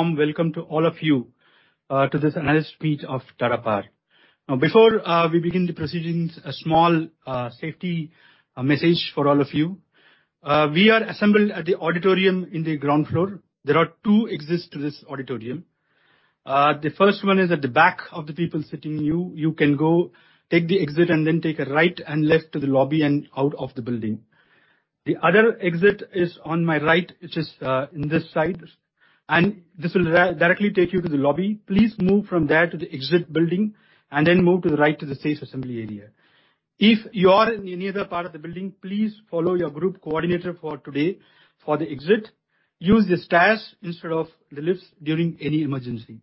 Welcome to all of you to this analyst meet of Tata Power. Now before we begin the proceedings, a small safety message for all of you. We are assembled at the auditorium in the ground floor. There are two exits to this auditorium. The first one is at the back of the people sitting. You can go take the exit and then take a right and left to the lobby and out of the building. The other exit is on my right, which is in this side. This will directly take you to the lobby. Please move from there to the exit building and then move to the right to the stage assembly area. If you are in any other part of the building, please follow your group coordinator for today for the exit. Use the stairs instead of the elevators during any emergency.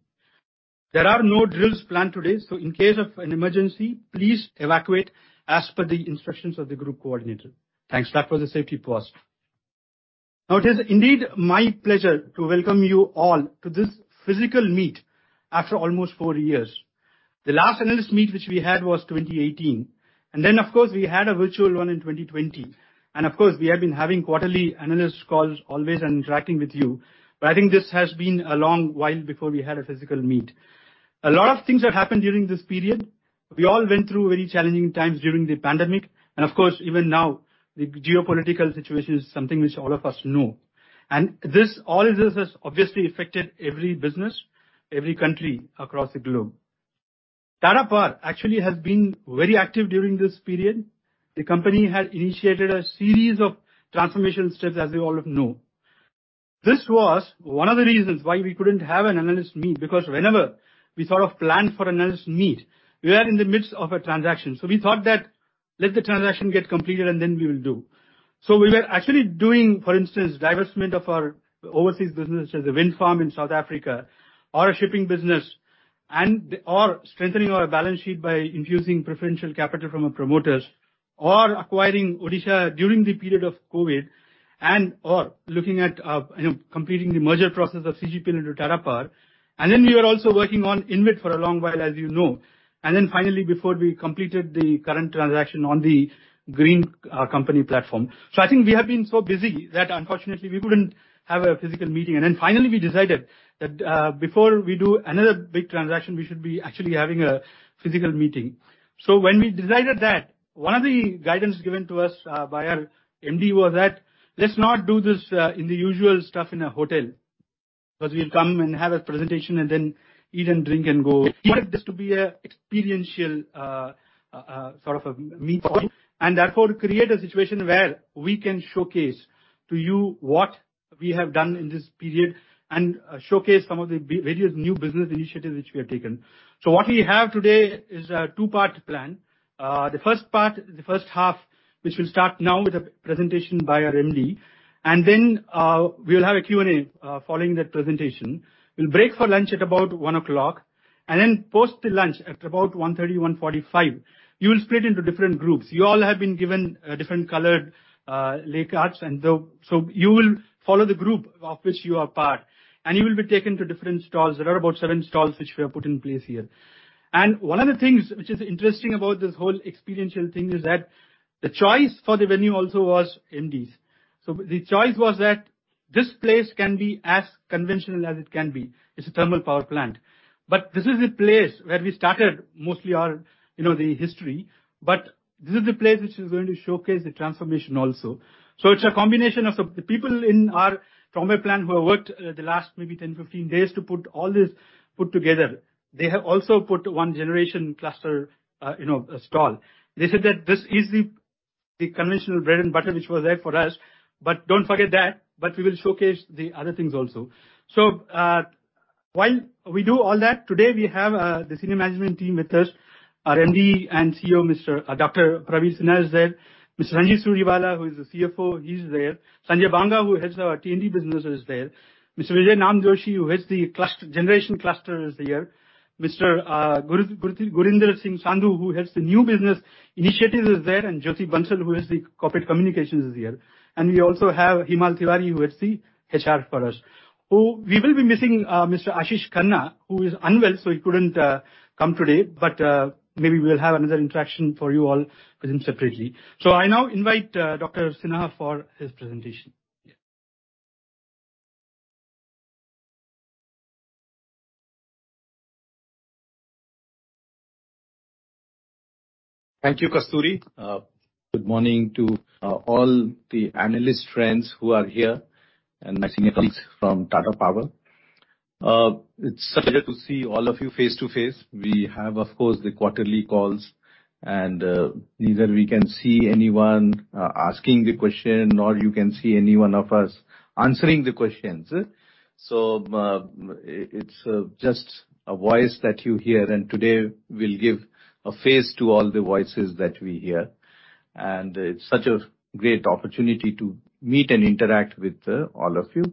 There are no drills planned today, so in case of an emergency, please evacuate as per the instructions of the group coordinator. Thanks. That was a safety pause. Now it is indeed my pleasure to welcome you all to this physical meet after almost four years. The last analyst meet which we had was 2018. Then, of course, we had a virtual one in 2020. Of course, we have been having quarterly analyst calls always and interacting with you. I think this has been a long while before we had a physical meet. A lot of things have happened during this period. We all went through very challenging times during the pandemic. Of course, even now the geopolitical situation is something which all of us know. This, all of this has obviously affected every business, every country across the globe. Tata Power actually has been very active during this period. The company has initiated a series of transformation steps, as you all know. This was one of the reasons why we couldn't have an analyst meet, because whenever we sort of planned for analyst meet, we are in the midst of a transaction. We thought that let the transaction get completed and then we will do. We were actually doing, for instance, divestment of our overseas business as a wind farm in South Africa or a shipping business and, or strengthening our balance sheet by infusing preferential capital from our promoters or acquiring Odisha during the period of COVID and, or looking at, you know, completing the merger process of CGPL into Tata Power. We were also working on INVIT for a long while, as you know. Finally, before we completed the current transaction on the green company platform. I think we have been so busy that unfortunately we couldn't have a physical meeting. Finally we decided that, before we do another big transaction, we should be actually having a physical meeting. When we decided that, one of the guidance given to us by our MD was that let's not do this in the usual stuff in a hotel, 'cause we'll come and have a presentation and then eat and drink and go. He wanted this to be an experiential sort of a meet point, and therefore create a situation where we can showcase to you what we have done in this period and showcase some of the various new business initiatives which we have taken. What we have today is a two-part plan. The first part, the first half, which will start now with a presentation by our MD. Then we'll have a Q&A following that presentation. We'll break for lunch at about 1:00 P.M. Post the lunch at about 1:30 P.M., 1:45 P.M., you will split into different groups. You all have been given different colored lanyards. You will follow the group of which you are part, and you will be taken to different stalls. There are about seven stalls which we have put in place here. One of the things which is interesting about this whole experiential thing is that the choice for the venue also was MD's. The choice was that this place can be as conventional as it can be. It's a thermal power plant. This is the place where we started mostly our, you know, the history. This is the place which is going to showcase the transformation also. It's a combination of some. The people in our thermal plant who have worked the last maybe 10, 15 days to put all this together, they have also put one generation cluster, you know, stall. They said that this is the conventional bread and butter which was there for us, but don't forget that. We will showcase the other things also. While we do all that, today we have the senior management team with us. Our MD and CEO, Mr. Dr. Praveer Sinha is there. Mr. Sanjeev Churiwala, who is the CFO, he's there. Sanjay Banga, who heads our T&D business, is there. Mr. Vijay Namjoshi, who heads the generation cluster, is here. Mr. Gurinder Singh Sandhu, who heads the new business initiatives, is there. And Jyoti Bansal, who heads the corporate communications, is here. And we also have Himal Tewari, who heads the HR for us. Oh, we will be missing Mr. Ashish Khanna, who is unwell, so he couldn't come today. Maybe we'll have another interaction for you all with him separately. I now invite Dr. Sinha for his presentation. Thank you, Kasturi. Good morning to all the analyst friends who are here and my senior colleagues from Tata Power. It's a pleasure to see all of you face-to-face. We have, of course, the quarterly calls and neither we can see anyone asking the question, nor you can see any one of us answering the questions. It's just a voice that you hear, and today we'll give a face to all the voices that we hear. It's such a great opportunity to meet and interact with all of you.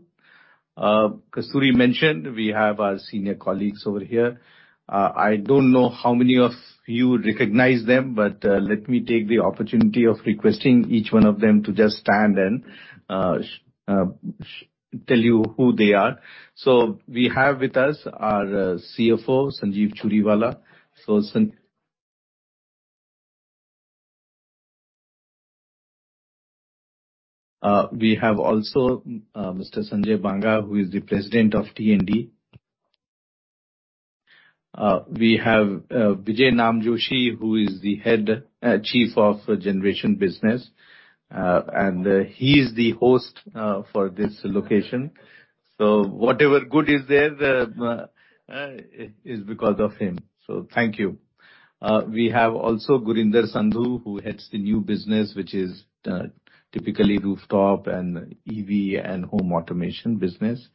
Kasturi mentioned we have our senior colleagues over here. I don't know how many of you recognize them, but let me take the opportunity of requesting each one of them to just stand and tell you who they are. We have with us our CFO, Sanjeev Churiwala. We have also Mr. Sanjay Banga, who is the President of T&D. We have Vijay Namjoshi, who is the Head, Chief of Generation Business, and he is the host for this location. Whatever good is there is because of him. Thank you. We have also Gurinder Singh Sandhu, who heads the new business, which is typically rooftop and EV and home automation business.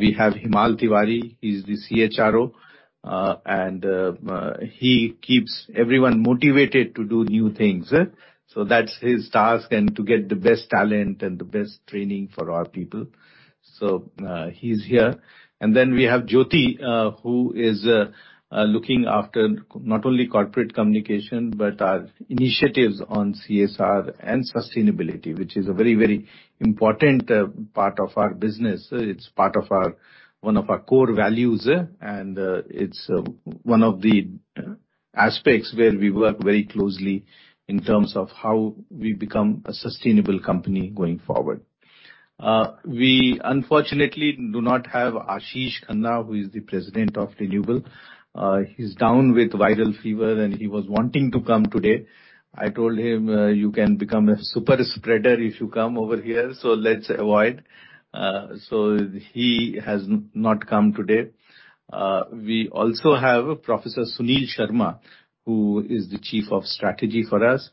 We have Himal Tewari, he's the CHRO, and he keeps everyone motivated to do new things, so that's his task and to get the best talent and the best training for our people. He's here. We have Jyoti, who is looking after not only corporate communication, but our initiatives on CSR and sustainability, which is a very, very important part of our business. It's part of our one of our core values, and it's one of the aspects where we work very closely in terms of how we become a sustainable company going forward. We unfortunately do not have Ashish Khanna, who is the President of Renewable. He's down with viral fever and he was wanting to come today. I told him, "You can become a super spreader if you come over here, so let's avoid." So he has not come today. We also have Professor Sunil Sharma, who is the Chief of Strategy for us.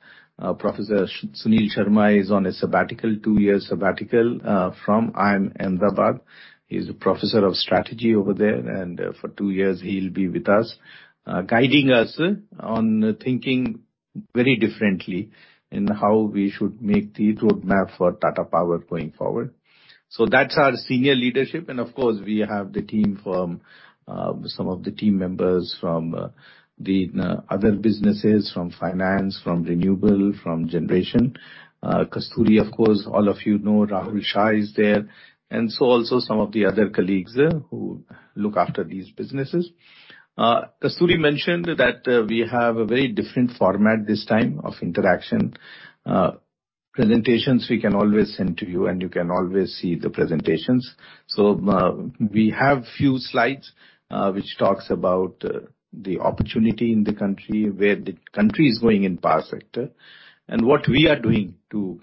Professor Sunil Sharma is on a sabbatical, two-year sabbatical, from IIM Ahmedabad. He's a professor of strategy over there, and for two years he'll be with us, guiding us on thinking very differently in how we should make the roadmap for Tata Power going forward. That's our senior leadership. Of course, we have the team from some of the team members from the other businesses, from finance, from renewable, from generation. Kasturi, of course, all of you know Rahul Shah is there. Also some of the other colleagues who look after these businesses. Kasturi mentioned that we have a very different format this time of interaction. Presentations we can always send to you, and you can always see the presentations. We have few slides, which talks about the opportunity in the country, where the country is going in power sector, and what we are doing to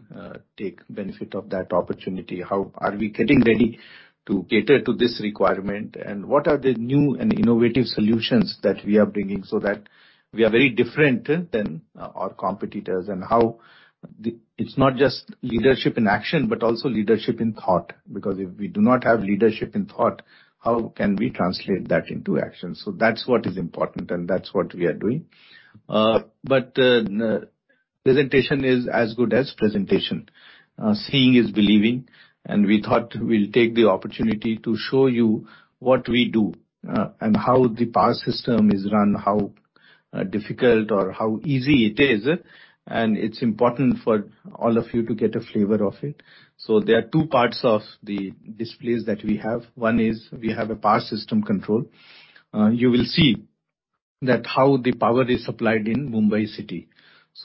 take benefit of that opportunity. How are we getting ready to cater to this requirement? What are the new and innovative solutions that we are bringing so that we are very different than our competitors? It's not just leadership in action, but also leadership in thought, because if we do not have leadership in thought, how can we translate that into action? That's what is important and that's what we are doing. Presentation is as good as presentation. Seeing is believing, and we thought we'll take the opportunity to show you what we do, and how the power system is run, how difficult or how easy it is, and it's important for all of you to get a flavor of it. There are two parts of the displays that we have. One is we have a power system control. You will see that how the power is supplied in Mumbai city.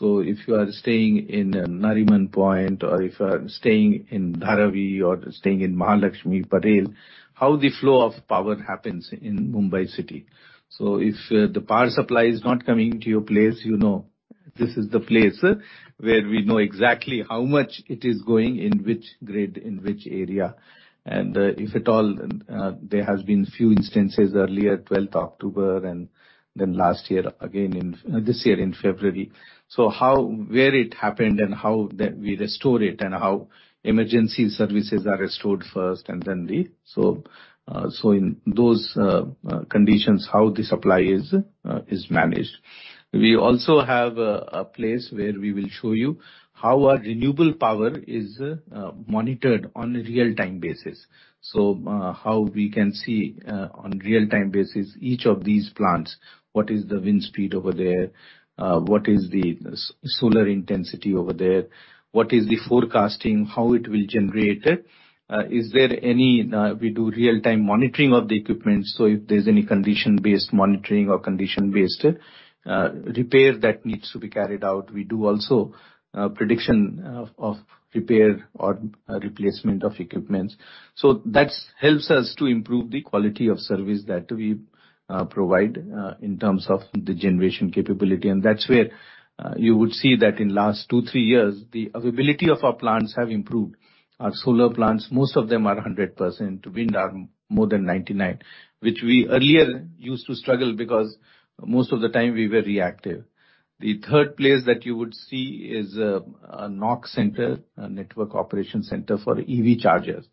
If you are staying in Nariman Point or if you are staying in Dharavi or staying in Mahalakshmi Parel, how the flow of power happens in Mumbai city. If the power supply is not coming to your place, you know, this is the place where we know exactly how much it is going, in which grid, in which area, and if at all. There has been few instances earlier, 12th October and then last year again in this year in February. How, where it happened and how we restore it and how emergency services are restored first and then the. In those conditions, how the supply is managed. We also have a place where we will show you how our renewable power is monitored on a real-time basis. How we can see on real-time basis each of these plants, what is the wind speed over there, what is the solar intensity over there? What is the forecasting? How it will generate it? Is there any, we do real-time monitoring of the equipment, so if there's any condition-based monitoring or condition-based repair that needs to be carried out. We do also prediction of repair or replacement of equipment. That helps us to improve the quality of service that we provide in terms of the generation capability. That's where you would see that in last 2, 3 years, the availability of our plants have improved. Our solar plants, most of them are 100%. Wind are more than 99%. Which we earlier used to struggle because most of the time we were reactive. The third place that you would see is a NOC center, a network operation center for EV chargers.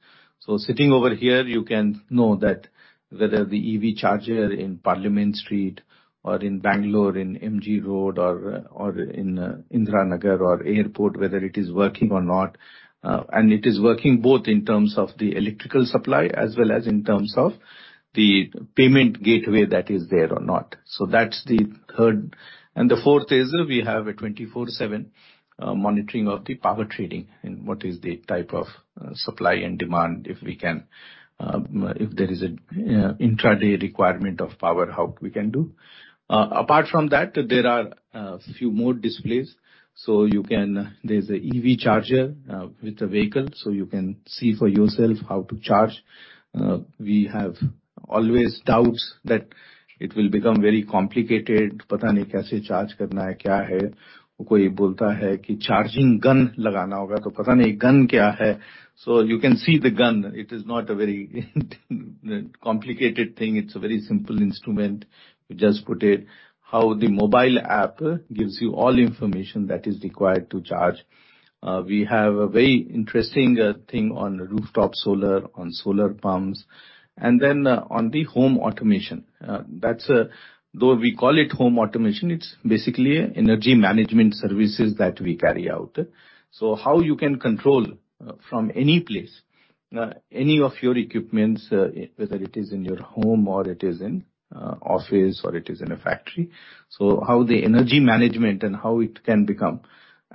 Sitting over here, you can know that whether the EV charger in Parliament Street or in Bangalore in MG Road or in Indira Nagar or airport, whether it is working or not. It is working both in terms of the electrical supply as well as in terms of the payment gateway that is there or not. That's the third. The fourth is we have a 24/7 monitoring of the power trading and what is the type of supply and demand, if we can, if there is an intraday requirement of power, how we can do. Apart from that, there are a few more displays. You can. There's an EV charger with a vehicle, so you can see for yourself how to charge. We always have doubts that it will become very complicated. Complicated thing. It's a very simple instrument. You just put it how the mobile app gives you all information that is required to charge. We have a very interesting thing on rooftop solar, on solar pumps, and then on the home automation. That's. Though we call it home automation, it's basically energy management services that we carry out. So how you can control from any place any of your equipments whether it is in your home or it is in office or it is in a factory. So how the energy management and how it can become.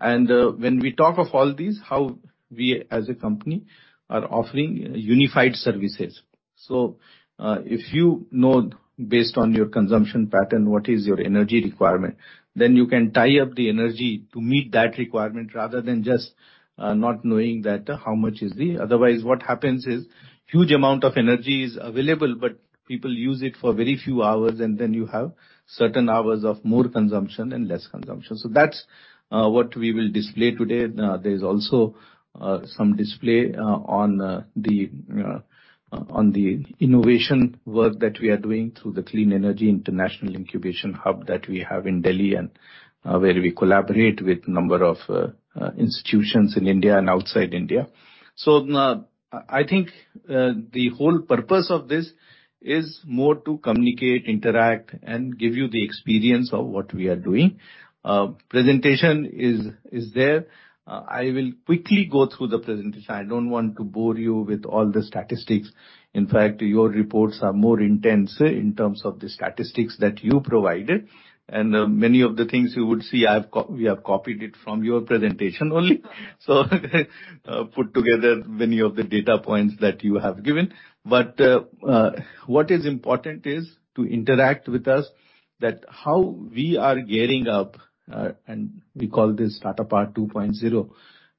When we talk of all these, how we as a company are offering unified services. If you know based on your consumption pattern what is your energy requirement, then you can tie up the energy to meet that requirement rather than just not knowing that how much is otherwise what happens is huge amount of energy is available, but people use it for very few hours and then you have certain hours of more consumption and less consumption. That's what we will display today. There's also some display on the innovation work that we are doing through the Clean Energy International Incubation Centre that we have in Delhi and where we collaborate with number of institutions in India and outside India. I think the whole purpose of this is more to communicate, interact, and give you the experience of what we are doing. Presentation is there. I will quickly go through the presentation. I don't want to bore you with all the statistics. In fact, your reports are more intense in terms of the statistics that you provided. Many of the things you would see we have copied it from your presentation only. Put together many of the data points that you have given. What is important is to interact with us on how we are gearing up, and we call this Tata Power 2.0,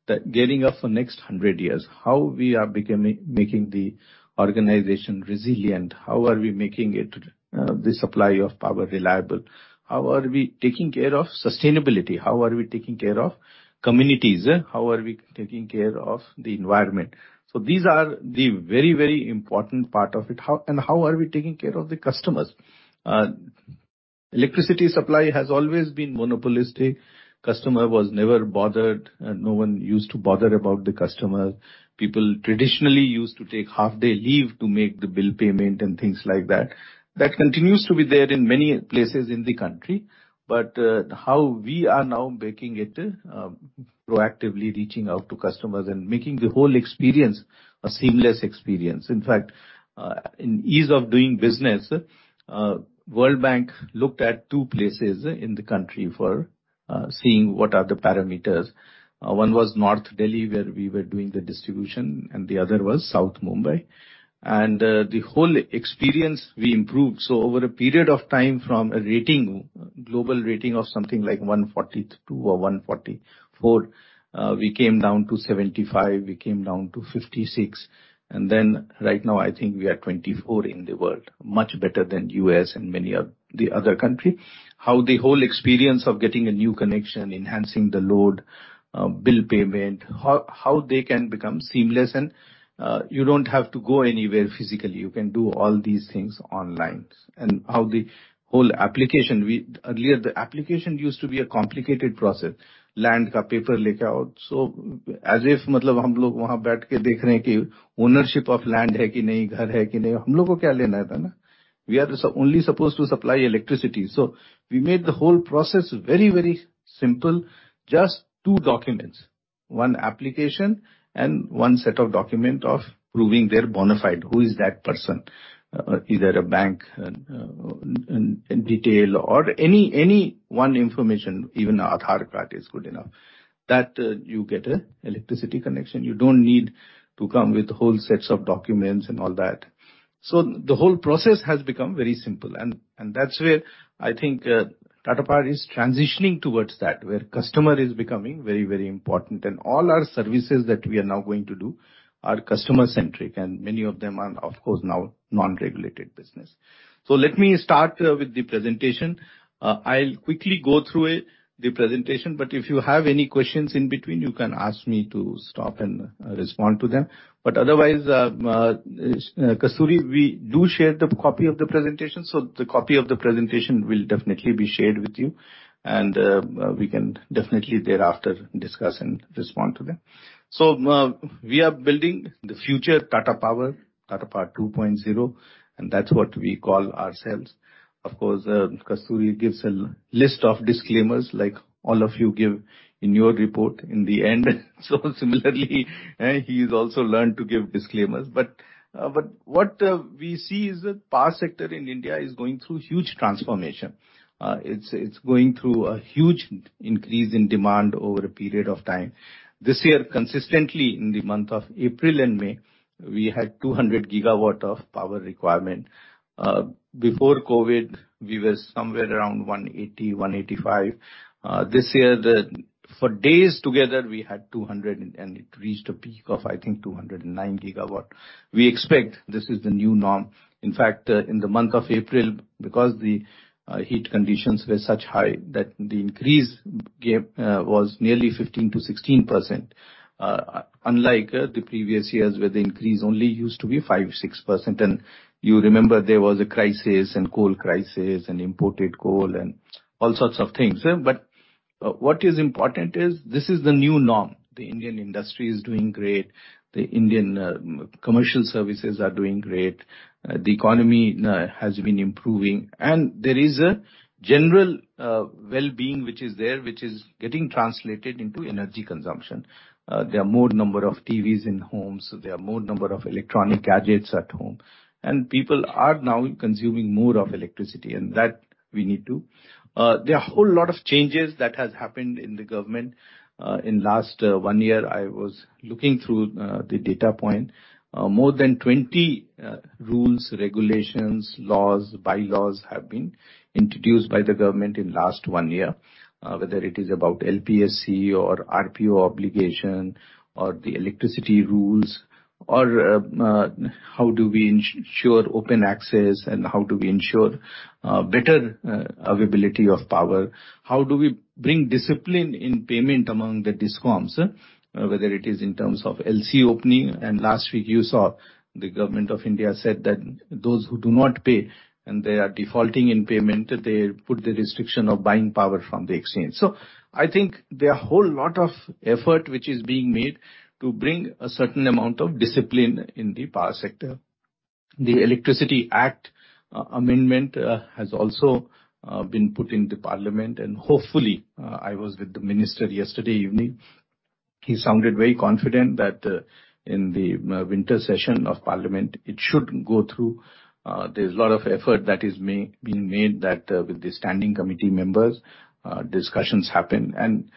that gearing up for next hundred years, how we are becoming making the organization resilient, how we are making it the supply of power reliable, how we are taking care of sustainability, how we are taking care of communities, how we are taking care of the environment. These are the very important part of it. How are we taking care of the customers. Electricity supply has always been monopolistic. Customer was never bothered. No one used to bother about the customer. People traditionally used to take half day leave to make the bill payment and things like that. That continues to be there in many places in the country. How we are now making it proactively reaching out to customers and making the whole experience a seamless experience. In fact, in ease of doing business, World Bank looked at two places in the country for seeing what are the parameters. One was North Delhi, where we were doing the distribution, and the other was South Mumbai. The whole experience we improved. Over a period of time from a rating, global rating of something like 142 or 144, we came down to 75, we came down to 56, and then right now I think we are 24 in the world, much better than U.S. and many of the other countries. How the whole experience of getting a new connection, enhancing the load, bill payment, how they can become seamless and, you don't have to go anywhere physically. You can do all these things online. How the whole application. Earlier, the application used to be a complicated process. We are supposed to only supply electricity. We made the whole process very, very simple. Just two documents. One application and one set of documents of proving they're bona fide, who is that person. Either a bank, in detail or any one information, even a Aadhaar card is good enough, that you get an electricity connection. You don't need to come with whole sets of documents and all that. The whole process has become very simple. That's where I think Tata Power is transitioning towards that, where customer is becoming very, very important. All our services that we are now going to do are customer-centric, and many of them are, of course, now non-regulated business. Let me start with the presentation. I'll quickly go through it, the presentation, but if you have any questions in between, you can ask me to stop and respond to them. Otherwise, Kasturi, we do share the copy of the presentation, so the copy of the presentation will definitely be shared with you and we can definitely thereafter discuss and respond to them. We are building the future Tata Power, Tata Power 2.0, and that's what we call ourselves. Of course, Kasturi gives a list of disclaimers like all of you give in your report in the end. Similarly, he's also learned to give disclaimers. What we see is that power sector in India is going through huge transformation. It's going through a huge increase in demand over a period of time. This year, consistently in the month of April and May, we had 200 GW of power requirement. Before COVID, we were somewhere around 180, 185. This year the... For days together we had 200 and it reached a peak of, I think, 209 GW. We expect this is the new norm. In fact, in the month of April, because the heat conditions were such high that the increase was nearly 15%-16%, unlike the previous years, where the increase only used to be 5-6%. You remember there was a crisis and coal crisis and imported coal and all sorts of things. What is important is this is the new norm. The Indian industry is doing great. The Indian commercial services are doing great. The economy has been improving, and there is a general wellbeing which is there, which is getting translated into energy consumption. There are more number of TVs in homes. There are more number of electronic gadgets at home. People are now consuming more of electricity, and that we need to. There are a whole lot of changes that has happened in the government in last one year. I was looking through the data point. More than 20 rules, regulations, laws, bylaws have been introduced by the government in last one year, whether it is about LPSC or RPO obligation or the electricity rules or how do we ensure open access and how do we ensure better availability of power? How do we bring discipline in payment among the DISCOMs, whether it is in terms of LC opening? Last week you saw the government of India said that those who do not pay and they are defaulting in payment, they put the restriction of buying power from the exchange. I think there are a whole lot of effort which is being made to bring a certain amount of discipline in the power sector. The Electricity Act amendment has also been put in the Parliament and hopefully. I was with the minister yesterday evening. He sounded very confident that in the winter session of Parliament, it should go through. There's a lot of effort that is being made that with the standing committee members, discussions happen.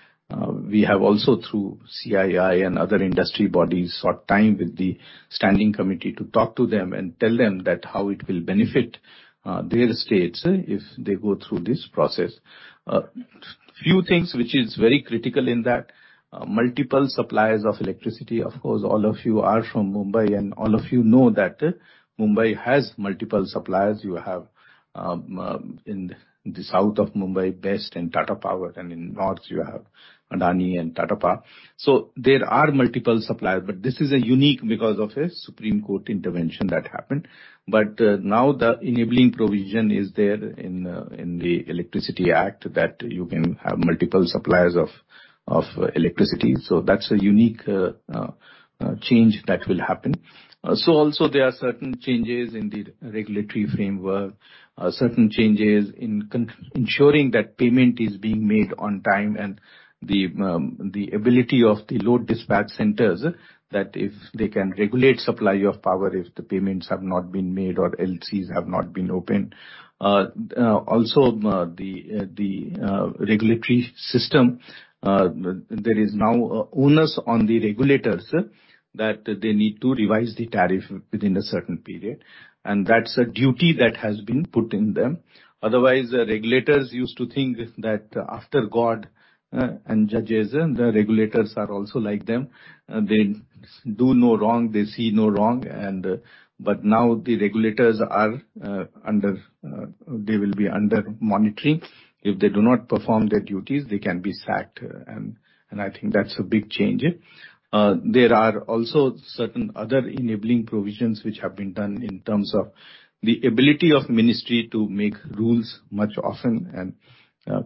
We have also through CII and other industry bodies, sought time with the standing committee to talk to them and tell them that how it will benefit, their states if they go through this process. A few things which is very critical in that, multiple suppliers of electricity. Of course, all of you are from Mumbai and all of you know that Mumbai has multiple suppliers. You have, in the south of Mumbai, BEST and Tata Power, and in north you have Adani and Tata Power. There are multiple suppliers. This is a unique because of a Supreme Court intervention that happened. Now the enabling provision is there in the Electricity Act that you can have multiple suppliers of electricity. That's a unique change that will happen. Also there are certain changes in the regulatory framework, certain changes in ensuring that payment is being made on time, and the ability of the load dispatch centers that if they can regulate supply of power if the payments have not been made or LCs have not been opened. Also, the regulatory system, there is now onus on the regulators that they need to revise the tariff within a certain period, and that's a duty that has been put in them. Otherwise, the regulators used to think that after God and judges, the regulators are also like them. They do no wrong. They see no wrong. Now the regulators will be under monitoring. If they do not perform their duties, they can be sacked. I think that's a big change. There are also certain other enabling provisions which have been done in terms of the ability of Ministry to make rules much often and,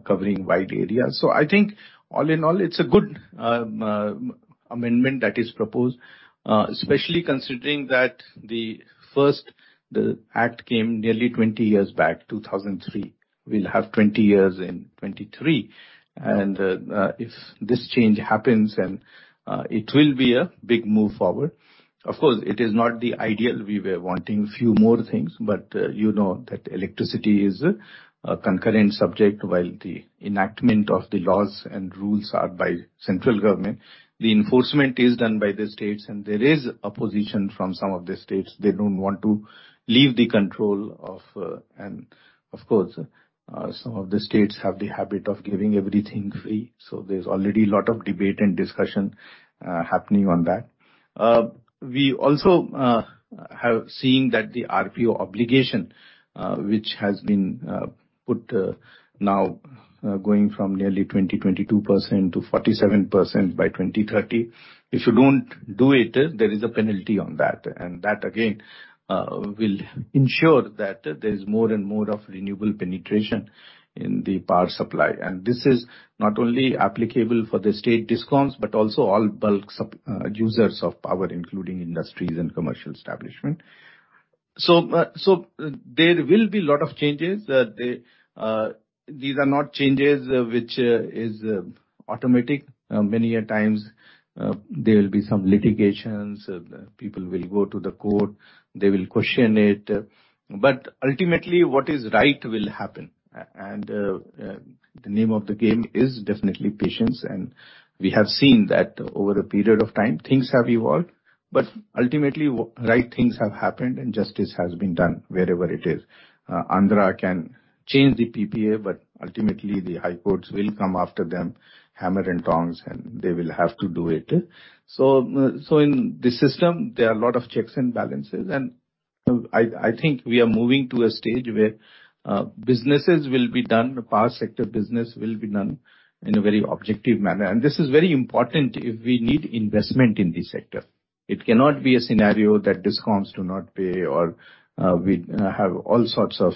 covering wide areas. I think all in all, it's a good amendment that is proposed, especially considering that the Act came nearly 20 years back, 2003. We'll have 20 years in 2023. If this change happens then, it will be a big move forward. Of course, it is not the ideal. We were wanting few more things, but you know that electricity is a concurrent subject, while the enactment of the laws and rules are by central government. The enforcement is done by the states and there is opposition from some of the states. They don't want to leave the control of. Of course, some of the states have the habit of giving everything free, so there's already lot of debate and discussion happening on that. We also have seen that the RPO obligation, which has been put now going from nearly 20-22% to 47% by 2030. If you don't do it, there is a penalty on that. That again will ensure that there's more and more of renewable penetration in the power supply. This is not only applicable for the state discoms, but also all bulk users of power, including industries and commercial establishment. There will be a lot of changes. These are not changes which is automatic. Many a times, there will be some litigations. People will go to the court, they will question it. Ultimately, what is right will happen. The name of the game is definitely patience. We have seen that over a period of time, things have evolved, but ultimately right things have happened and justice has been done wherever it is. Andhra can change the PPA, but ultimately the High Courts will come after them, hammer and tongs, and they will have to do it. So in the system, there are a lot of checks and balances, and I think we are moving to a stage where businesses will be done, the power sector business will be done in a very objective manner. This is very important if we need investment in this sector. It cannot be a scenario that discoms do not pay or we have all sorts of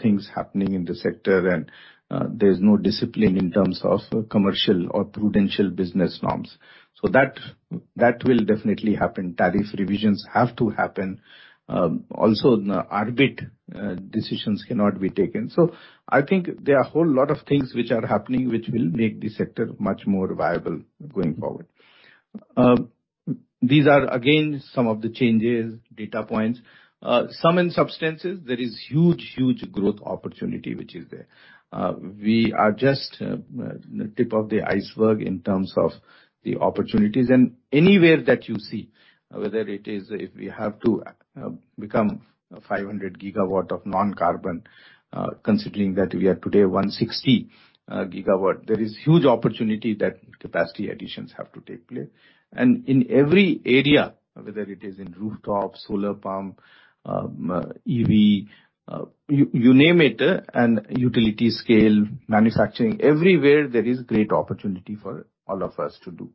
things happening in the sector and there's no discipline in terms of commercial or prudential business norms. That will definitely happen. Tariff revisions have to happen. Also arbit decisions cannot be taken. I think there are a whole lot of things which are happening which will make the sector much more viable going forward. These are again some of the changes, data points. Some instances there is huge, huge growth opportunity which is there. We are just tip of the iceberg in terms of the opportunities. Anywhere that you see, whether it is if we have to become 500 gigawatt of non-carbon, considering that we are today 160 gigawatt, there is huge opportunity that capacity additions have to take place. In every area, whether it is in rooftop, solar pump, EV, you name it, and utility scale, manufacturing, everywhere there is great opportunity for all of us to do.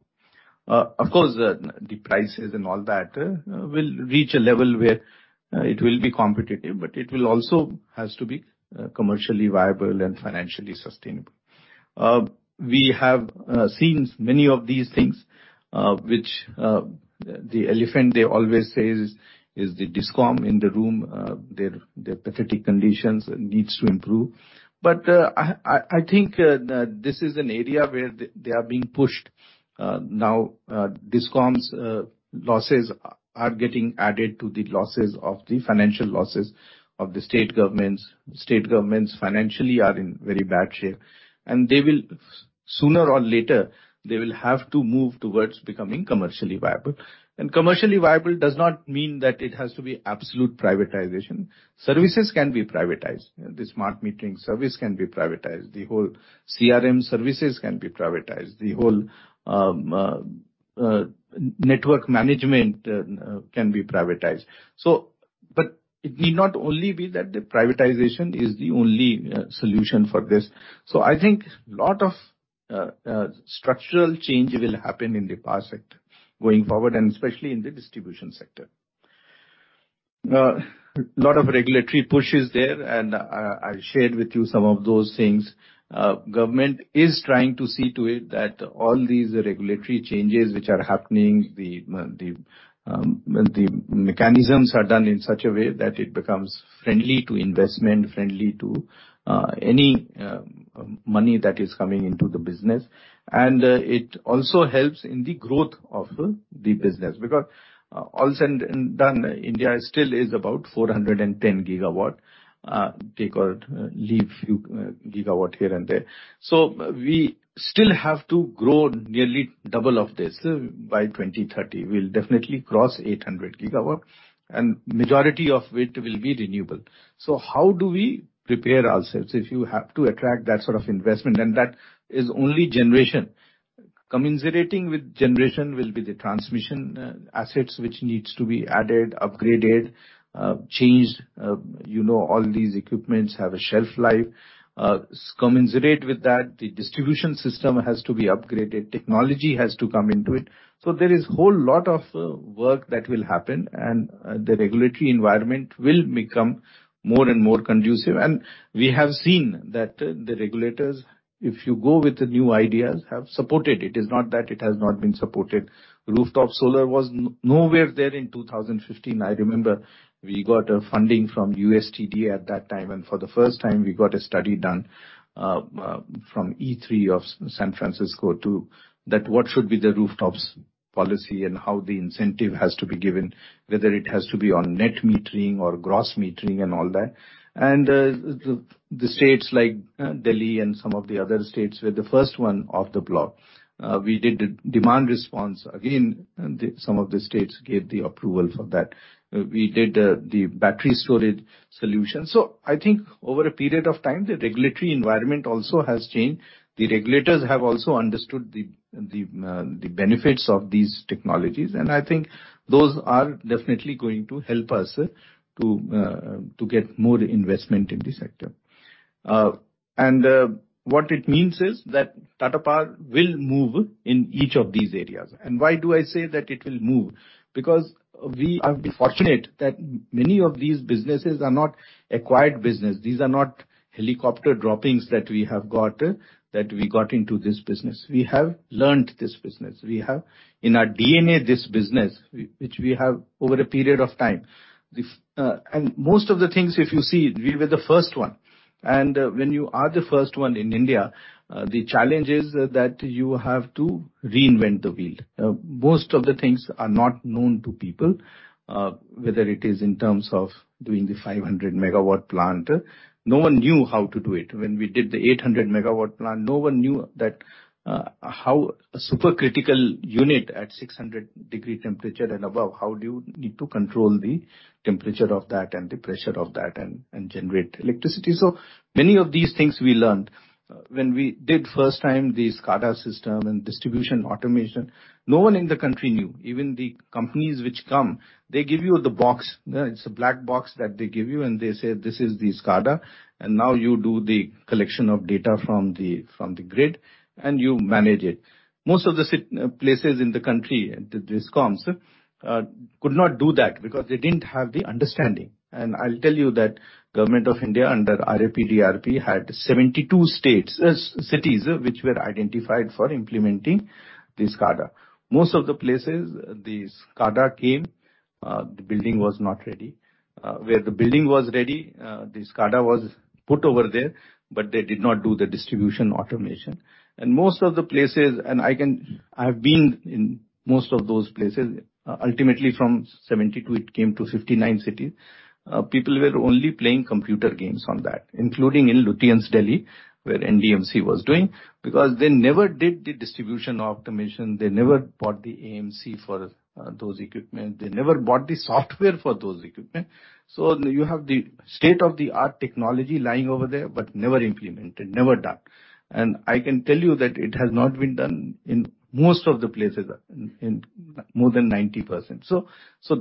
Of course, the prices and all that will reach a level where it will be competitive, but it will also has to be commercially viable and financially sustainable. We have seen many of these things, which the elephant they always say is the DISCOM in the room, their pathetic conditions needs to improve. I think that this is an area where they are being pushed. Now, DISCOMs' losses are getting added to the financial losses of the state governments. State governments financially are in very bad shape, and they will, sooner or later, have to move towards becoming commercially viable. Commercially viable does not mean that it has to be absolute privatization. Services can be privatized. The smart metering service can be privatized. The whole CRM services can be privatized. The whole network management can be privatized. But it need not only be that the privatization is the only solution for this. I think lot of structural change will happen in the power sector going forward, and especially in the distribution sector. Lot of regulatory push is there, and I shared with you some of those things. Government is trying to see to it that all these regulatory changes which are happening, the mechanisms are done in such a way that it becomes friendly to investment, friendly to any money that is coming into the business. It also helps in the growth of the business, because all said and done, India still is about 410 gigawatt, take or leave gigawatt here and there. We still have to grow nearly double of this by 2030. We'll definitely cross 800 gigawatt, and majority of it will be renewable. How do we prepare ourselves if you have to attract that sort of investment? That is only generation. Commensurating with generation will be the transmission assets which needs to be added, upgraded, changed. You know, all these equipments have a shelf life. Commensurate with that, the distribution system has to be upgraded, technology has to come into it. There is whole lot of work that will happen, and the regulatory environment will become more and more conducive. We have seen that the regulators, if you go with the new ideas, have supported. It is not that it has not been supported. Rooftop solar was nowhere there in 2015, I remember. We got a funding from USTDA at that time, and for the first time, we got a study done, from E3 of San Francisco too, that what should be the rooftops policy and how the incentive has to be given, whether it has to be on net metering or gross metering and all that. The states like Delhi and some of the other states were the first one off the block. We did a demand response again, and some of the states gave the approval for that. We did the battery storage solution. I think over a period of time, the regulatory environment also has changed. The regulators have also understood the benefits of these technologies, and I think those are definitely going to help us to get more investment in the sector. What it means is that Tata Power will move in each of these areas. Why do I say that it will move? Because we have been fortunate that many of these businesses are not acquired businesses. These are not helicopter droppings that we got into this business. We have learned this business. We have in our DNA this business which we have over a period of time. Most of the things, if you see, we were the first one. When you are the first one in India, the challenge is that you have to reinvent the wheel. Most of the things are not known to people, whether it is in terms of doing the 500 megawatt plant. No one knew how to do it. When we did the 800 megawatt plant, no one knew that, how a supercritical unit at 600-degree temperature and above, how do you need to control the temperature of that and the pressure of that and generate electricity. So many of these things we learned. When we did first time the SCADA system and distribution automation, no one in the country knew. Even the companies which come, they give you the box. It's a black box that they give you, and they say, "This is the SCADA, and now you do the collection of data from the grid, and you manage it." Most of the places in the country, the DISCOMs could not do that because they didn't have the understanding. I'll tell you that Government of India under R-APDRP had 72 states, cities which were identified for implementing the SCADA. Most of the places the SCADA came, the building was not ready. Where the building was ready, the SCADA was put over there, but they did not do the distribution automation. Most of the places, I have been in most of those places, ultimately from 72 it came to 59 cities. People were only playing computer games on that, including in Lutyens, Delhi, where NDMC was doing, because they never did the distribution automation. They never bought the AMC for those equipment. They never bought the software for those equipment. You have the state-of-the-art technology lying over there, but never implemented, never done. I can tell you that it has not been done in most of the places, in more than 90%.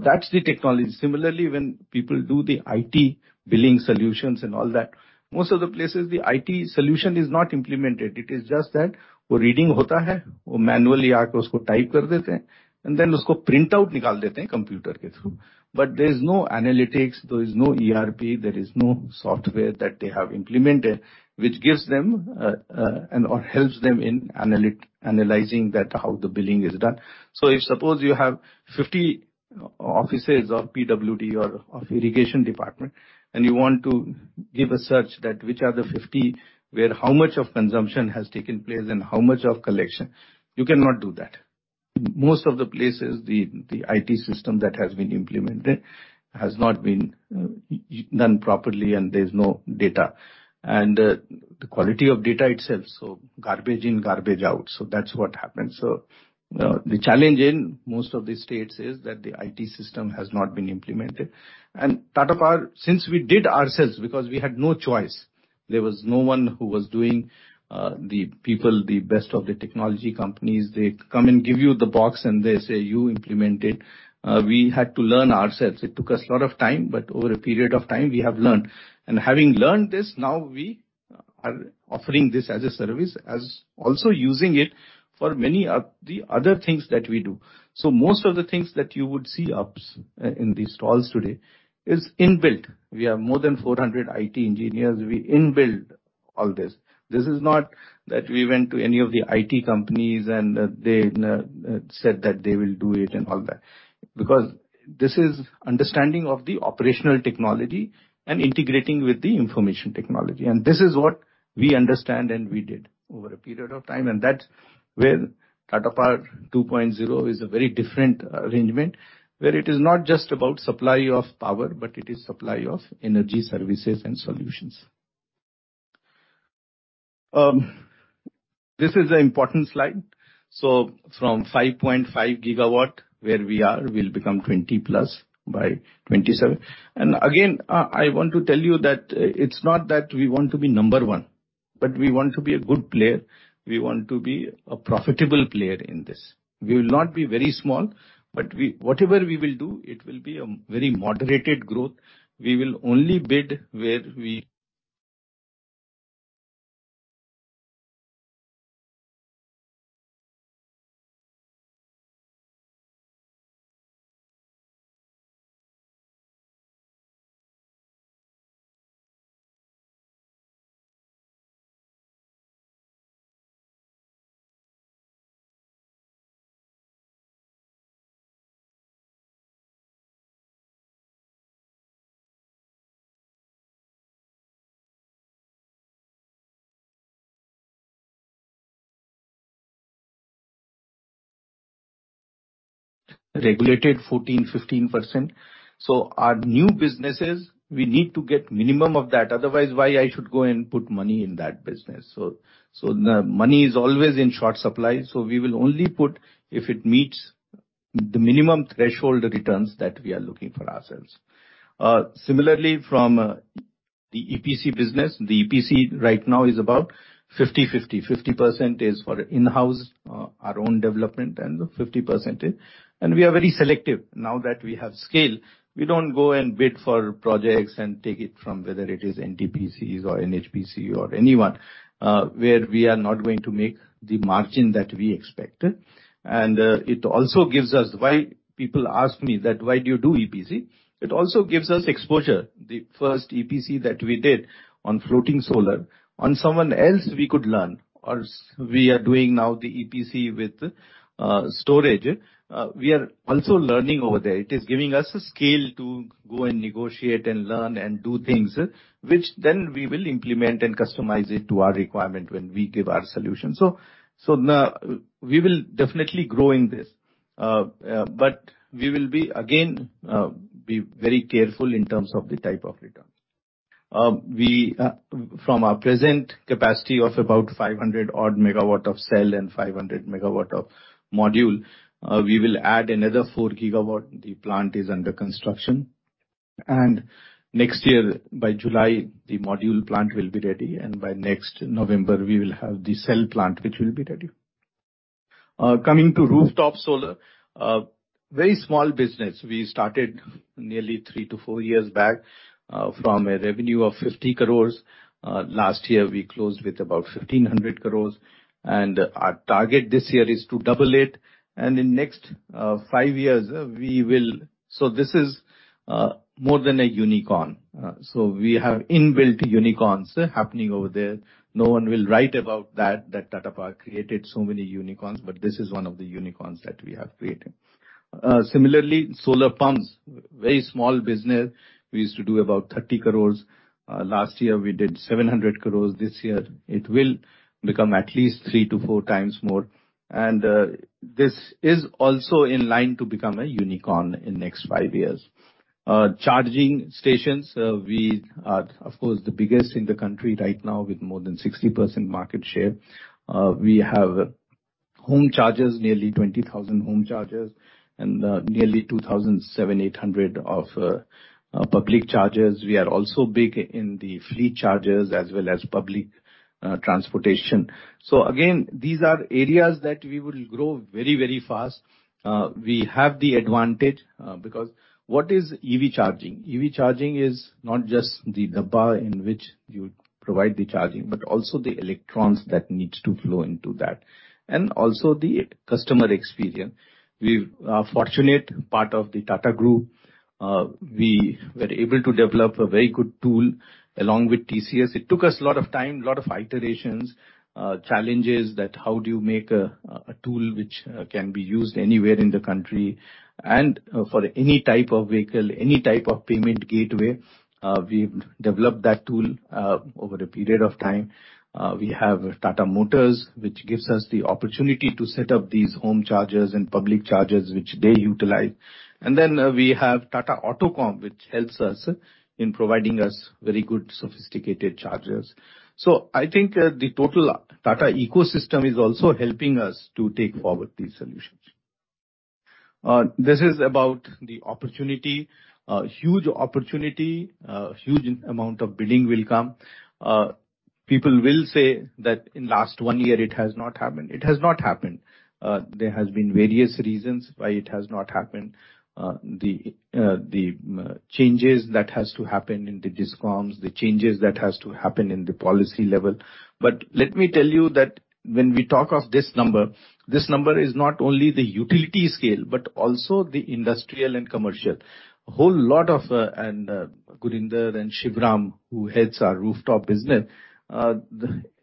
That's the technology. Similarly, when people do the IT billing solutions and all that, most of the places the IT solution is not implemented. It is just that and then computer. But there is no analytics, there is no ERP, there is no software that they have implemented which gives them and/or helps them in analyzing that how the billing is done. If suppose you have 50 offices of PWD or of irrigation department, and you want to give a search that which are the 50, where how much of consumption has taken place and how much of collection, you cannot do that. Most of the places, the IT system that has been implemented has not been done properly, and there's no data. The quality of data itself, so garbage in, garbage out. That's what happens. The challenge in most of the states is that the IT system has not been implemented. Tata Power, since we did ourselves, because we had no choice. There was no one who was doing the people, the best of the technology companies, they come and give you the box, and they say, "You implement it." We had to learn ourselves. It took us a lot of time, but over a period of time, we have learned. Having learned this, now we are offering this as a service, also using it for many of the other things that we do. Most of the things that you would see apps in these stalls today is inbuilt. We have more than 400 IT engineers. We inbuilt all this. This is not that we went to any of the IT companies, and they said that they will do it and all that. Because this is understanding of the operational technology and integrating with the information technology. This is what we understand and we did over a period of time, and that's where Tata Power 2.0 is a very different arrangement, where it is not just about supply of power, but it is supply of energy services and solutions. This is an important slide. From 5.5 GW, where we are, we'll become 20+ by 2027. Again, I want to tell you that it's not that we want to be number one, but we want to be a good player. We want to be a profitable player in this. We will not be very small, but we whatever we will do, it will be a very moderated growth. We will only bid where we're regulated 14%-15%. Our new businesses, we need to get minimum of that, otherwise why I should go and put money in that business. The money is always in short supply, so we will only put if it meets the minimum threshold returns that we are looking for ourselves. Similarly from the EPC business. The EPC right now is about 50/50. 50% is for in-house, our own development and 50% is. We are very selective now that we have scale. We don't go and bid for projects and take it from whether it is NTPC or NHPC or anyone, where we are not going to make the margin that we expected. It also gives us exposure. Why people ask me that, "Why do you do EPC?" It also gives us exposure. The first EPC that we did on floating solar. From someone else we could learn, or we are doing now the EPC with storage. We are also learning over there. It is giving us a scale to go and negotiate and learn and do things, which then we will implement and customize it to our requirement when we give our solution. Now we will definitely grow in this. But we will again be very careful in terms of the type of return. From our present capacity of about 500-odd MW of cell and 500 MW of module, we will add another 4 GW. The plant is under construction. Next year by July, the module plant will be ready, and by next November, we will have the cell plant which will be ready. Coming to rooftop solar, very small business. We started nearly 3-4 years back from a revenue of 50 crore. Last year, we closed with about 1,500 crore. Our target this year is to double it. In next five years, we will. This is more than a unicorn. We have inbuilt unicorns happening over there. No one will write about that Tata Power created so many unicorns, but this is one of the unicorns that we have created. Similarly, solar pumps, very small business. We used to do about 30 crore. Last year we did 700 crore. This year it will become at least 3-4 times more. This is also in line to become a unicorn in next five years. Charging stations, we are of course the biggest in the country right now with more than 60% market share. We have home chargers, nearly 20,000 home chargers and nearly 2,780 public chargers. We are also big in the fleet chargers as well as public transportation. Again, these are areas that we will grow very, very fast. We have the advantage because what is EV charging? EV charging is not just the dabba in which you provide the charging, but also the electrons that needs to flow into that, and also the customer experience. We're fortunate part of the Tata Group. We were able to develop a very good tool along with TCS. It took us a lot of time, a lot of iterations, challenges that how do you make a tool which can be used anywhere in the country and for any type of vehicle, any type of payment gateway. We developed that tool over a period of time. We have Tata Motors, which gives us the opportunity to set up these home chargers and public chargers which they utilize. Then we have Tata AutoComp, which helps us in providing us very good sophisticated chargers. I think the total Tata ecosystem is also helping us to take forward these solutions. This is about the opportunity, a huge opportunity, a huge amount of billing will come. People will say that in last one year it has not happened. It has not happened. There has been various reasons why it has not happened. The changes that has to happen in the DISCOMs, the changes that has to happen in the policy level. Let me tell you that when we talk of this number, this number is not only the utility scale, but also the industrial and commercial. A whole lot of and Gurinder and Shivram, who heads our rooftop business,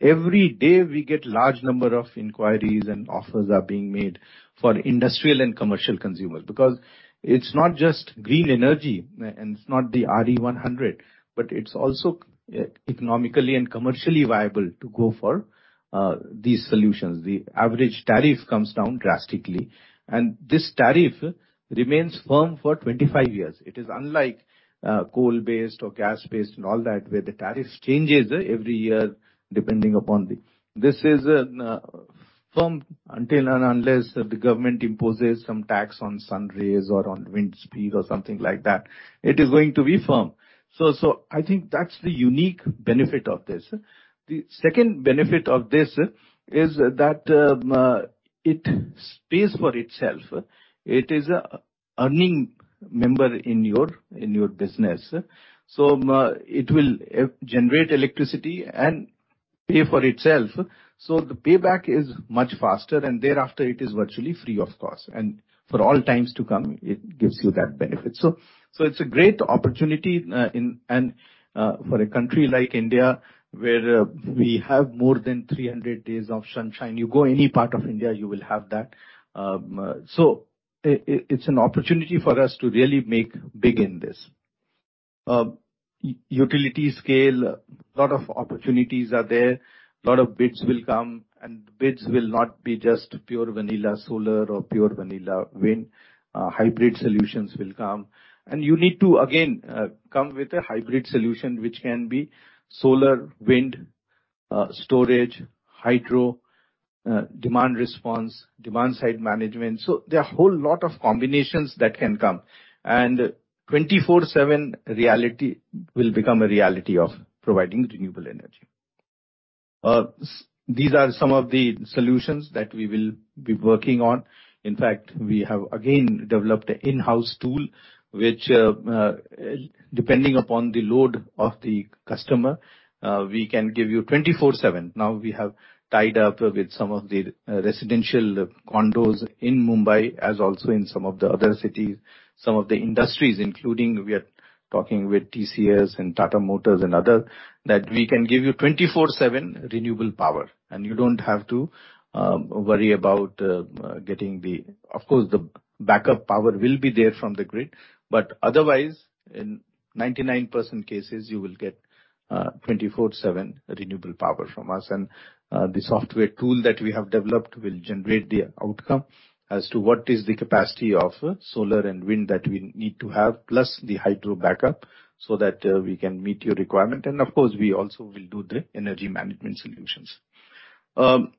every day we get large number of inquiries and offers are being made for industrial and commercial consumers because it's not just green energy, and it's not the RE100, but it's also economically and commercially viable to go for these solutions. The average tariff comes down drastically, and this tariff remains firm for 25 years. It is unlike coal-based or gas-based and all that, where the tariffs changes every year, depending upon the. This is firm until and unless the government imposes some tax on sun rays or on wind speed or something like that, it is going to be firm. I think that's the unique benefit of this. The second benefit of this is that it pays for itself. It is a earning member in your business, so it will generate electricity and pay for itself. The payback is much faster, and thereafter it is virtually free of cost. For all times to come, it gives you that benefit. It's a great opportunity in and for a country like India, where we have more than 300 days of sunshine. You go any part of India, you will have that. It's an opportunity for us to really make big in this. Utility scale, lot of opportunities are there, lot of bids will come, and bids will not be just pure vanilla solar or pure vanilla wind. Hybrid solutions will come. You need to again come with a hybrid solution which can be solar, wind, storage, hydro, demand response, demand side management. There are whole lot of combinations that can come. 24/7 reality will become a reality of providing renewable energy. These are some of the solutions that we will be working on. In fact, we have again developed an in-house tool which, depending upon the load of the customer, we can give you 24/7. Now we have tied up with some of the residential condos in Mumbai as also in some of the other cities. Some of the industries, including we are talking with TCS and Tata Motors and other, that we can give you 24/7 renewable power. You don't have to worry about. Of course the backup power will be there from the grid. Otherwise, in 99% cases you will get 24/7 renewable power from us. The software tool that we have developed will generate the outcome as to what is the capacity of solar and wind that we need to have, plus the hydro backup, so that we can meet your requirement. Of course, we also will do the energy management solutions. When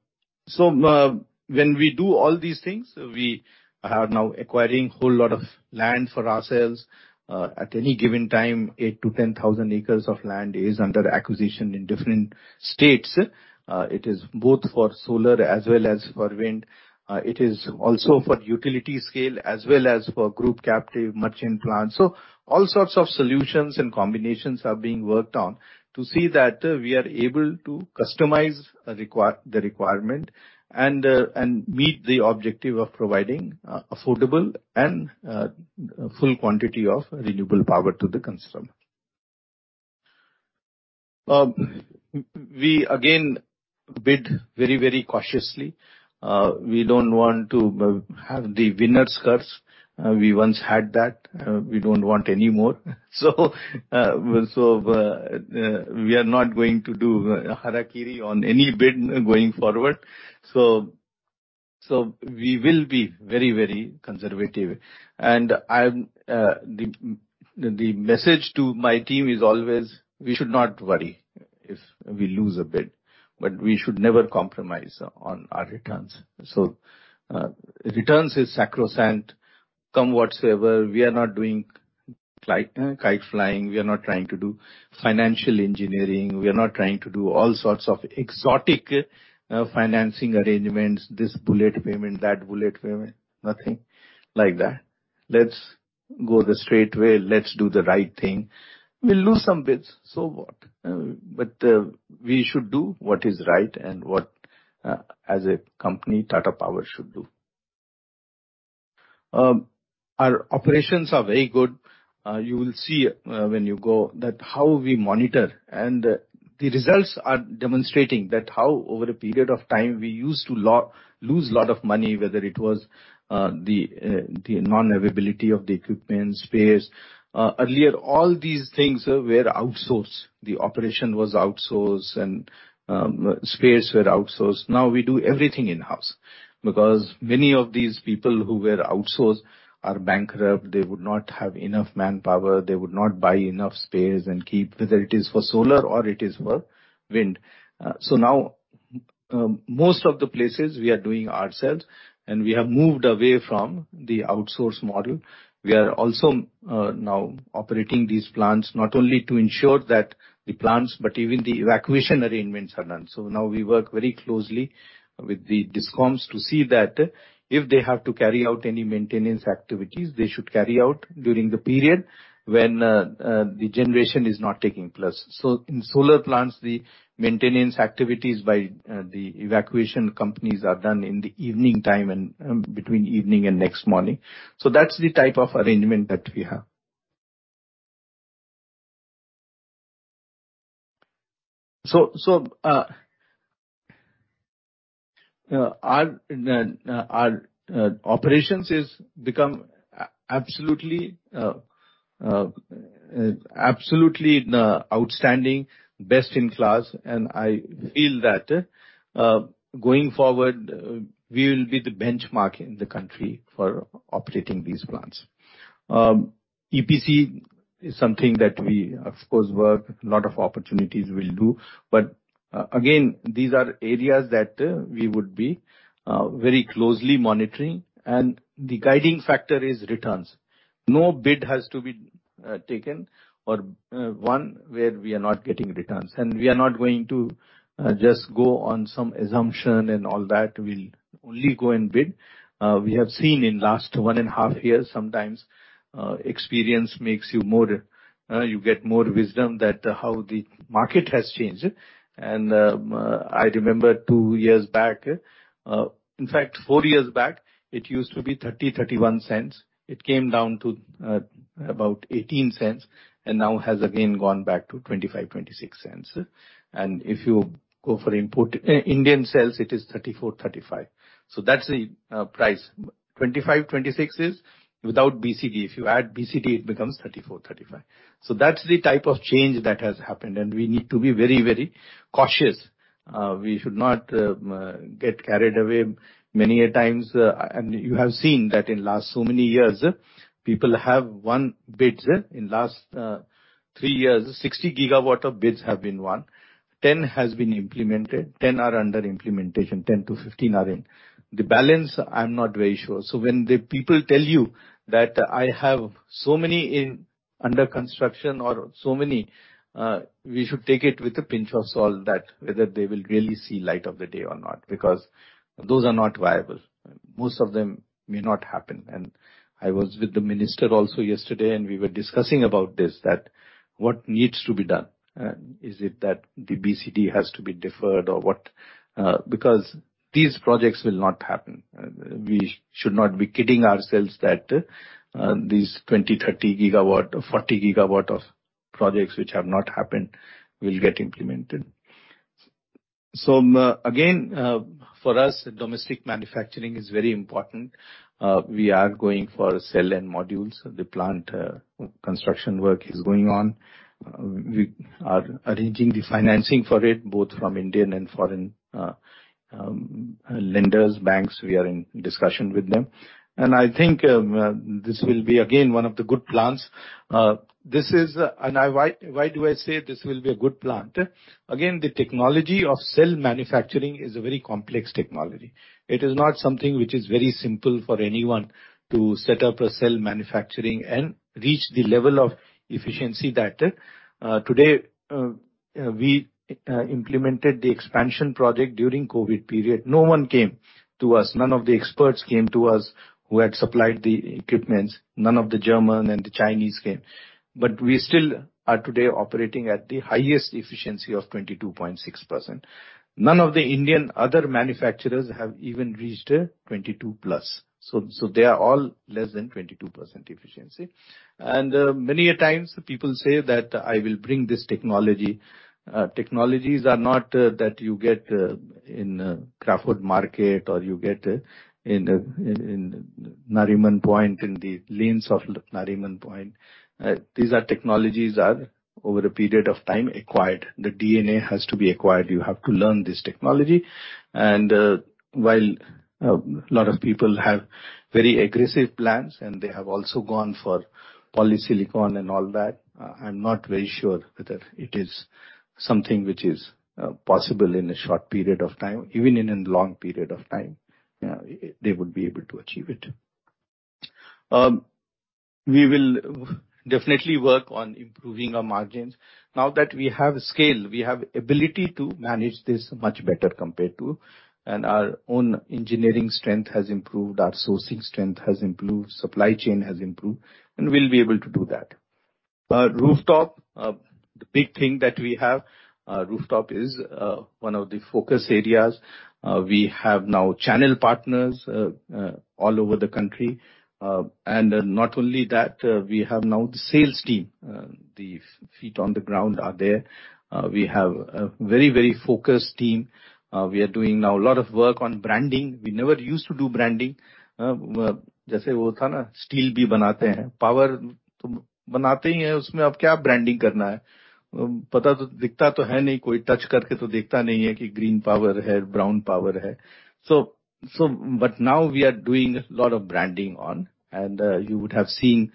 we do all these things, we are now acquiring whole lot of land for ourselves. At any given time, 8,000-10,000 acres of land is under acquisition in different states. It is both for solar as well as for wind. It is also for utility scale as well as for group captive merchant plants. All sorts of solutions and combinations are being worked on to see that we are able to customize the requirement and meet the objective of providing affordable and full quantity of renewable power to the consumer. We again bid very, very cautiously. We don't want to have the winner's curse. We once had that, we don't want any more. We are not going to do harakiri on any bid going forward. We will be very conservative. The message to my team is always, we should not worry if we lose a bid, but we should never compromise on our returns. Returns is sacrosanct, come whatsoever. We are not doing kite flying. We are not trying to do financial engineering. We are not trying to do all sorts of exotic financing arrangements, this bullet payment, that bullet payment, nothing like that. Let's go the straight way. Let's do the right thing. We'll lose some bids, so what? We should do what is right and what, as a company, Tata Power should do. Our operations are very good. You will see, when you go there how we monitor. The results are demonstrating that how over a period of time we used to lose lot of money, whether it was the non-availability of the equipment, spares. Earlier, all these things were outsourced. The operation was outsourced and spares were outsourced. Now we do everything in-house because many of these people who were outsourced are bankrupt. They would not have enough manpower. They would not buy enough spares and keep, whether it is for solar or it is for wind. Now, most of the places we are doing ourselves, and we have moved away from the outsource model. We are also now operating these plants, not only to ensure that the plants, but even the evacuation arrangements are done. Now we work very closely with the DISCOMs to see that if they have to carry out any maintenance activities, they should carry out during the period when the generation is not taking place. In solar plants, the maintenance activities by the evacuation companies are done in the evening time and between evening and next morning. That's the type of arrangement that we have. Our operations has become absolutely outstanding, best in class, and I feel that going forward we will be the benchmark in the country for operating these plants. EPC is something that we of course work, lot of opportunities we'll do. Again, these are areas that we would be very closely monitoring, and the guiding factor is returns. No bid has to be taken or one where we are not getting returns. We are not going to just go on some assumption and all that. We'll only go and bid. We have seen in last one and a half years, sometimes experience makes you more, you get more wisdom that how the market has changed. I remember two years back, in fact four years back, it used to be $0.30-$0.31. It came down to about $0.18, and now has again gone back to $0.25-$0.26. If you go for imported, Indian sales, it is $0.34-$0.35. So that's the price. $0.25-$0.26 is without BCD. If you add BCD, it becomes $0.34-$0.35. So that's the type of change that has happened, and we need to be very, very cautious. We should not get carried away many a times. You have seen that in last so many years, people have won bids. In last three years, 60 GW of bids have been won. 10 has been implemented, 10 are under implementation, 10-15 are in. The balance, I'm not very sure. When the people tell you that I have so many in under construction or so many, we should take it with a pinch of salt that whether they will really see light of the day or not, because those are not viable. Most of them may not happen. I was with the minister also yesterday, and we were discussing about this, that what needs to be done. Is it that the BCD has to be deferred or what? Because these projects will not happen. We should not be kidding ourselves that these 20, 30 gigawatt or 40 gigawatt of projects which have not happened will get implemented. Again, for us, domestic manufacturing is very important. We are going for cell and modules. The plant construction work is going on. We are arranging the financing for it, both from Indian and foreign lenders, banks. We are in discussion with them. I think this will be again one of the good plants. Why do I say this will be a good plant? Again, the technology of cell manufacturing is a very complex technology. It is not something which is very simple for anyone to set up a cell manufacturing and reach the level of efficiency that today we implemented the expansion project during COVID period. No one came to us. None of the experts came to us who had supplied the equipments. None of the German and the Chinese came. We still are today operating at the highest efficiency of 22.6%. None of the Indian other manufacturers have even reached 22+. They are all less than 22% efficiency. Many a times people say that I will bring this technology. Technologies are not that you get in Crawford Market or you get in Nariman Point, in the lanes of Nariman Point. These are technologies are over a period of time acquired. The DNA has to be acquired. You have to learn this technology. While a lot of people have very aggressive plans and they have also gone for polysilicon and all that, I'm not very sure whether it is something which is possible in a short period of time. Even in a long period of time, they would be able to achieve it. We will definitely work on improving our margins. Now that we have scale, we have ability to manage this much better. Our own engineering strength has improved, our sourcing strength has improved, supply chain has improved, and we'll be able to do that. Rooftop, the big thing that we have, is one of the focus areas. We have now channel partners all over the country. Not only that, we have now the sales team. The feet on the ground are there. We have a very focused team. We are doing now a lot of work on branding. We never used to do branding. But now we are doing a lot of branding, and you would have seen,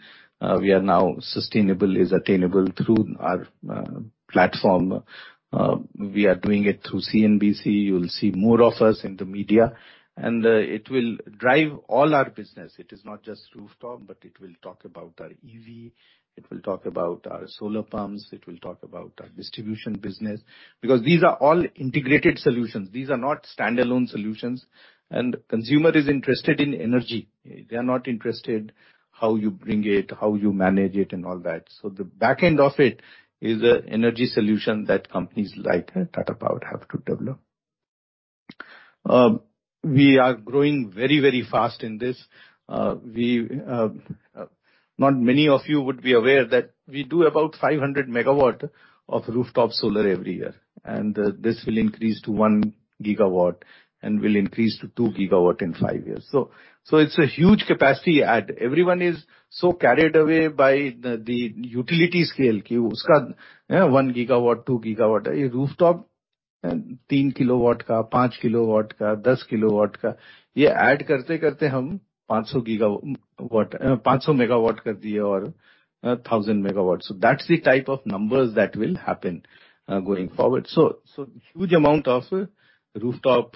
we are now Sustainable is Attainable through our platform. We are doing it through CNBC. You will see more of us in the media, and it will drive all our business. It is not just rooftop, but it will talk about our EV, it will talk about our solar pumps, it will talk about our distribution business, because these are all integrated solutions. These are not stand-alone solutions. Consumer is interested in energy. They are not interested how you bring it, how you manage it, and all that. The back end of it is an energy solution that companies like Tata Power have to develop. We are growing very, very fast in this. Not many of you would be aware that we do about 500 MW of rooftop solar every year, and this will increase to 1 GW and will increase to 2 GW in five years. It's a huge capacity add. Everyone is so carried away by the utility scale. 1 GW, 2 GW. Rooftop, 3 kW, 5 kW, 10 kW. That. So that's the type of numbers that will happen going forward. Huge amount of rooftop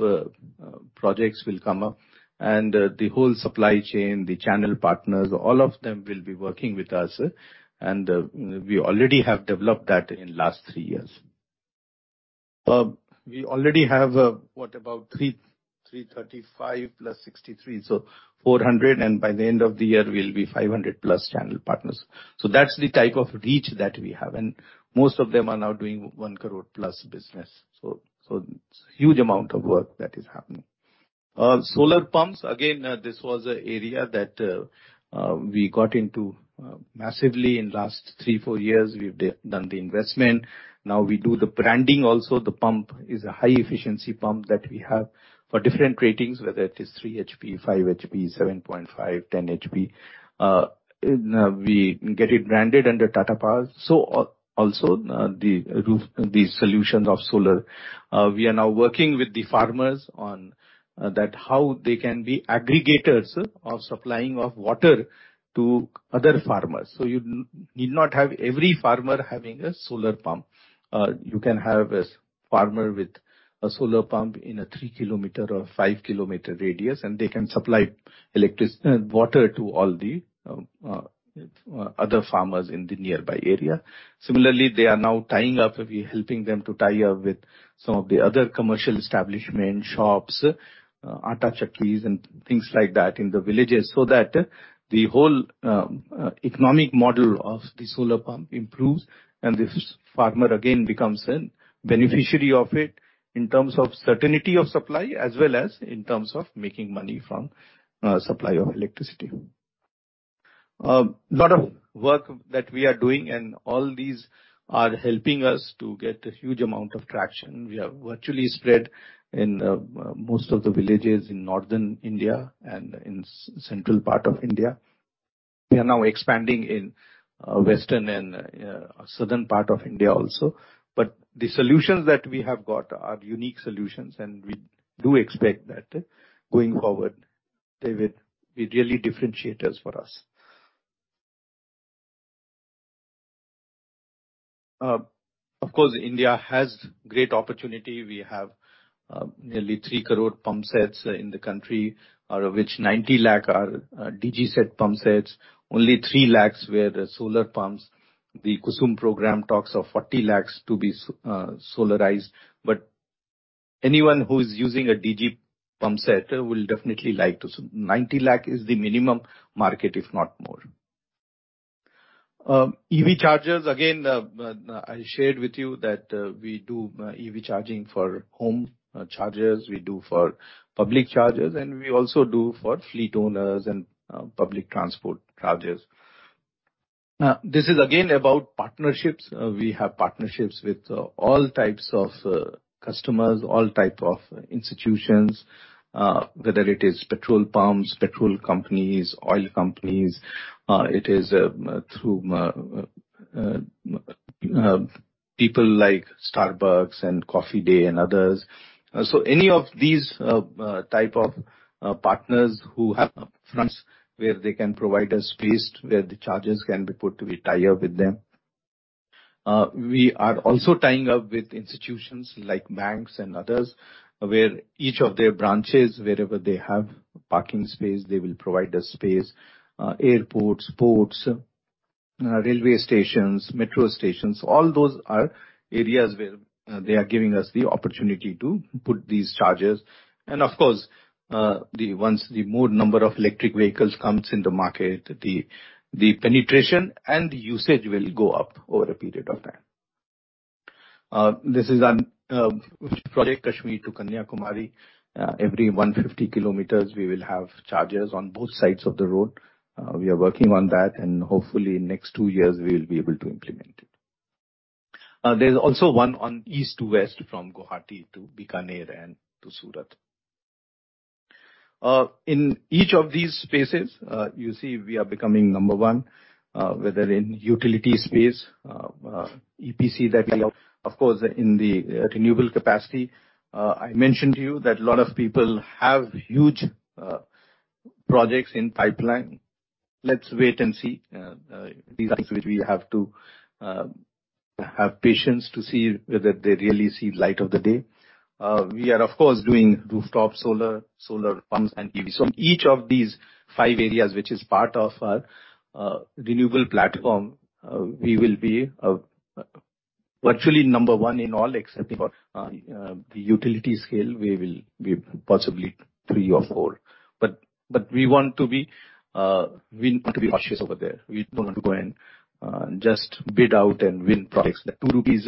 projects will come up and the whole supply chain, the channel partners, all of them will be working with us. We already have developed that in last three years. We already have what about 335 plus 63, so 400, and by the end of the year, we'll be 500 plus channel partners. That's the type of reach that we have. Most of them are now doing 1 crore plus business. It's a huge amount of work that is happening. Solar pumps, again, this was an area that we got into massively in last 3, 4 years. We've done the investment. Now we do the branding also. The pump is a high efficiency pump that we have for different ratings, whether it is 3 HP, 5 HP, 7.5, 10 HP. We get it branded under Tata Power. Also, the rooftop solar solutions. We are now working with the farmers on how they can be aggregators of supplying water to other farmers. You need not have every farmer having a solar pump. You can have a farmer with a solar pump in a 3 km or 5 km radius, and they can supply water to all the other farmers in the nearby area. Similarly, they are now tying up. We're helping them to tie up with some of the other commercial establishments, shops, atta chakkis and things like that in the villages, so that the whole economic model of the solar pump improves and this farmer again becomes a beneficiary of it in terms of certainty of supply as well as in terms of making money from supply of electricity. A lot of work that we are doing and all these are helping us to get a huge amount of traction. We are virtually spread in most of the villages in Northern India and in south-central part of India. We are now expanding in western and southern part of India also. The solutions that we have got are unique solutions, and we do expect that going forward, they will be really differentiators for us. Of course, India has great opportunity. We have nearly 3 crore pump sets in the country, out of which 90 lakh are DG set pump sets. Only 3 lakh were solar pumps. The KUSUM program talks of 40 lakh to be solarized. Anyone who is using a DG pump set will definitely like to. 90 lakh is the minimum market, if not more. EV chargers, again, I shared with you that we do EV charging for home chargers, we do for public chargers, and we also do for fleet owners and public transport chargers. This is again about partnerships. We have partnerships with all types of customers, all type of institutions, whether it is petrol pumps, petrol companies, oil companies, it is people like Starbucks and Coffee Day and others. Any of these type of partners who have fronts where they can provide a space where the chargers can be put, we tie up with them. We are also tying up with institutions like banks and others, where each of their branches, wherever they have parking space, they will provide a space. Airports, ports, railway stations, metro stations, all those are areas where they are giving us the opportunity to put these chargers. Of course, once the more number of electric vehicles comes in the market, the penetration and the usage will go up over a period of time. This is a project Kashmir to Kanyakumari. Every 150 kilometers, we will have chargers on both sides of the road. We are working on that, and hopefully next two years we'll be able to implement it. There's also one on east to west from Guwahati to Bikaner and to Surat. In each of these spaces, you see we are becoming number one, whether in utility space, EPC that we of course in the renewable capacity. I mentioned to you that a lot of people have huge projects in pipeline. Let's wait and see these things which we have to have patience to see whether they really see light of the day. We are of course doing rooftop solar pumps and EV. Each of these five areas which is part of our renewable platform we will be virtually number one in all except for the utility scale. We will be possibly three or four. We want to be cautious over there. We don't want to go and just bid out and win projects. The 2 rupees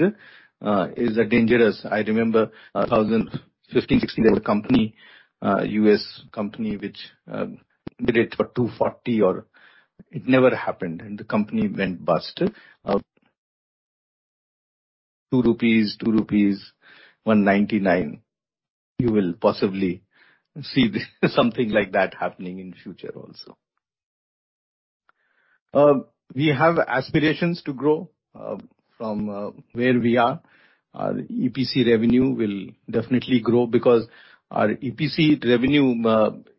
is a dangerous. I remember 2015, 2016 there was a company, U.S. company which did it for 2.40 or. It never happened, and the company went bust. 2 rupees, 1.99 rupees. You will possibly see something like that happening in future also. We have aspirations to grow from where we are. Our EPC revenue will definitely grow because our EPC revenue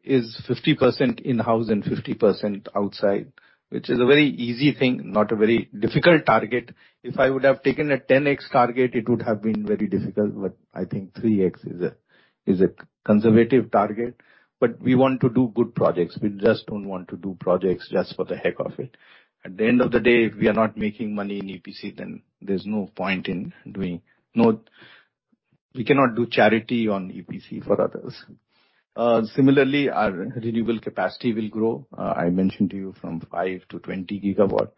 is 50% in-house and 50% outside, which is a very easy thing, not a very difficult target. If I would have taken a 10x target, it would have been very difficult, but I think 3x is a conservative target. We want to do good projects. We just don't want to do projects just for the heck of it. At the end of the day, if we are not making money in EPC, then there's no point in doing. We cannot do charity on EPC for others. Similarly, our renewable capacity will grow. I mentioned to you from 5 to 20 GW.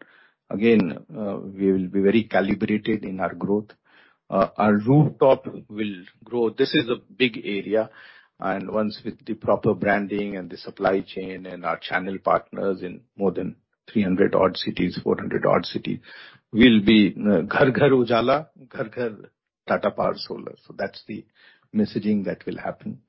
Again, we will be very calibrated in our growth. Our rooftop will grow. This is a big area. Once with the proper branding and the supply chain and our channel partners in more than 300-odd cities, 400-odd cities, we'll be Ghar Ghar Ujala, Ghar Ghar Tata Power Solar. That's the messaging that will happen.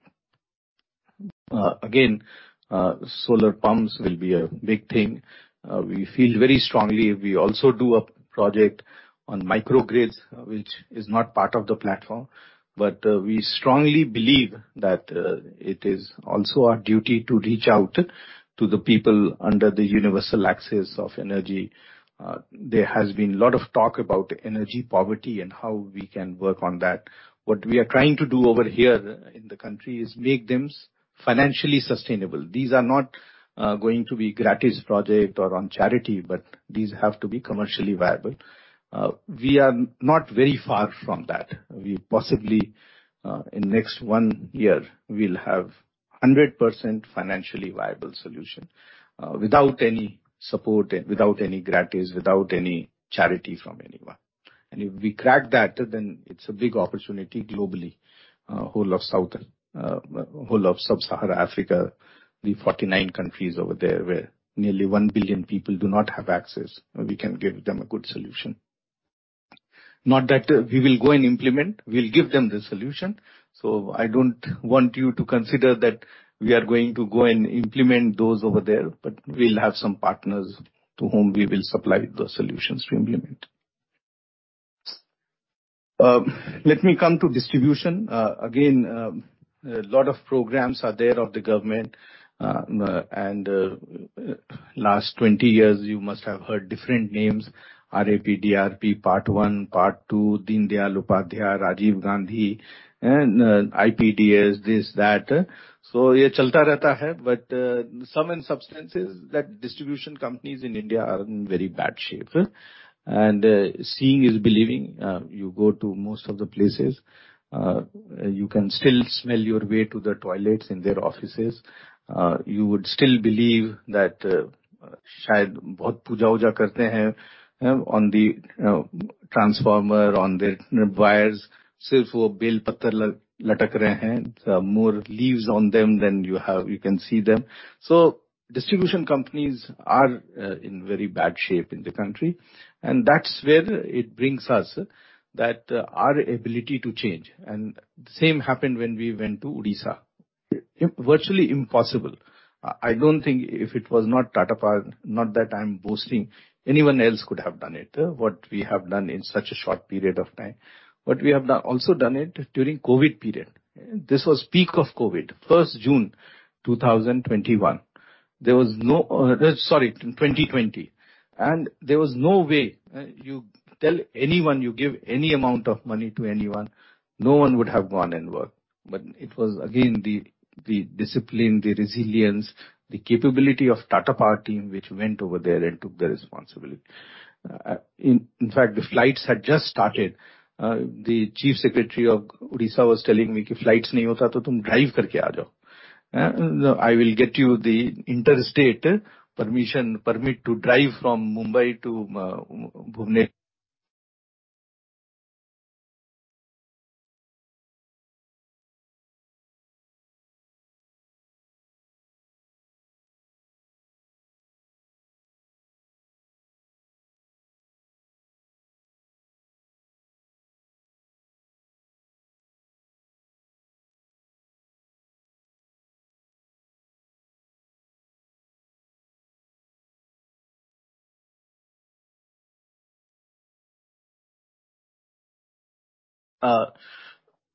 Again, solar pumps will be a big thing. We feel very strongly. We also do a project on microgrids, which is not part of the platform, but we strongly believe that it is also our duty to reach out to the people under the universal access of energy. There has been lot of talk about energy poverty and how we can work on that. What we are trying to do over here in the country is make them financially sustainable. These are not going to be gratis project or on charity, but these have to be commercially viable. We are not very far from that. We possibly in next one year, we'll have 100% financially viable solution without any support, without any gratis, without any charity from anyone. If we crack that, then it's a big opportunity globally. Whole of Sub-Saharan Africa, the 49 countries over there where nearly 1 billion people do not have access, we can give them a good solution. Not that we will go and implement. We'll give them the solution. I don't want you to consider that we are going to go and implement those over there, but we'll have some partners to whom we will supply the solutions to implement. Let me come to distribution. Again, a lot of programs are there of the government, and last 20 years, you must have heard different names, RAPDRP, R-APDRP, Part One, Part Two, Deen Dayal Upadhyaya, Rajiv Gandhi Grameen Vidyutikaran Yojana, and IPDS, this, that. But sum and substance is that distribution companies in India are in very bad shape. Seeing is believing. You go to most of the places, you can still smell your way to the toilets in their offices. You would still believe that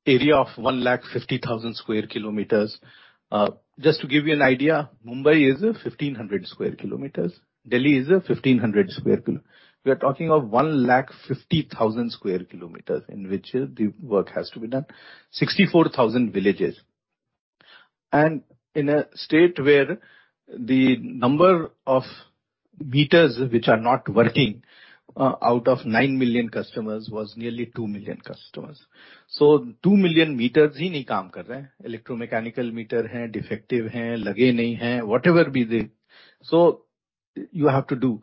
area of 150,000 square kilometers. Just to give you an idea, Mumbai is 1,500 square kilometers. Delhi is 1,500 square kilometers. We are talking of 150,000 square kilometers in which the work has to be done. 64,000 villages. In a state where the number of meters which are not working, out of 9 million customers was nearly 2 million customers. Two million meters. You have to do.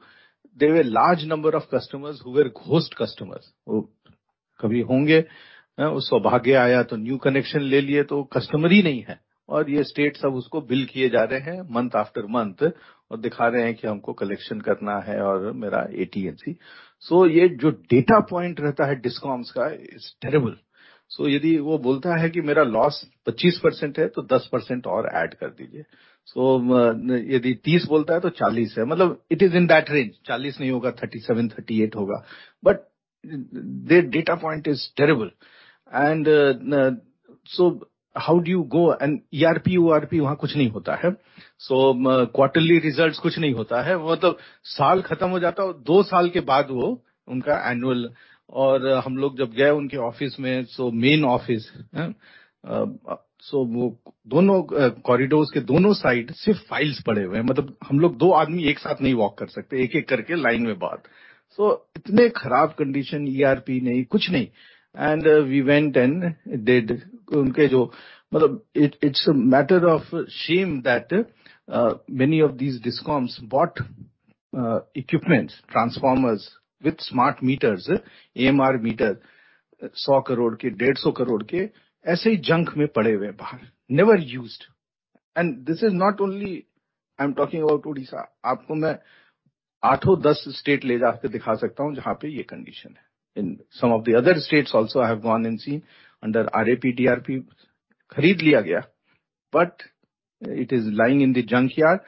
There were large number of customers who were ghost customers. It is in that range. Their data point is terrible. How do you go? ERP, URP. Quarterly results. We went and did. It's a matter of shame that many of these DISCOMs bought equipment, transformers with smart meters, AMR meters 100 crore, 150 crore के ऐसे ही junk में पड़े हुए हैं बाहर never used and this is not only, I am talking about Odisha. आपको मैं 8-10 states ले जा के दिखा सकता हूँ जहाँ पे ये condition है. In some of the other states also I have gone and seen under RAPDRP खरीद लिया गया but it is lying in the junkyard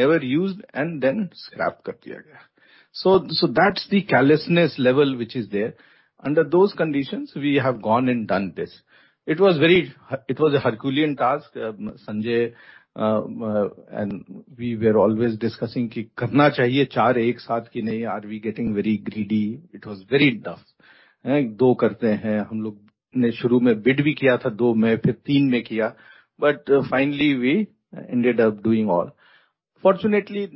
never used and then scrap कर दिया गया. That's the carelessness level which is there under those conditions we have gone and done this. It was a herculean task. Sanjay and we were always discussing की करना चाहिए चार एक साथ कि नहीं are we getting very greedy it was very tough. दो करते हैं हम लोग ने शुरू में bid भी किया था दो में, फिर तीन में किया। Finally we ended up doing all. Fortunately,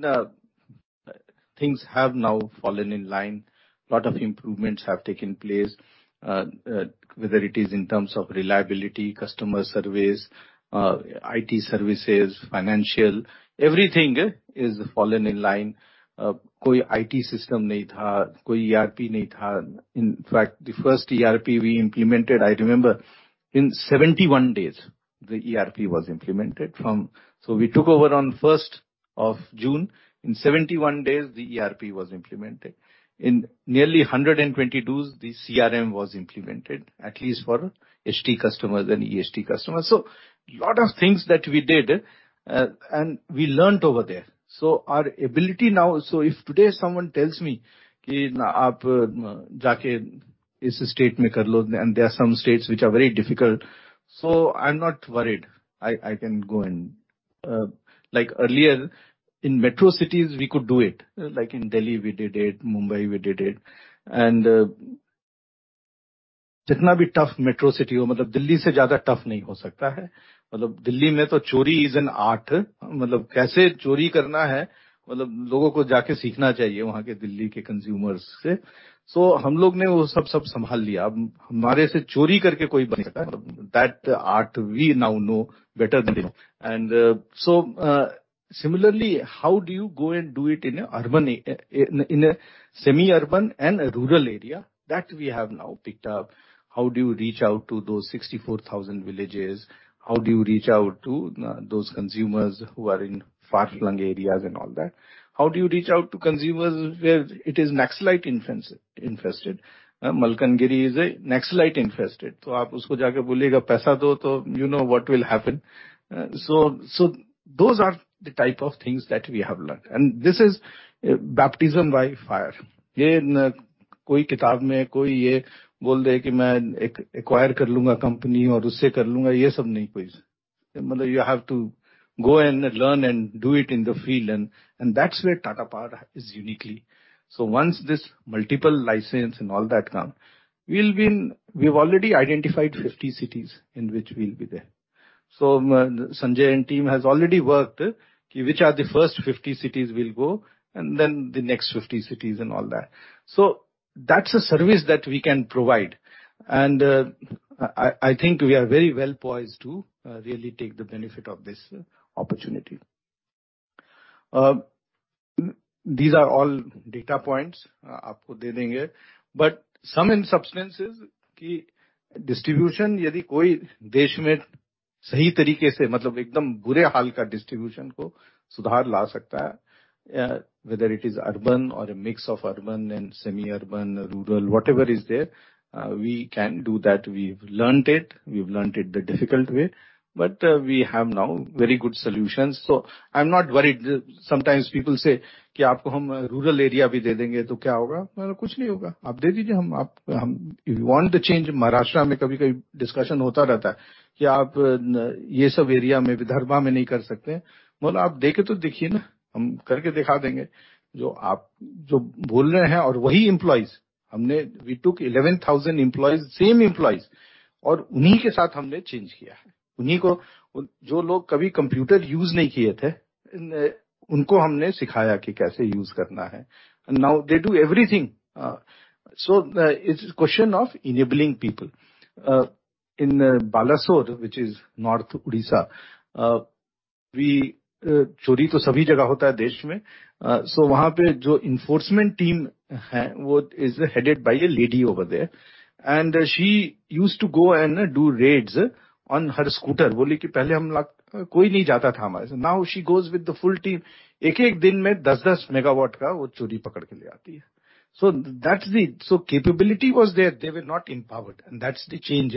things have now fallen in line. A lot of improvements have taken place. Whether it is in terms of reliability, customer service, IT services, financial everything has fallen in line. कोई IT system नहीं था। कोई ERP नहीं था। In fact, the first ERP we implemented I remember in 71 days the ERP was implemented from. We took over on first of June. In 71 days, the ERP was implemented in nearly 122 the CRM was implemented at least for HT customers and EHT customers. A lot of things that we did and we learnt over there. Our ability now, so if today someone tells me कि आप जा के इस state में कर लो and there are some states which are very difficult, so I'm not worried. I can go and, like earlier in metro cities, we could do it, like in Delhi we did it, Mumbai we did it and जितना भी tough metro city हो मतलब Delhi से ज्यादा tough नहीं हो सकता है. मतलब Delhi में तो चोरी is an art. मतलब कैसे चोरी करना है. मतलब लोगों को जा के सीखना चाहिए वहां के Delhi के consumers से. हम लोग ने वो सब संभाल लिया. हमारे से चोरी करके कोई नहीं कर सकता, that art we now know better than and similarly how do you go and do it in a urban, in a semi-urban and rural area that we have now picked up. How do you reach out to those 64,000 villages? How do you reach out to those consumers who are in far-flung areas and all that? How do you reach out to consumers where it is Naxalite infested? Malkangiri is a Naxalite infested तो आप उसको जा के बोलिएगा पैसा दो तो you know what will happen. Those are the type of things that we have learnt and this is baptism by fire. ये कोई किताब में कोई ये बोल दे कि मैं acquire कर लूंगा company और उससे कर लूंगा। ये सब नहीं कोई। मतलब you have to go and learn and do it in the field and that's where Tata Power is uniquely. Once this multiple license and all that come, we will be in. We have already identified 50 cities in which we will be there. Sanjay and team has already worked. Which are the first 50 cities we'll go and then the next 50 cities and all that. That's a service that we can provide. I think we are very well poised to really take the benefit of this opportunity. These are all data points आपको दे देंगे। Sum and substance is कि distribution यदि कोई देश में सही तरीके से मतलब एकदम बुरे हाल का distribution को सुधार ला सकता है. Whether it is urban or a mix of urban and semi-urban, rural, whatever is there, we can do that. We've learnt it. We've learnt it the difficult way. We have now very good solutions, so I'm not worried. Sometimes people say कि आपको हम rural area भी दे देंगे तो क्या होगा? मैंने कहा कुछ नहीं होगा। आप दे दीजिए हम आप we want the change. Maharashtra में कभी-कभी discussion होता रहता है कि आप ये सब area में विदर्भ में नहीं कर सकते। बोला आप दे के तो देखिए ना, हम करके दिखा देंगे जो आप बोल रहे हैं, और वही employees हमने — we took 11,000 employees, same employees — और उन्हीं के साथ हमने change किया है। उन्हीं को, जो लोग कभी computer use नहीं किए थे, उनको हमने सिखाया कि कैसे use करना है, and now they do everything. It's a question of enabling people. In Balasore, which is North Odisha, चोरी तो सभी जगह होता है देश में। वहां पे जो enforcement team है, वो is headed by a lady over there, and she used to go and do raids on her scooter. बोली कि पहले हम लोग कोई नहीं जाता था हमारे साथ, now she goes with the full team. एक एक दिन में 10-10 megawatt का वो चोरी पकड़ के ले आती है. That's the capability was there. They were not empowered. That's the change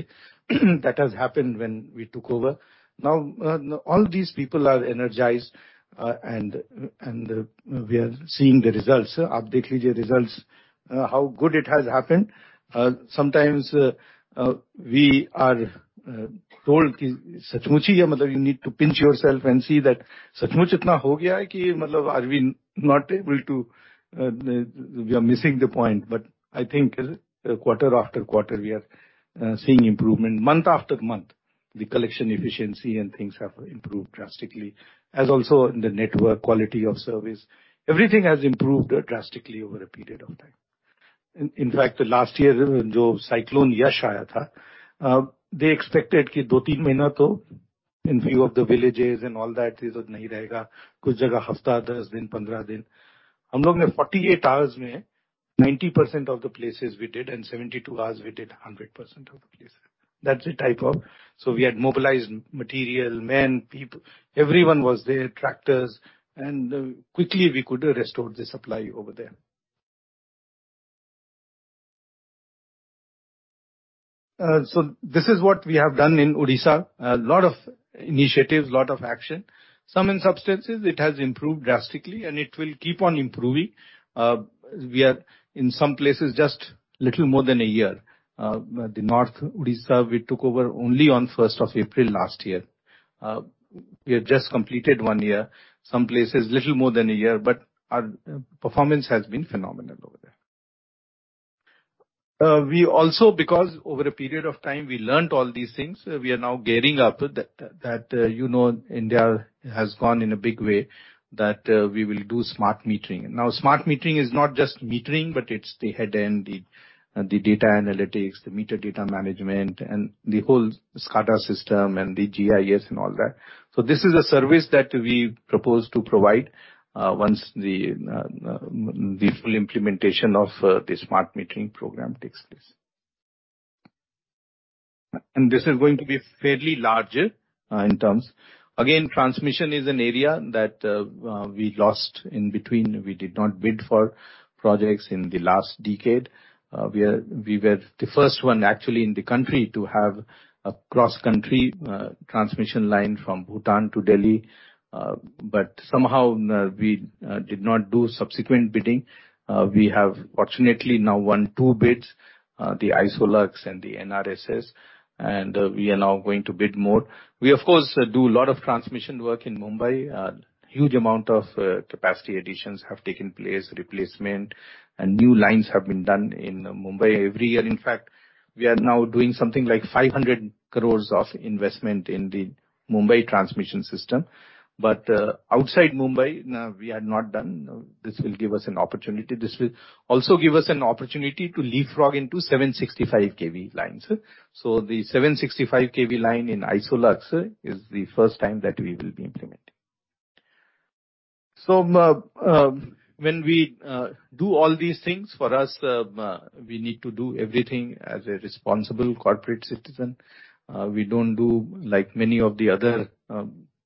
that has happened when we took over. Now all these people are energized and we are seeing the results. आप देख लीजिए results how good it has happened. Sometimes we are told कि सचमुच ही है. मतलब you need to pinch yourself and see that सचमुच इतना हो गया है कि are we not able to we are missing the point. I think quarter after quarter we are seeing improvement month after month. The collection efficiency and things have improved drastically as also the network quality of service. Everything has improved drastically over a period of time. In fact, last year, jo cyclone Yaas aya tha, they expected ki do-teen mahina to, in view of the villages and all that, is not nahi rahega. Kuch jagah hafta, das din, pandrah din. Hum log ne 48 hours mein 90% of the places we did, and 72 hours we did 100% of the places. We had mobilized material, men, everyone was there, tractors, and quickly we could restore the supply over there. This is what we have done in Odisha. A lot of initiatives, a lot of action. Some instances, it has improved drastically, and it will keep on improving. We are in some places just little more than a year. North Odisha, we took over only on first of April last year. We have just completed one year. Some places, little more than a year, but our performance has been phenomenal over there. We also, because over a period of time, we learnt all these things, we are now gearing up that, you know, India has gone in a big way, that we will do smart metering. Now, smart metering is not just metering, but it's the head end, the data analytics, the meter data management, and the whole SCADA system and the GIS and all that. So this is a service that we propose to provide, once the full implementation of the smart metering program takes place. This is going to be fairly large in terms. Again, transmission is an area that we lost in between. We did not bid for projects in the last decade. We were the first one actually in the country to have a cross-country transmission line from Bhutan to Delhi, but somehow we did not do subsequent bidding. We have fortunately now won two bids, the Isolux Corsán and the NRSS, and we are now going to bid more. We of course do a lot of transmission work in Mumbai. A huge amount of capacity additions have taken place, replacement and new lines have been done in Mumbai every year. In fact, we are now doing something like 500 crores of investment in the Mumbai transmission system. Outside Mumbai, we had not done. This will give us an opportunity. This will also give us an opportunity to leapfrog into 765 kV lines. The 765 kV line in Isolux is the first time that we will be implementing. When we do all these things, for us, we need to do everything as a responsible corporate citizen. We don't do like many of the other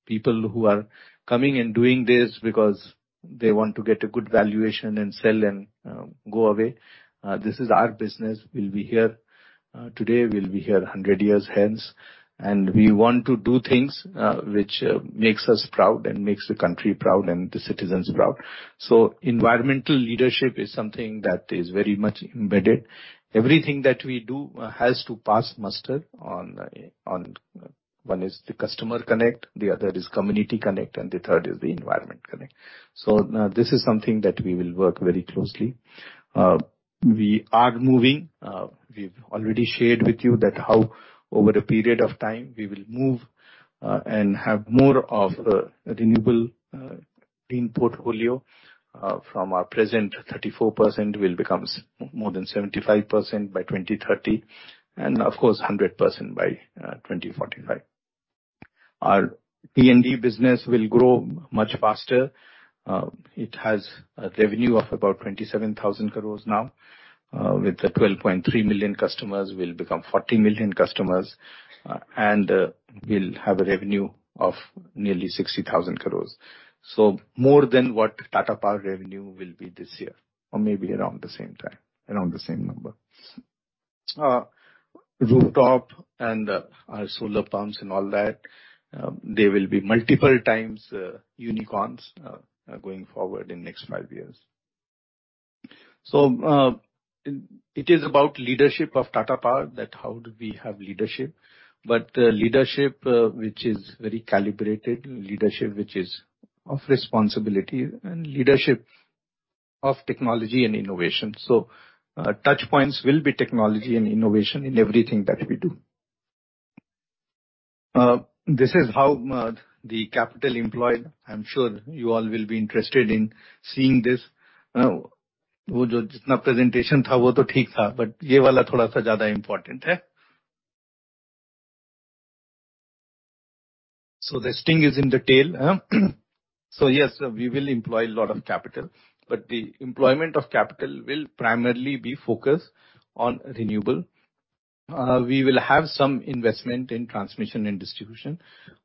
people who are coming and doing this because they want to get a good valuation and sell and go away. This is our business. We'll be here today, we'll be here 100 years hence. We want to do things which makes us proud and makes the country proud and the citizens proud. Environmental leadership is something that is very much embedded. Everything that we do has to pass muster on. One is the customer connect, the other is community connect, and the third is the environment connect. This is something that we will work very closely. We are moving. We've already shared with you that how over a period of time, we will move, and have more of, renewable, clean portfolio, from our present 34% will become more than 75% by 2030, and of course, 100% by 2045. Our T&D business will grow much faster. It has a revenue of about 27,000 crore now, with the 12.3 million customers, will become 40 million customers, and, will have a revenue of nearly 60,000 crore. More than what Tata Power revenue will be this year, or maybe around the same time, around the same number. Rooftop and our solar pumps and all that, they will be multiple times unicorns going forward in next five years. It is about leadership of Tata Power, that's how we have leadership which is very calibrated, which is of responsibility and of technology and innovation. Touch points will be technology and innovation in everything that we do. This is how the capital employed. I'm sure you all will be interested in seeing this. The sting is in the tail. Yes, we will employ a lot of capital, but the employment of capital will primarily be focused on renewables. We will have some investment in transmission and distribution.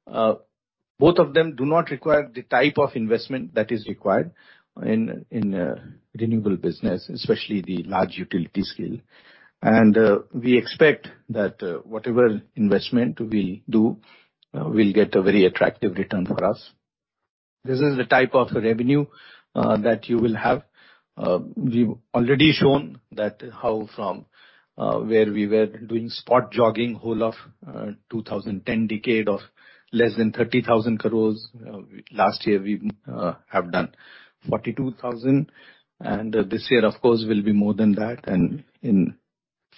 Both of them do not require the type of investment that is required in a renewable business, especially the large utility scale. We expect that whatever investment we'll do will get a very attractive return for us. This is the type of revenue that you will have. We've already shown that how from where we were sort of jogging whole of the 2010 decade of less than 30,000 crore. Last year we have done 42,000 crore, and this year, of course, will be more than that. In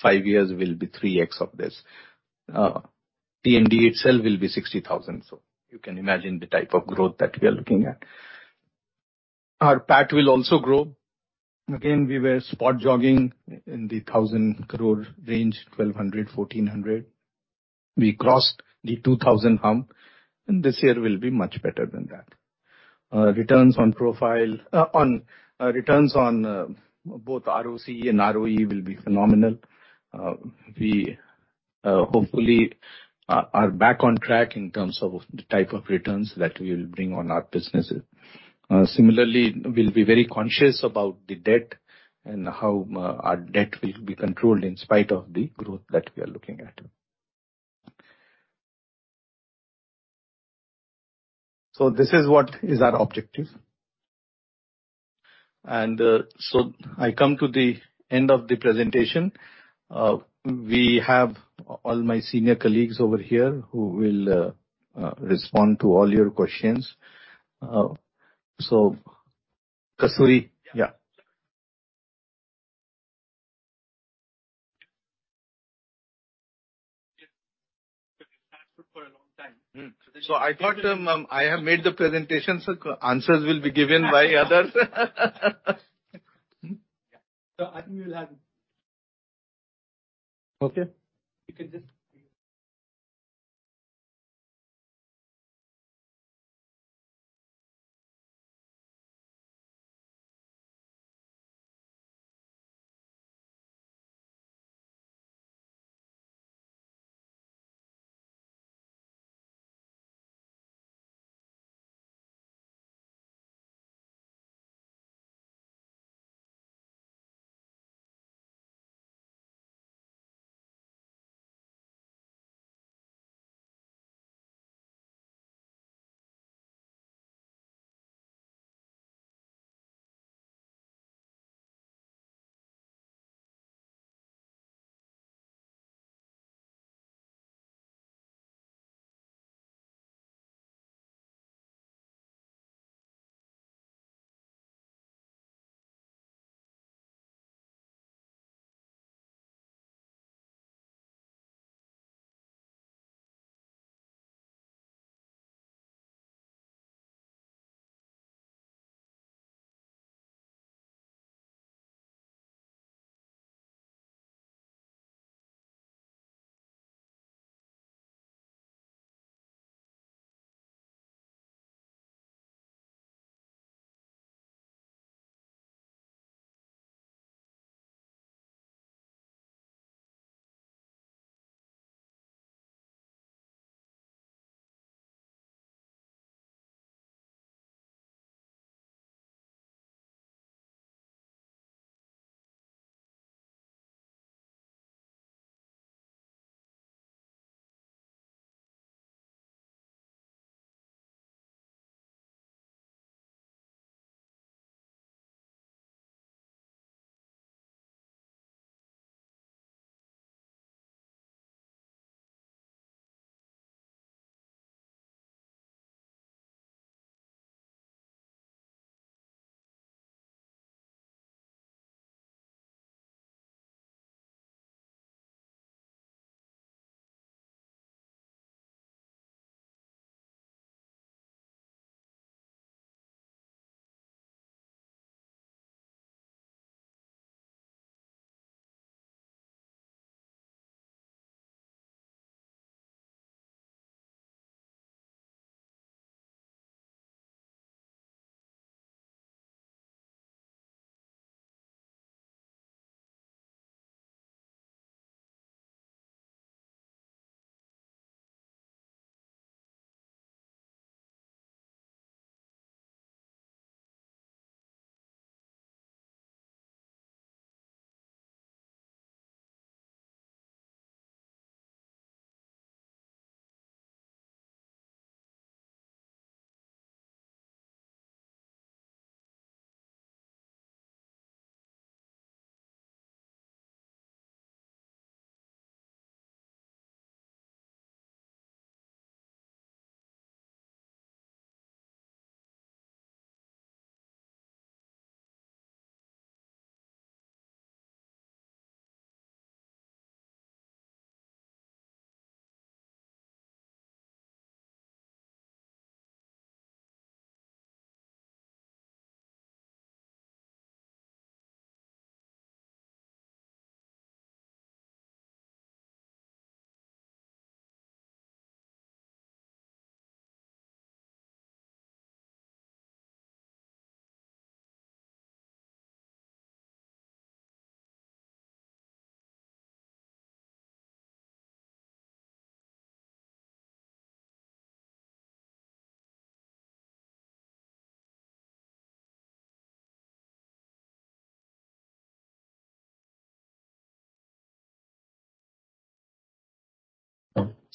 five years will be 3x of this. TMD itself will be 60,000 crore. So you can imagine the type of growth that we are looking at. Our PAT will also grow. Again, we were sort of jogging in the 1,000 crore range, 1,200, 1,400. We crossed the 2,000 hump, and this year will be much better than that. Returns on both ROCE and ROE will be phenomenal. We hopefully are back on track in terms of the type of returns that we will bring on our businesses. Similarly, we'll be very conscious about the debt and how our debt will be controlled in spite of the growth that we are looking at. This is what is our objective. I come to the end of the presentation. We have all my senior colleagues over here who will respond to all your questions. Kasturi. Yeah. Yes. For a long time. I thought, I have made the presentation, so answers will be given by others. I think we'll have. Okay. You can just.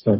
Yeah.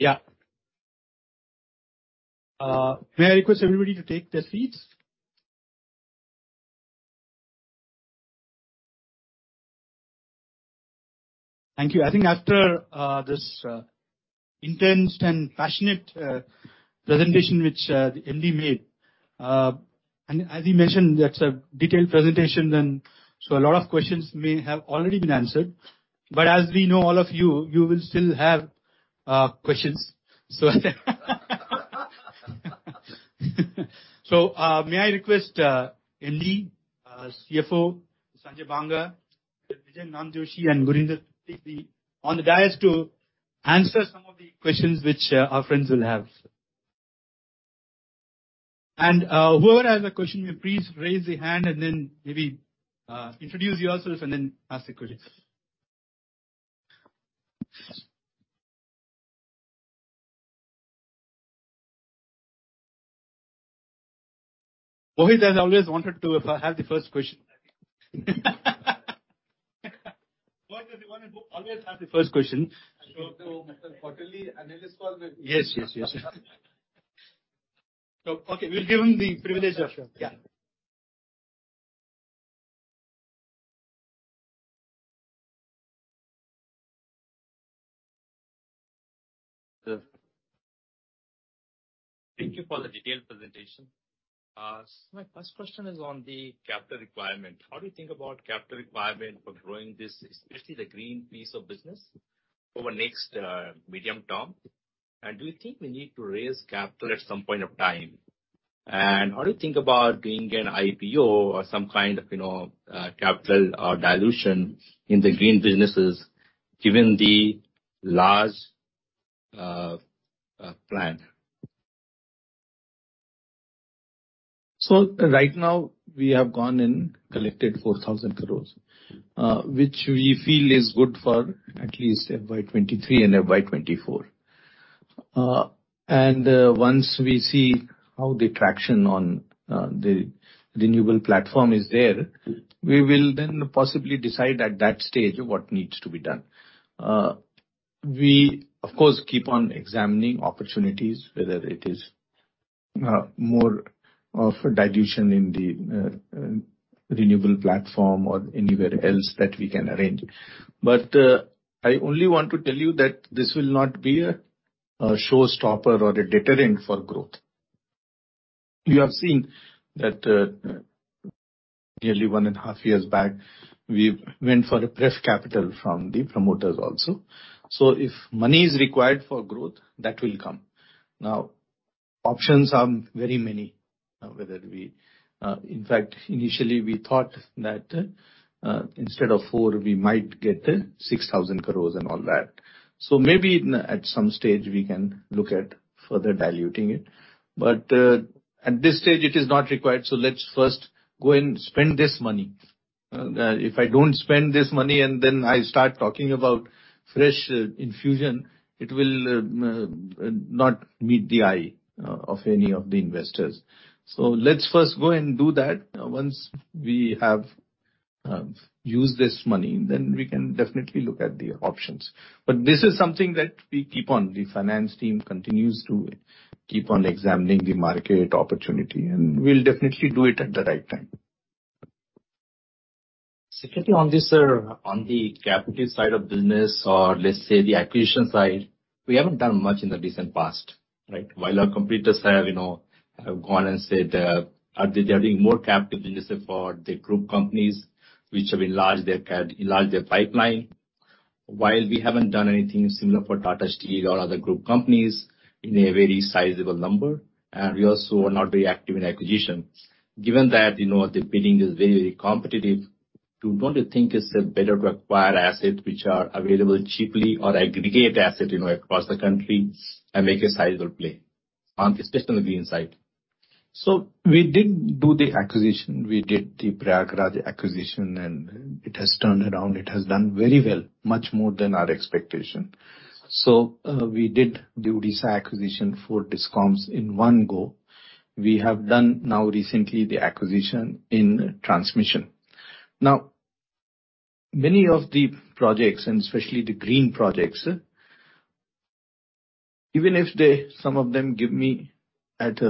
May I request everybody to take their seats? Thank you. I think after this intense and passionate presentation which the MD made. As he mentioned, that's a detailed presentation, and so a lot of questions may have already been answered. As we know, all of you will still have questions. May I request MD, CFO, Sanjay Banga, Vijay Namjoshi, and Gurinder to take on the dais to answer some of the questions which our friends will have. Whoever has a question, may you please raise their hand and then maybe introduce yourselves and then ask the questions. Mohit has always wanted to have the first question. Mohit is the one who always has the first question. I show up to every quarterly analyst call maybe. Yes. Okay, we'll give him the privilege of Yeah. Thank you for the detailed presentation. My first question is on the capital requirement. How do you think about capital requirement for growing this, especially the green piece of business over the next medium term? And do you think we need to raise capital at some point of time? And how do you think about doing an IPO or some kind of, you know, capital or dilution in the green businesses given the large plan? Right now we have gone and collected 4,000 crore, which we feel is good for at least FY 2023 and FY 2024. Once we see how the traction on the renewable platform is there, we will then possibly decide at that stage what needs to be done. We of course keep on examining opportunities, whether it is more of a dilution in the renewable platform or anywhere else that we can arrange. I only want to tell you that this will not be a showstopper or a deterrent for growth. You have seen that nearly one and a half years back, we went for a pref capital from the promoters also. If money is required for growth, that will come. Now, options are very many. Whether we... In fact, initially we thought that, instead of four, we might get 6,000 crore and all that. Maybe at some stage we can look at further diluting it. At this stage it is not required, so let's first go and spend this money. If I don't spend this money and then I start talking about fresh infusion, it will not meet the eye of any of the investors. Let's first go and do that. Once we have used this money, then we can definitely look at the options. This is something that we keep on. The finance team continues to keep on examining the market opportunity, and we'll definitely do it at the right time. Secondly on this, sir, on the capital side of business, or let's say the acquisition side, we haven't done much in the recent past, right? While our competitors have, you know, have gone and said, they're generating more capital just for the group companies which have enlarged their cap, enlarged their pipeline. While we haven't done anything similar for Tata Steel or other group companies in a very sizable number, and we also are not very active in acquisitions. Given that, you know, the bidding is very competitive, don't you think it's better to acquire assets which are available cheaply or aggregate asset, you know, across the country and make a sizable play on especially on the green side? We did do the acquisition. We did the Prayagraj acquisition, and it has turned around. It has done very well, much more than our expectation. We did the Odisha acquisition for DISCOMs in one go. We have done now recently the acquisition in transmission. Now, many of the projects, and especially the green projects, even if some of them give me at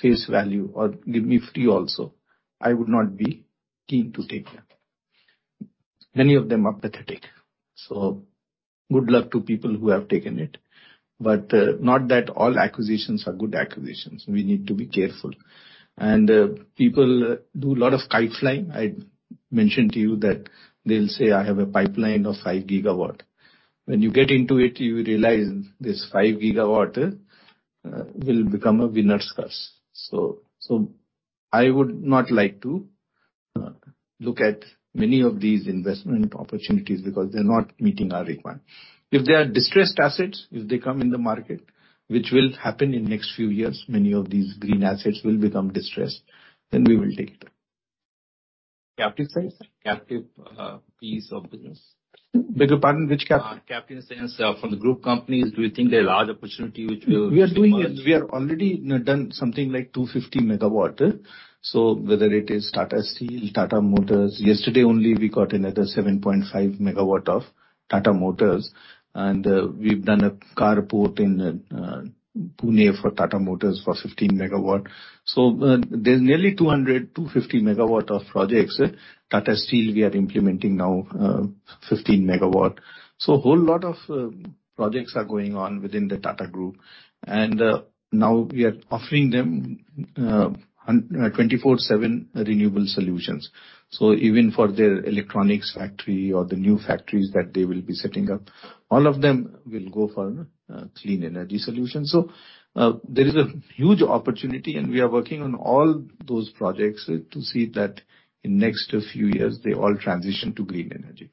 face value or give me free also, I would not be keen to take them. Many of them are pathetic. Good luck to people who have taken it. Not that all acquisitions are good acquisitions. We need to be careful. People do a lot of kite flying. I mentioned to you that they'll say, "I have a pipeline of 5 gigawatt." When you get into it, you realize this 5 gigawatt will become a winner's curse. So I would not like to look at many of these investment opportunities because they're not meeting our requirement. If they are distressed assets, if they come in the market, which will happen in the next few years, many of these green assets will become distressed, then we will take it. Captive sales. Captive, piece of business. Beg your pardon? Which captive? Captive, say, from the group companies. Do you think there are large opportunity which will- We have already done something like 250 MW. Whether it is Tata Steel, Tata Motors. Yesterday only we got another 7.5 MW of Tata Motors, and we've done a carport in Pune for Tata Motors for 15 MW. There's nearly 200-250 MW of projects. Tata Steel we are implementing now, 15 MW. Whole lot of projects are going on within the Tata Group. Now we are offering them 24/7 renewable solutions. Even for their electronics factory or the new factories that they will be setting up, all of them will go for clean energy solutions. There is a huge opportunity, and we are working on all those projects to see that in next few years they all transition to green energy.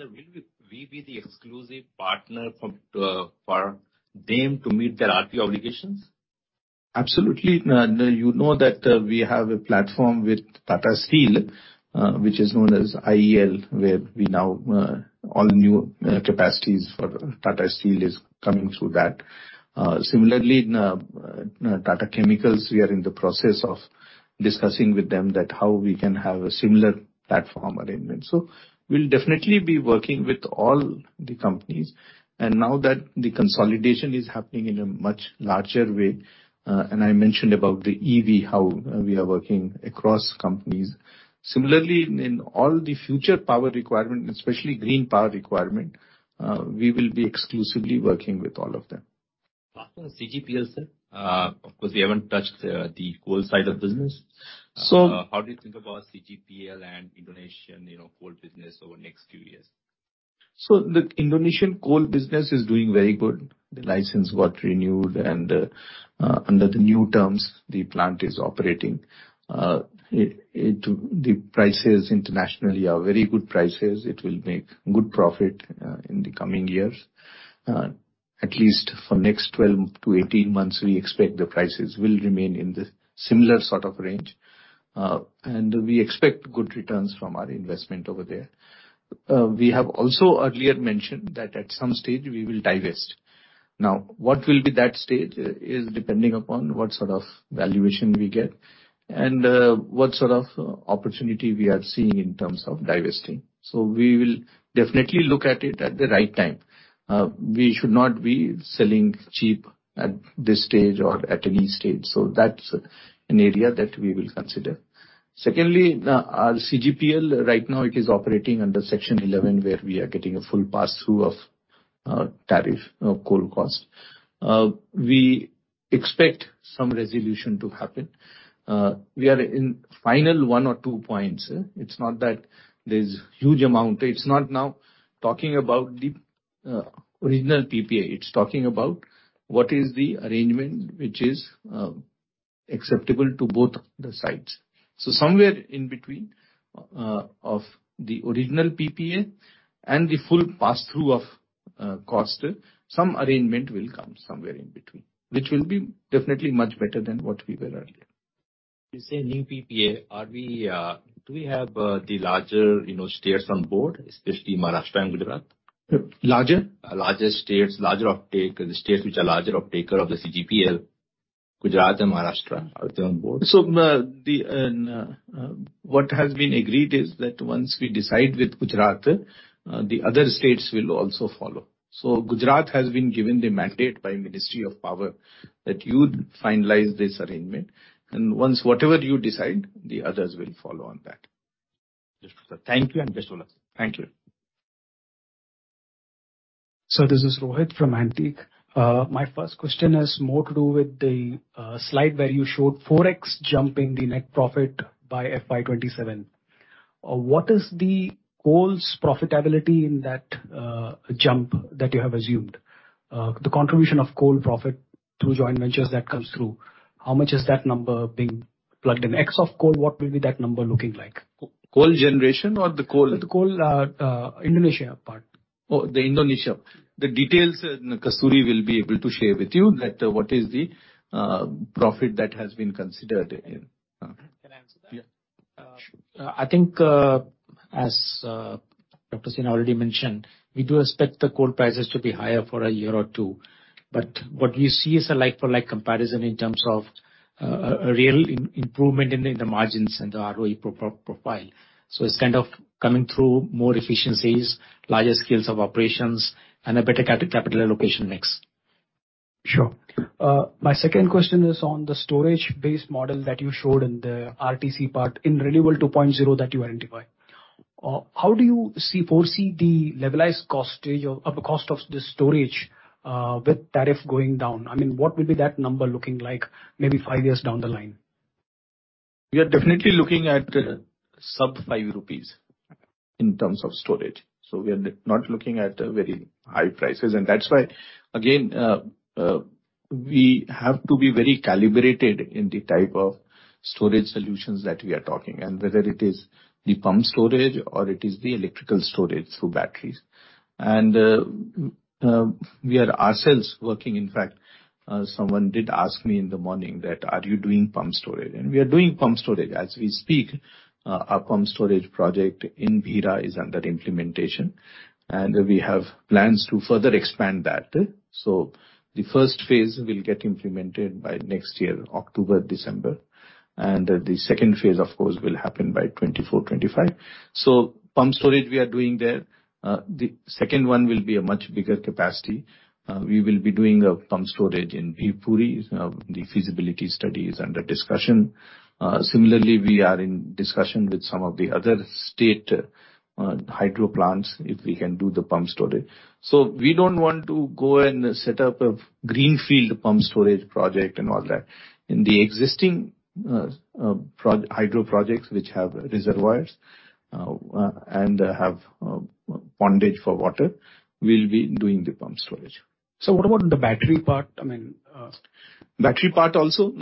Sir, will we be the exclusive partner for them to meet their RPO obligations? Absolutely. No, you know that we have a platform with Tata Steel, which is known as IEL, where we now all new capacities for Tata Steel is coming through that. Similarly, Tata Chemicals, we are in the process of discussing with them that how we can have a similar platform arrangement. We'll definitely be working with all the companies. Now that the consolidation is happening in a much larger way, and I mentioned about the EV, how we are working across companies. Similarly, in all the future power requirement, especially green power requirement, we will be exclusively working with all of them. After CGPL, sir, of course, we haven't touched the coal side of business. So- How do you think about CGPL and Indonesian, you know, coal business over next few years? The Indonesian coal business is doing very good. The license got renewed, and under the new terms, the plant is operating. The prices internationally are very good prices. It will make good profit in the coming years. At least for next 12-18 months, we expect the prices will remain in the similar sort of range. We expect good returns from our investment over there. We have also earlier mentioned that at some stage we will divest. Now, what will be that stage is depending upon what sort of valuation we get and what sort of opportunity we are seeing in terms of divesting. We will definitely look at it at the right time. We should not be selling cheap at this stage or at any stage. That's an area that we will consider. Secondly, our CGPL right now it is operating under Section 11, where we are getting a full passthrough of tariff of coal cost. We expect some resolution to happen. We are in final 1 or 2 points. It's not that there's huge amount. It's not about the original PPA. It's talking about what is the arrangement which is acceptable to both the sides. Somewhere in between the original PPA and the full passthrough of cost, some arrangement will come somewhere in between, which will be definitely much better than what we were earlier. You say new PPA. Do we have the larger, you know, states on board, especially Maharashtra and Gujarat? Larger? Larger states, larger offtake. The states which are larger offtaker of the CGPL, Gujarat and Maharashtra, are they on board? What has been agreed is that once we decide with Gujarat, the other states will also follow. Gujarat has been given the mandate by Ministry of Power that you finalize this arrangement, and once whatever you decide, the others will follow on that. Thank you. Best of luck. Thank you. This is Rohit from Antique. My first question has more to do with the slide where you showed 4x jumping the net profit by FY 2027. What is the coal's profitability in that jump that you have assumed? The contribution of coal profit through joint ventures that comes through, how much is that number being plugged in x of coal, what will be that number looking like? Coal generation or the coal. The coal Indonesia part. Indonesia. The details, Kasturi will be able to share with you that what is the profit that has been considered in. Can I answer that? Yeah, sure. I think, as Praveer Sinha already mentioned, we do expect the coal prices to be higher for a year or two, but what we see is a like for like comparison in terms of a real improvement in the margins and the ROE profile. It's kind of coming through more efficiencies, larger scales of operations, and a better capital allocation mix. Sure. My second question is on the storage-based model that you showed in the RTC part, in Renewables 2.0 that you identify. How do you foresee the levelized cost of the storage with tariff going down? I mean, what will be that number looking like maybe five years down the line? We are definitely looking at sub-5 INR in terms of storage. We are not looking at very high prices. That's why, again, we have to be very calibrated in the type of storage solutions that we are talking, and whether it is the pumped storage or it is the electrical storage through batteries. We are ourselves working. In fact, someone did ask me in the morning that, "Are you doing pumped storage?" We are doing pumped storage. As we speak, our pumped storage project in Bhira is under implementation, and we have plans to further expand that. The first phase will get implemented by next year, October, December, and the second phase, of course, will happen by 2024, 2025. Pumped storage we are doing there. The seco nd one will be a much bigger capacity. We will be doing a pumped storage in Bhivpuri. The feasibility study is under discussion. Similarly, we are in discussion with some of the other state hydro plants, if we can do the pumped storage. We don't want to go and set up a greenfield pumped storage project and all that. In the existing hydro projects which have reservoirs and have pondage for water, we'll be doing the pumped storage. What about the battery part? I mean, Battery part also,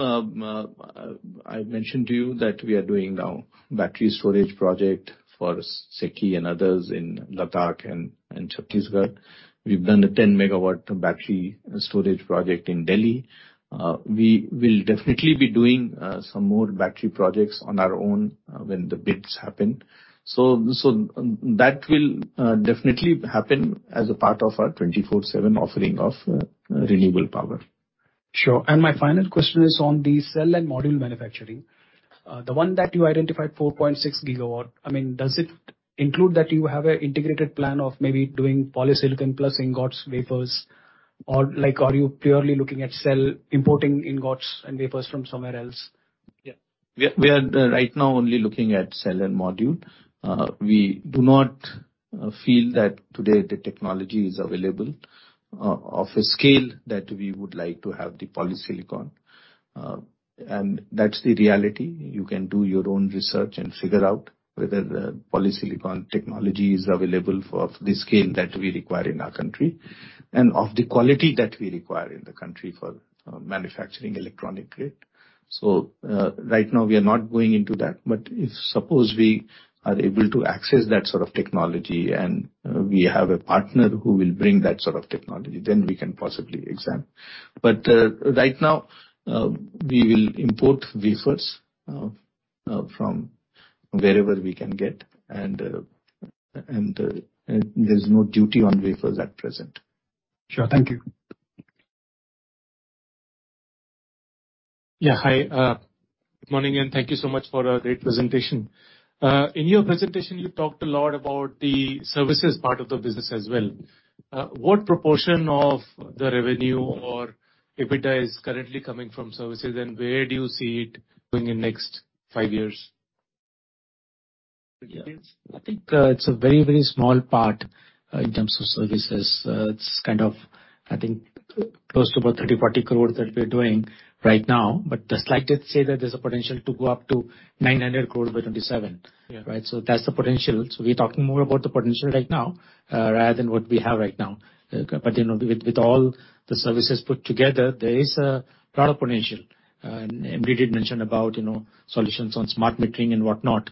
I mentioned to you that we are doing now battery storage project for SECI and others in Ladakh and Chhattisgarh. We've done a 10 MW battery storage project in Delhi. We will definitely be doing some more battery projects on our own when the bids happen. That will definitely happen as a part of our 24/7 offering of renewable power. Sure. My final question is on the cell and module manufacturing. The one that you identified, 4.6 GW, does it include that you have an integrated plan of maybe doing polysilicon plus ingots wafers, or are you purely looking at cell importing ingots and wafers from somewhere else? Yeah. We are right now only looking at cell and module. We do not feel that today the technology is available of a scale that we would like to have the polysilicon. That's the reality. You can do your own research and figure out whether the polysilicon technology is available for of the scale that we require in our country and of the quality that we require in the country for manufacturing electronic-grade. Right now we are not going into that. If suppose we are able to access that sort of technology, and we have a partner who will bring that sort of technology, then we can possibly examine. Right now we will import wafers from wherever we can get, and there's no duty on wafers at present. Sure. Thank you. Yeah. Hi, good morning, and thank you so much for a great presentation. In your presentation, you talked a lot about the services part of the business as well. What proportion of the revenue or EBITDA is currently coming from services, and where do you see it going in next five years? I think, it's a very, very small part in terms of services. It's kind of, I think close to about 30-40 crore that we're doing right now, but the slide says that there's a potential to go up to 900 crore by 2027. Yeah. Right? That's the potential. We're talking more about the potential right now, rather than what we have right now. You know, with all the services put together, there is a lot of potential. MD did mention about, you know, solutions on smart metering and whatnot.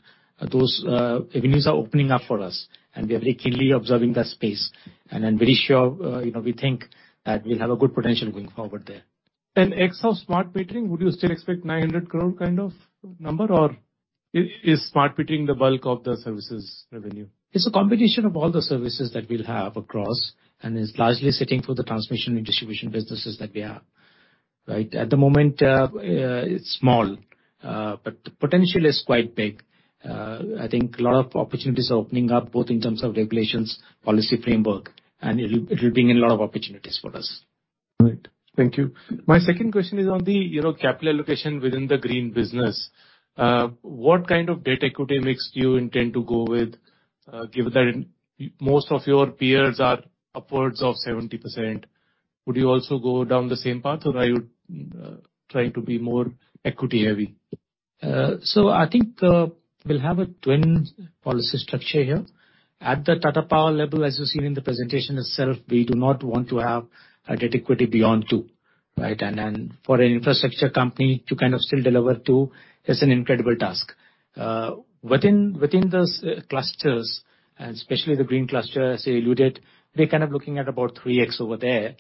Those avenues are opening up for us, and we are very keenly observing that space. I'm very sure, you know, we think that we'll have a good potential going forward there. Example of smart metering, would you still expect 900 crore kind of number, or is smart metering the bulk of the services revenue? It's a combination of all the services that we'll have across, and it's largely sitting for the transmission and distribution businesses that we have. Right at the moment, it's small, but the potential is quite big. I think a lot of opportunities are opening up, both in terms of regulations, policy framework, and it'll bring in a lot of opportunities for us. Right. Thank you. My second question is on the, you know, capital allocation within the green business. What kind of debt/equity mix do you intend to go with, given that most of your peers are upwards of 70%. Would you also go down the same path, or are you trying to be more equity heavy? I think we'll have a twin policy structure here. At the Tata Power level, as you seen in the presentation itself, we do not want to have a debt equity beyond 2, right? For an infrastructure company to kind of still deliver 2 is an incredible task. Within those clusters, and especially the green cluster, as I alluded, we're kind of looking at about 3x over there,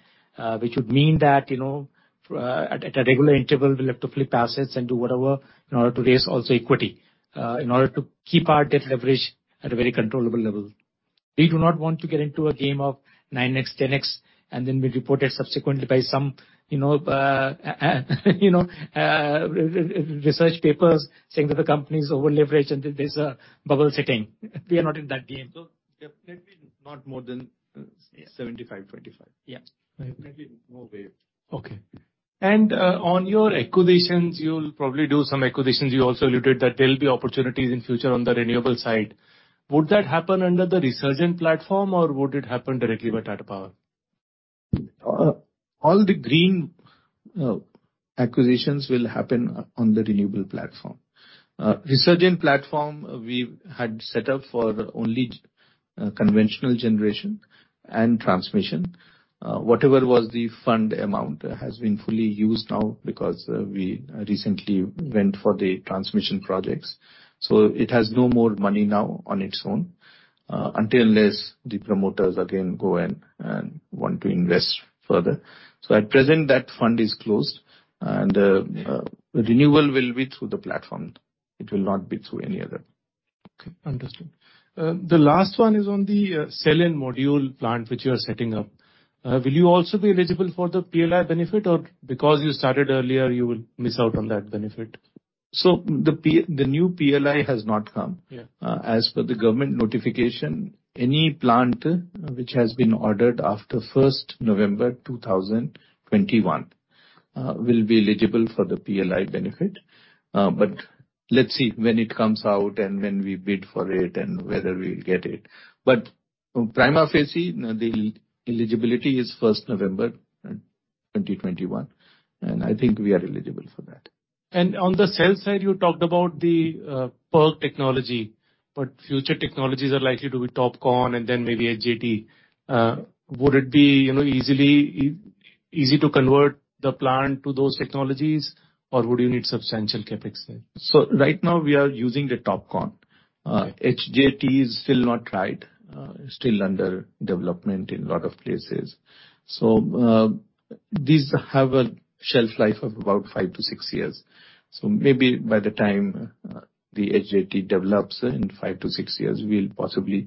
which would mean that, you know, at a regular interval, we'll have to flip assets and do whatever in order to raise also equity, in order to keep our debt leverage at a very controllable level. We do not want to get into a game of 9x, 10x, and then be reported subsequently by some, you know, you know, research papers saying that the company is over-leveraged and there's a bubble setting. We are not in that game. Definitely not more than, Yes. Seventy-five/twenty-five. Yeah. Definitely no way. Okay. On your acquisitions, you'll probably do some acquisitions. You also alluded that there'll be opportunities in future on the renewable side. Would that happen under the Resurgent platform or would it happen directly with Tata Power? All the green acquisitions will happen on the renewable platform. Resurgent platform, we had set up for only conventional generation and transmission. Whatever was the fund amount has been fully used now because we recently went for the transmission projects. It has no more money now on its own unless the promoters again go and want to invest further. At present, that fund is closed and Yeah. Renewable will be through the platform. It will not be through any other. Okay. Understood. The last one is on the cell and module plant which you are setting up. Will you also be eligible for the PLI benefit or because you started earlier, you will miss out on that benefit? The new PLI has not come. Yeah. As per the government notification, any plant which has been ordered after first November 2021, will be eligible for the PLI benefit. Let's see when it comes out and when we bid for it and whether we'll get it. Prima facie, the eligibility is first November 2021, and I think we are eligible for that. On the cell side, you talked about the PERC technology, but future technologies are likely to be TOPCon and then maybe HJT. Would it be, you know, easy to convert the plant to those technologies or would you need substantial CapEx there? Right now we are using the TOPCon. Okay. HJT is still not right, still under development in a lot of places. These have a shelf life of about 5-6 years. Maybe by the time the HJT develops in 5-6 years, we'll possibly.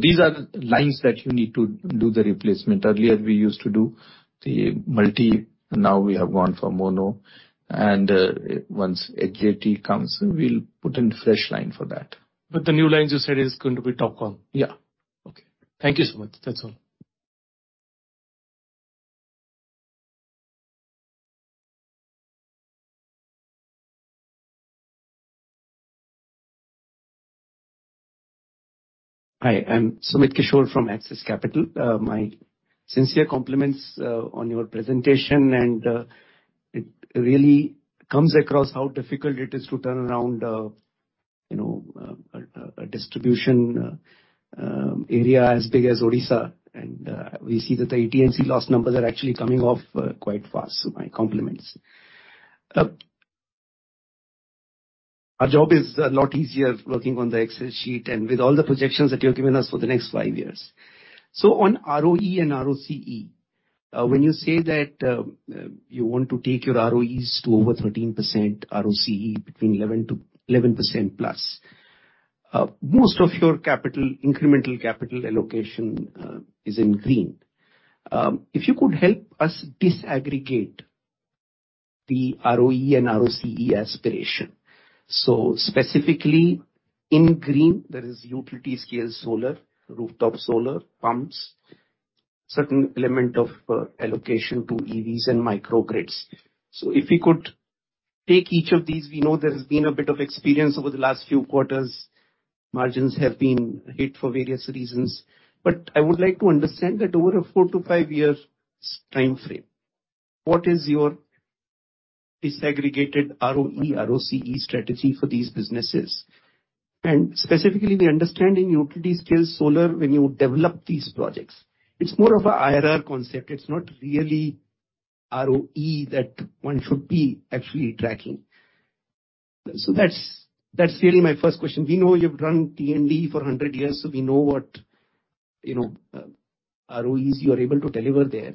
These are lines that you need to do the replacement. Earlier, we used to do the multi, now we have gone for mono. Once HJT comes, we'll put in fresh line for that. The new line, you said, is going to be TOPCon. Yeah. Okay. Thank you so much. That's all. Hi, I'm Sumit Kishore from Axis Capital. My sincere compliments on your presentation, and it really comes across how difficult it is to turn around, you know, a distribution area as big as Odisha. We see that the AT&C loss numbers are actually coming off quite fast. My compliments. Our job is a lot easier working on the Excel sheet and with all the projections that you've given us for the next five years. On ROE and ROCE, when you say that you want to take your ROEs to over 13%, ROCE between 11-11% plus, most of your capital, incremental capital allocation is in green. If you could help us disaggregate the ROE and ROCE aspiration. Specifically in green, there is utility scale solar, rooftop solar, pumps, certain element of allocation to EVs and microgrids. If we could take each of these, we know there has been a bit of experience over the last few quarters. Margins have been hit for various reasons. I would like to understand that over a 4-5 years timeframe, what is your disaggregated ROE, ROCE strategy for these businesses? Specifically, the understanding utility scale solar, when you develop these projects, it's more of a IRR concept. It's not really ROE that one should be actually tracking. That's really my first question. We know you've run T&D for 100 years, we know what, you know, ROEs you are able to deliver there.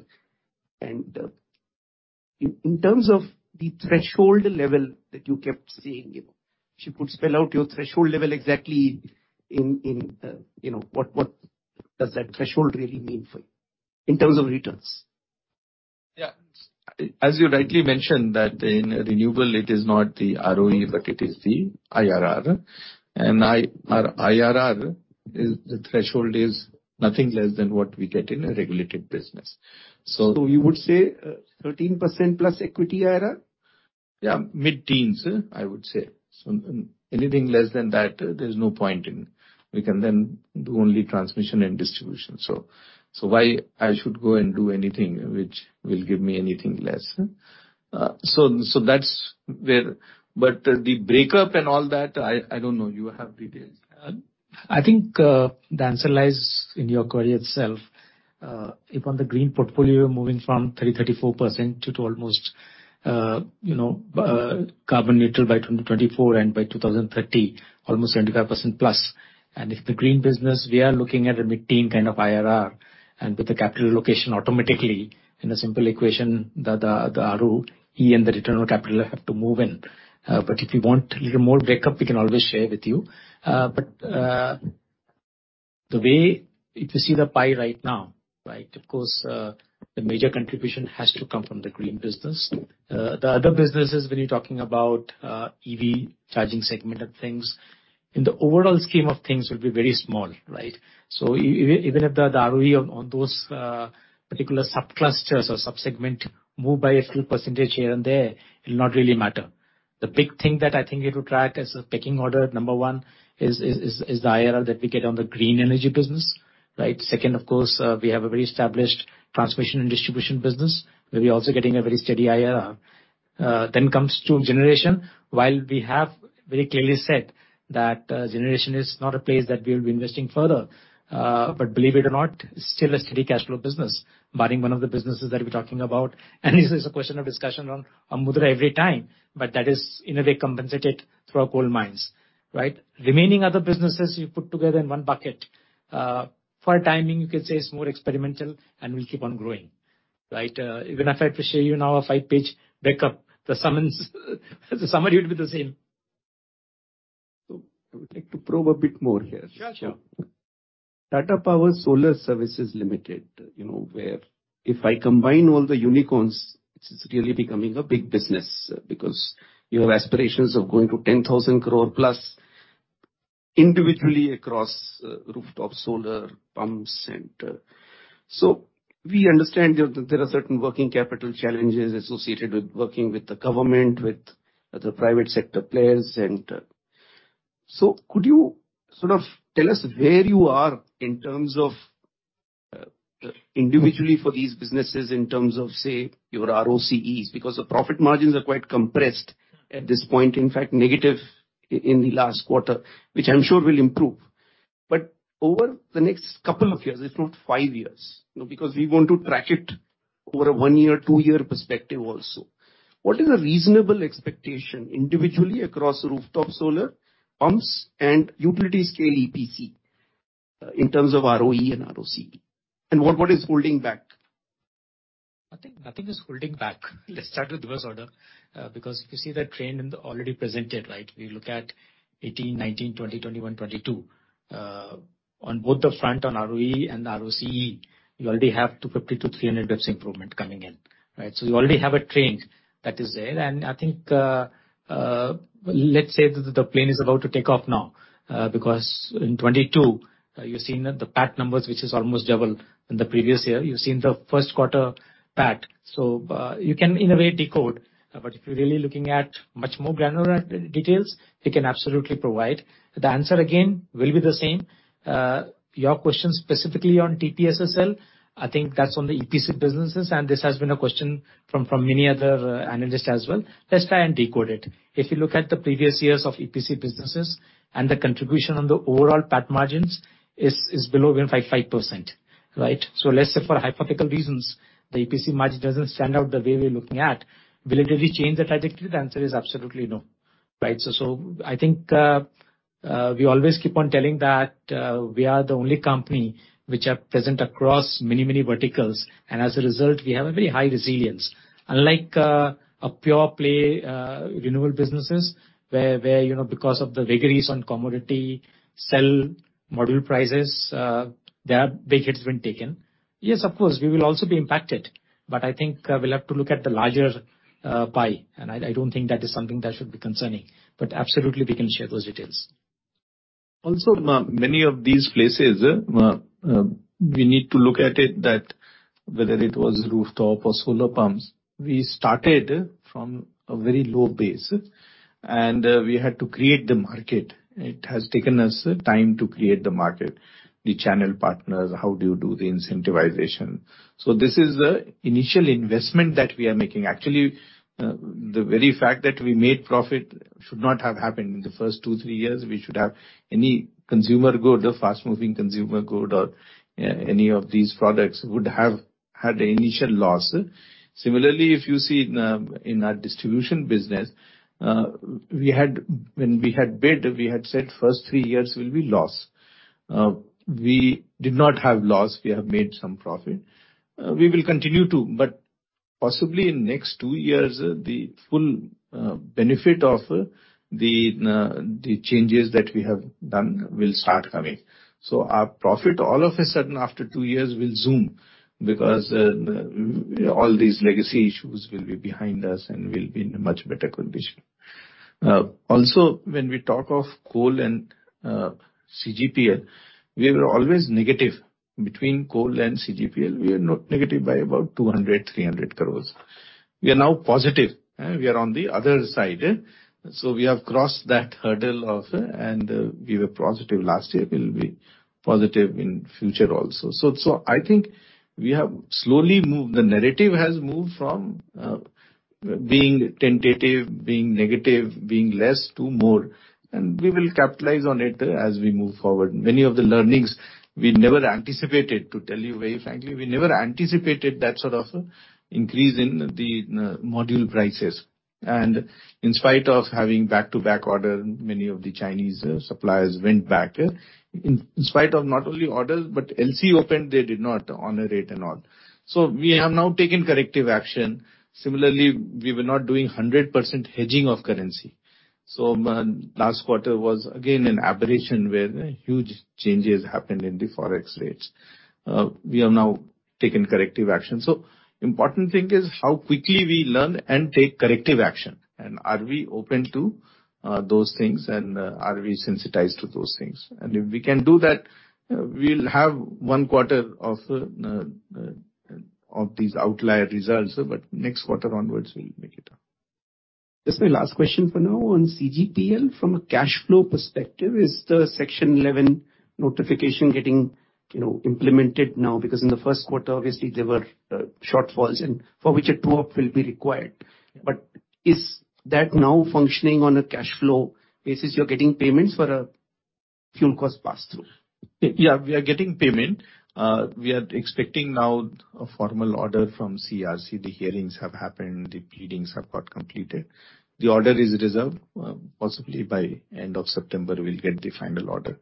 In terms of the threshold level that you kept saying, you know, if you could spell out your threshold level exactly, you know, what does that threshold really mean for you in terms of returns? Yeah. As you rightly mentioned that in renewable it is not the ROE, but it is the IRR. Our IRR is, the threshold is nothing less than what we get in a regulated business. You would say 13%+ equity IRR? Yeah, mid-teens, I would say. Anything less than that, there's no point in. We can then do only transmission and distribution. Why I should go and do anything which will give me anything less? That's where. The breakup and all that, I don't know. You have details. I think the answer lies in your query itself. If on the green portfolio you're moving from 30%-34% to almost, you know, carbon neutral by 2024, and by 2030, almost 75%+. If the green business, we are looking at a mid-teen kind of IRR, and with the capital allocation automatically in a simple equation, the ROE and the return on capital have to move in. But if you want little more breakup, we can always share with you. If you see the pie right now, right, of course, the major contribution has to come from the green business. The other businesses, when you're talking about EV charging segment and things, in the overall scheme of things will be very small, right? Even if the ROE on those particular subclusters or sub-segment move by a small percentage here and there, it'll not really matter. The big thing that I think it will track as a pecking order, number one is the IRR that we get on the green energy business, right? Second, of course, we have a very established transmission and distribution business, where we're also getting a very steady IRR. Then comes generation. While we have very clearly said that, generation is not a place that we will be investing further, but believe it or not, still a steady cash flow business, barring one of the businesses that we're talking about. This is a question of discussion on Mundra every time, but that is in a way compensated through our coal mines, right? Remaining other businesses you put together in one bucket. For timing, you could say it's more experimental and will keep on growing, right? Even if I have to show you now a five-page breakdown, the sum is the summary would be the same. I would like to probe a bit more here. Sure, sure. Tata Power Solar Systems Limited, you know, where if I combine all the unicorns, it's really becoming a big business, because you have aspirations of going to 10,000 crore plus individually across rooftop solar pumps. We understand there are certain working capital challenges associated with working with the government, with the private sector players. Could you sort of tell us where you are in terms of individually for these businesses, in terms of, say, your ROCEs? Because the profit margins are quite compressed at this point, in fact negative in the last quarter, which I'm sure will improve. Over the next couple of years, if not five years, you know, because we want to track it over a one-year, two-year perspective also, what is a reasonable expectation individually across rooftop solar pumps and utility scale EPC, in terms of ROE and ROCE, and what is holding back? Nothing is holding back. Let's start with reverse order. Because if you see the trend in the already presented right, we look at 2018, 2019, 2020, 2021, 2022, on both fronts, on ROE and ROCE, you already have 250-300 basis points improvement coming in, right? You already have a trend that is there. I think, let's say that the plane is about to take off now, because in 2022, you're seeing that the PAT numbers, which is almost double than the previous year. You've seen the first quarter PAT, you can in a way decode. If you're really looking at much more granular details, we can absolutely provide. The answer again will be the same. Your question specifically on TPSSL, I think that's on the EPC businesses, and this has been a question from many other analysts as well. Let's try and decode it. If you look at the previous years of EPC businesses and the contribution on the overall PAT margins is below even 5%, right? Let's say for hypothetical reasons, the EPC margin doesn't stand out the way we're looking at. Will it really change the trajectory? The answer is absolutely no, right? I think we always keep on telling that we are the only company which are present across many verticals, and as a result, we have a very high resilience. Unlike a pure-play renewable businesses where, you know, because of the vagaries on commodity cell module prices, they've taken big hits. Yes, of course we will also be impacted, but I think, we'll have to look at the larger, pie, and I don't think that is something that should be concerning. Absolutely we can share those details. Ma'am, many of these places, we need to look at it that whether it was rooftop or solar pumps, we started from a very low base, and we had to create the market. It has taken us time to create the market. The channel partners, how do you do the incentivization? This is the initial investment that we are making. Actually, the very fact that we made profit should not have happened in the first two, three years. We should have any consumer good, a fast moving consumer good or any of these products would have had initial loss. Similarly, if you see in our distribution business, when we had bid, we had said first three years will be loss. We did not have loss. We have made some profit. We will continue to, but possibly in next two years, the full benefit of the changes that we have done will start coming. Our profit all of a sudden after two years will zoom because all these legacy issues will be behind us and we'll be in a much better condition. Also when we talk of coal and CGPL, we are always negative. Between coal and CGPL, we are not negative by about 200-300 crores. We are now positive, we are on the other side. We have crossed that hurdle also and we were positive last year, we'll be positive in future also. I think we have slowly moved. The narrative has moved from being tentative, being negative, being less to more, and we will capitalize on it as we move forward. Many of the learnings we never anticipated. To tell you very frankly, we never anticipated that sort of increase in the module prices. In spite of having back-to-back order, many of the Chinese suppliers went back. In spite of not only orders, but LC opened, they did not honor it and all. We have now taken corrective action. Similarly, we were not doing 100% hedging of currency. Last quarter was again an aberration where huge changes happened in the Forex rates. We have now taken corrective action. Important thing is how quickly we learn and take corrective action, and are we open to those things and are we sensitized to those things. If we can do that, we'll have one quarter of these outlier results, but next quarter onwards we'll make it up. Just my last question for now on CGPL. From a cash flow perspective, is the Section 11 notification getting implemented now? Because in the first quarter obviously there were shortfalls and for which a tool will be required. Is that now functioning on a cash flow basis, you're getting payments for a fuel cost pass through? Yeah, we are getting payment. We are expecting now a formal order from CERC. The hearings have happened, the pleadings have got completed. The order is reserved. Possibly by end of September we'll get the final order.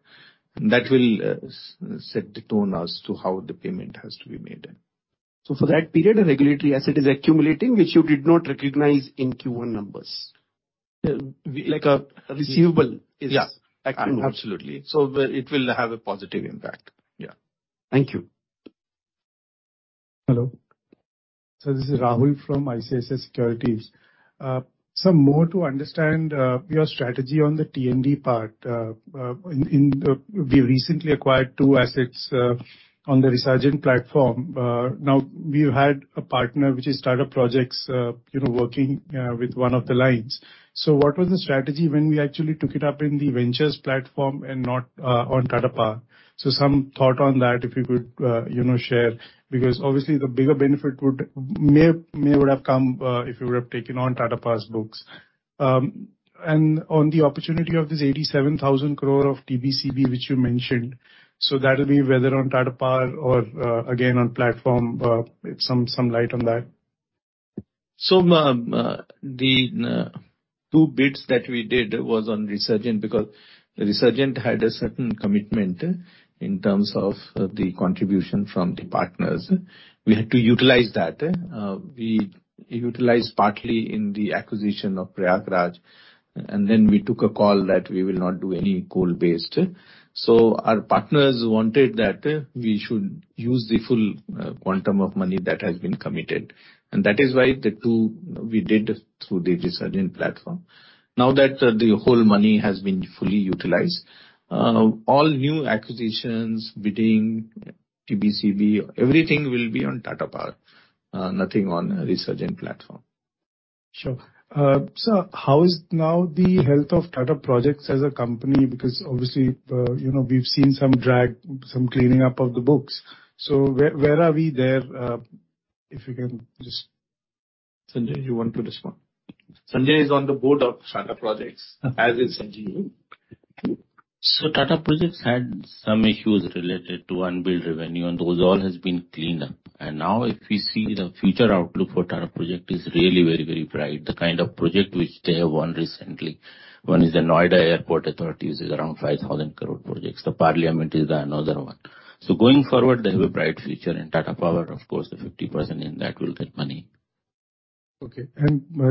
That will set the tone as to how the payment has to be made. For that period, a regulatory asset is accumulating which you did not recognize in Q1 numbers. Yeah. Like a receivable is. Yeah. -accumulated. Absolutely. It will have a positive impact. Yeah. Thank you. Hello. This is Rahul from ICICI Securities. Sir, I want to understand your strategy on the T&D part. We recently acquired 2 assets on the Resurgent platform. Now we've had a partner which has started projects, you know, working with one of the lines. What was the strategy when we actually took it up in the Resurgent platform and not on Tata Power? Some thought on that, if you could, you know, share, because obviously the bigger benefit would have come if you would have taken on Tata Power's books. On the opportunity of this 87,000 crore of TBCB, which you mentioned, that'll be whether on Tata Power or again on platform, some light on that. The two bids that we did was on Resurgent because Resurgent had a certain commitment in terms of the contribution from the partners. We had to utilize that. We utilized partly in the acquisition of Prayagraj, and then we took a call that we will not do any coal-based. Our partners wanted that we should use the full quantum of money that has been committed, and that is why the two we did through the Resurgent platform. Now that the whole money has been fully utilized, all new acquisitions, bidding, TBCB, everything will be on Tata Power, nothing on Resurgent platform. Sure. Sir, how is now the health of Tata Projects as a company? Because obviously, you know, we've seen some drag, some cleaning up of the books. Where are we there, if you can just... Sanjay, do you want to respond? Sanjay is on the board of Tata Projects as is [NGU]. Tata Projects had some issues related to unbilled revenue, and those all has been cleaned up. Now if we see the future outlook for Tata Projects is really very, very bright. The kind of project which they have won recently. One is the Noida International Airport. This is around 5,000 crore projects. The Parliament is another one. Going forward, they have a bright future and Tata Power, of course, the 50% in that will get money. Okay.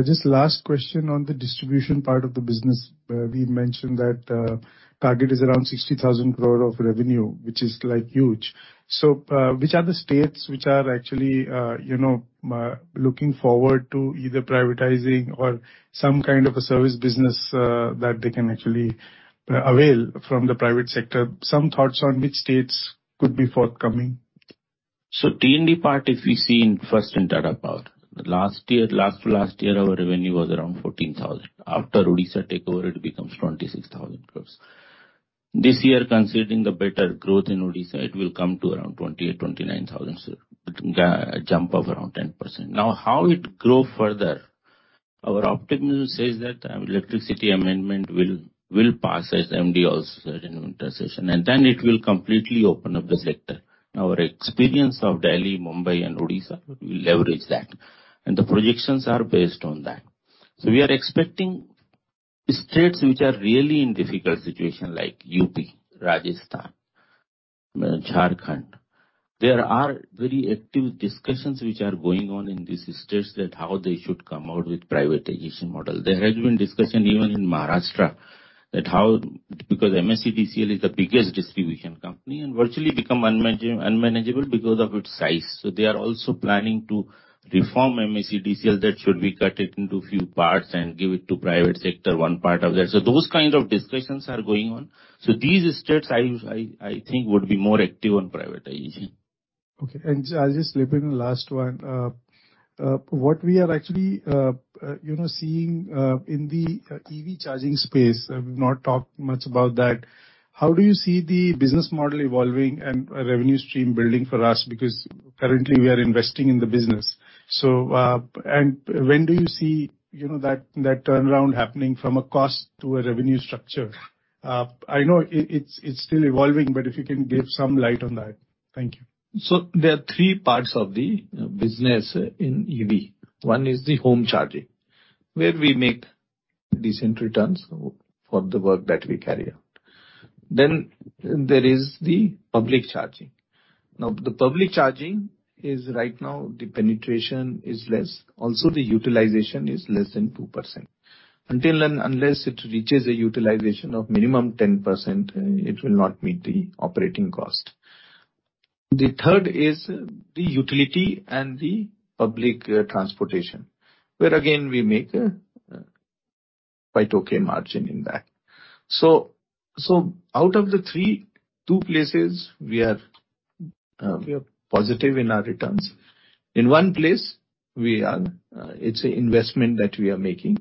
Just last question on the distribution part of the business. We mentioned that target is around 60,000 crore of revenue, which is like huge. Which are the states which are actually you know looking forward to either privatizing or some kind of a service business that they can actually avail from the private sector? Some thoughts on which states could be forthcoming. T&D part, if we see first in Tata Power. Last year, last to last year, our revenue was around 14,000 crore. After Odisha takeover, it becomes 26,000 crore. This year, considering the better growth in Odisha, it will come to around 28,000-29,000 crore, so a jump of around 10%. Now, how it grow further, our optimism says that Electricity (Amendment) Bill will pass as MD also said in winter session, and then it will completely open up the sector. Our experience of Delhi, Mumbai and Odisha, we leverage that, and the projections are based on that. We are expecting states which are really in difficult situation like UP, Rajasthan, Jharkhand. There are very active discussions which are going on in these states that how they should come out with privatization model. There has been discussion even in Maharashtra. Because MSEDCL is the biggest distribution company, and virtually become unmanageable because of its size. They are also planning to reform MSEDCL that should be cut into few parts and give it to private sector, one part of that. Those kind of discussions are going on. These states, I think would be more active on privatization. Okay. I'll just slip in the last one. What we are actually you know seeing in the EV charging space, we've not talked much about that. How do you see the business model evolving and a revenue stream building for us? Because currently we are investing in the business. When do you see you know that turnaround happening from a cost to a revenue structure? I know it's still evolving, but if you can give some light on that. Thank you. There are three parts of the business in EV. One is the home charging, where we make decent returns for the work that we carry out. There is the public charging. Now, the public charging is right now the penetration is less. Also, the utilization is less than 2%. Until and unless it reaches a utilization of minimum 10%, it will not meet the operating cost. The third is the utility and the public transportation, where again, we make quite okay margin in that. Out of the three, two places we are positive in our returns. In one place, we are, it's an investment that we are making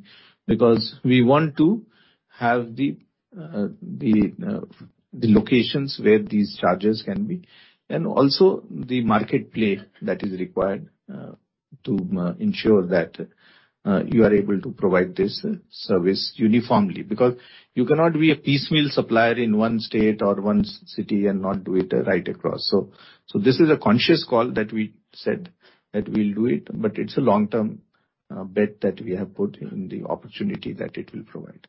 because we want to have the locations where these charges can be, and also the market play that is required to ensure that you are able to provide this service uniformly. Because you cannot be a piecemeal supplier in one state or one city and not do it right across. This is a conscious call that we said that we'll do it, but it's a long-term bet that we have put in the opportunity that it will provide.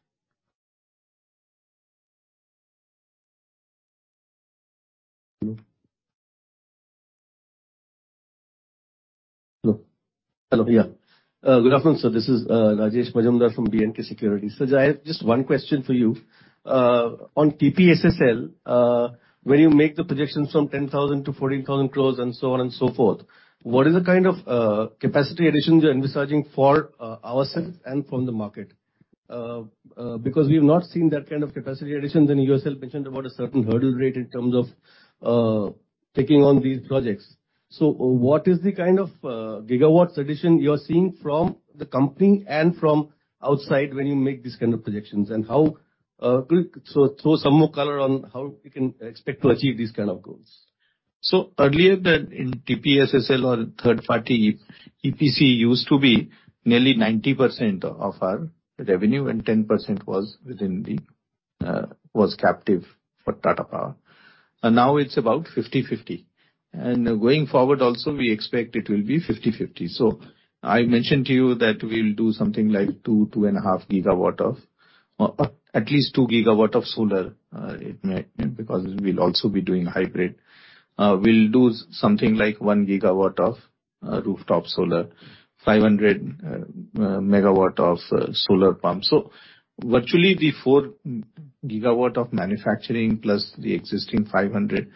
Good afternoon, sir. This is Rajesh Majumdar from B&K Securities. Sir, I have just one question for you. On TPSSL, when you make the projections from 10,000-14,000 crore and so on and so forth, what is the kind of capacity additions you're envisaging for ourselves and from the market? Because we've not seen that kind of capacity additions, and you yourself mentioned about a certain hurdle rate in terms of taking on these projects. What is the kind of gigawatts addition you're seeing from the company and from outside when you make these kind of projections? Throw some more color on how we can expect to achieve these kind of goals. Earlier, in TPSSL or third party, EPC used to be nearly 90% of our revenue and 10% was captive for Tata Power. Now it's about 50/50. Going forward also, we expect it will be 50/50. I mentioned to you that we'll do something like 2-2.5 GW or at least 2 GW of solar, it may because we'll also be doing hybrid. We'll do something like 1 GW of rooftop solar, 500 MW of solar pumps. Virtually the 4 GW of manufacturing plus the existing 500,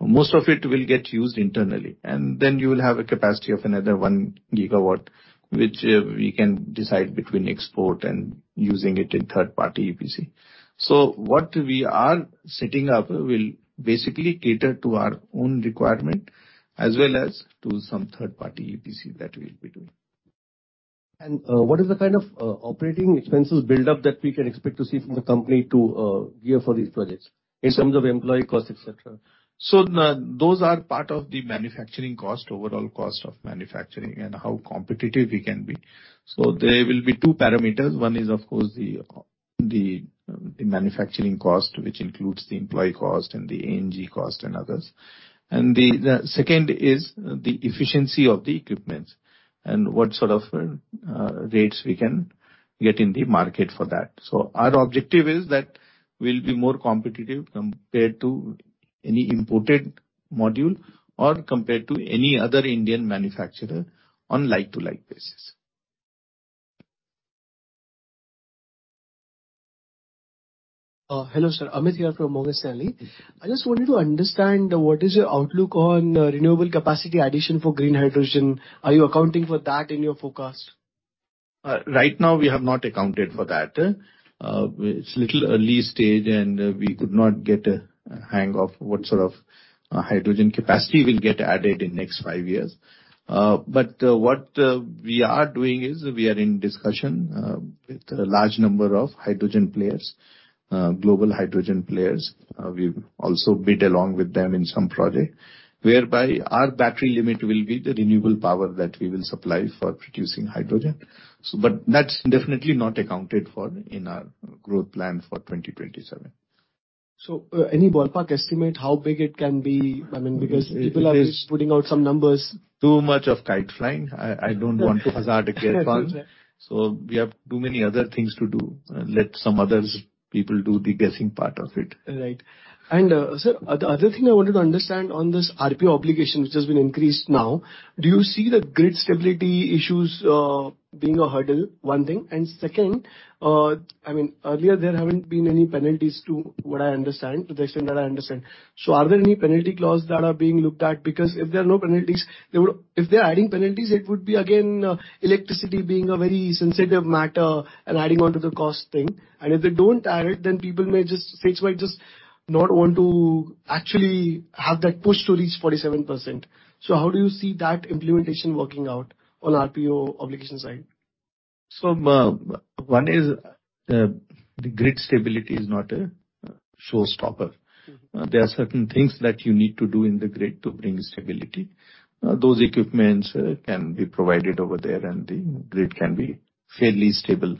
most of it will get used internally. Then you will have a capacity of another 1 GW, which we can decide between export and using it in third party EPC. What we are setting up will basically cater to our own requirement as well as to some third party EPC that we'll be doing. What is the kind of operating expenses build-up that we can expect to see from the company to gear for these projects in terms of employee costs, et cetera? Those are part of the manufacturing cost, overall cost of manufacturing and how competitive we can be. There will be two parameters. One is, of course, the manufacturing cost, which includes the employee cost and the A&G cost and others. The second is the efficiency of the equipment and what sort of rates we can get in the market for that. Our objective is that we'll be more competitive compared to any imported module or compared to any other Indian manufacturer on like-for-like basis. Hello, sir. Amit here from Morgan Stanley. I just wanted to understand what is your outlook on renewable capacity addition for green hydrogen. Are you accounting for that in your forecast? Right now, we have not accounted for that. It's a little early stage, and we could not get a hang of what sort of hydrogen capacity will get added in next five years. What we are doing is we are in discussion with a large number of hydrogen players, global hydrogen players. We've also bid along with them in some project, whereby our battery limit will be the renewable power that we will supply for producing hydrogen. That's definitely not accounted for in our growth plan for 2027. Any ballpark estimate how big it can be? I mean, because people are just putting out some numbers. Too much of kite flying. I don't want to hazard a guess on. Right. We have too many other things to do. Let some other people do the guessing part of it. Right. Sir, other thing I wanted to understand on this RPO obligation which has been increased now, do you see the grid stability issues being a hurdle? One thing. Second, I mean, earlier there haven't been any penalties to what I understand, to the extent that I understand. So are there any penalty clause that are being looked at? Because if there are no penalties, they would. If they're adding penalties, it would be again, electricity being a very sensitive matter and adding on to the cost thing. If they don't add it, then people may just say, "So I just not want to actually have that push to reach 47%." So how do you see that implementation working out on RPO obligation side? One is the grid stability is not a showstopper. Mm-hmm. There are certain things that you need to do in the grid to bring stability. Those equipment can be provided over there and the grid can be fairly stable.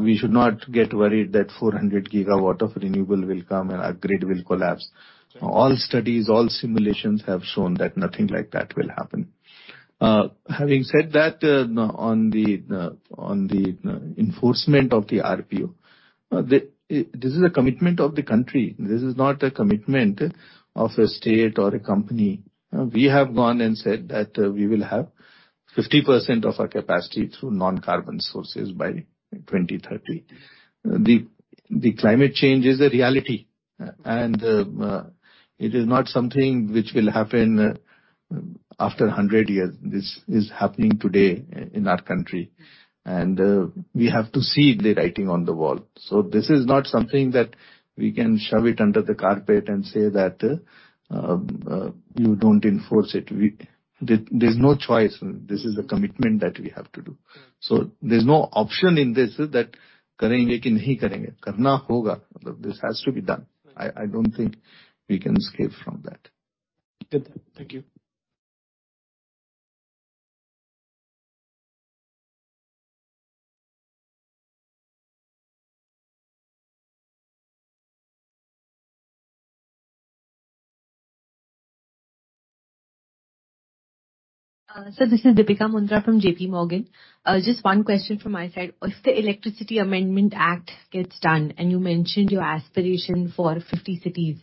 We should not get worried that 400 gigawatt of renewable will come and our grid will collapse. All studies, all simulations have shown that nothing like that will happen. Having said that, on the enforcement of the RPO, this is a commitment of the country. This is not a commitment of a state or a company. We have gone and said that we will have 50% of our capacity through non-carbon sources by 2030. Climate change is a reality and it is not something which will happen after a hundred years. This is happening today in our country, and we have to see the writing on the wall. This is not something that we can shove it under the carpet and say that you don't enforce it. There's no choice. This is a commitment that we have to do. Right. There's no option in this that this has to be done. I don't think we can escape from that. Good. Thank you. Sir, this is Deepika Mundra from JPMorgan. Just one question from my side. If the Electricity Amendment Act gets done, and you mentioned your aspiration for 50 cities,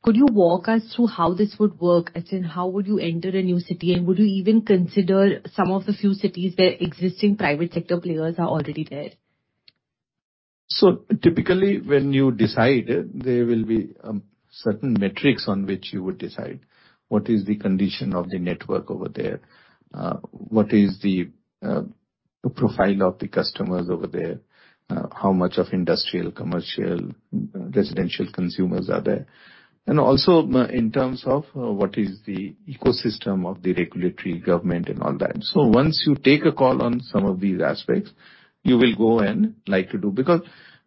could you walk us through how this would work? As in, how would you enter a new city? Would you even consider some of the few cities where existing private sector players are already there? Typically when you decide, there will be certain metrics on which you would decide what is the condition of the network over there, what is the profile of the customers over there, how much of industrial, commercial, residential consumers are there. Also in terms of what is the ecosystem of the regulatory government and all that. Once you take a call on some of these aspects, you will go and like to do, because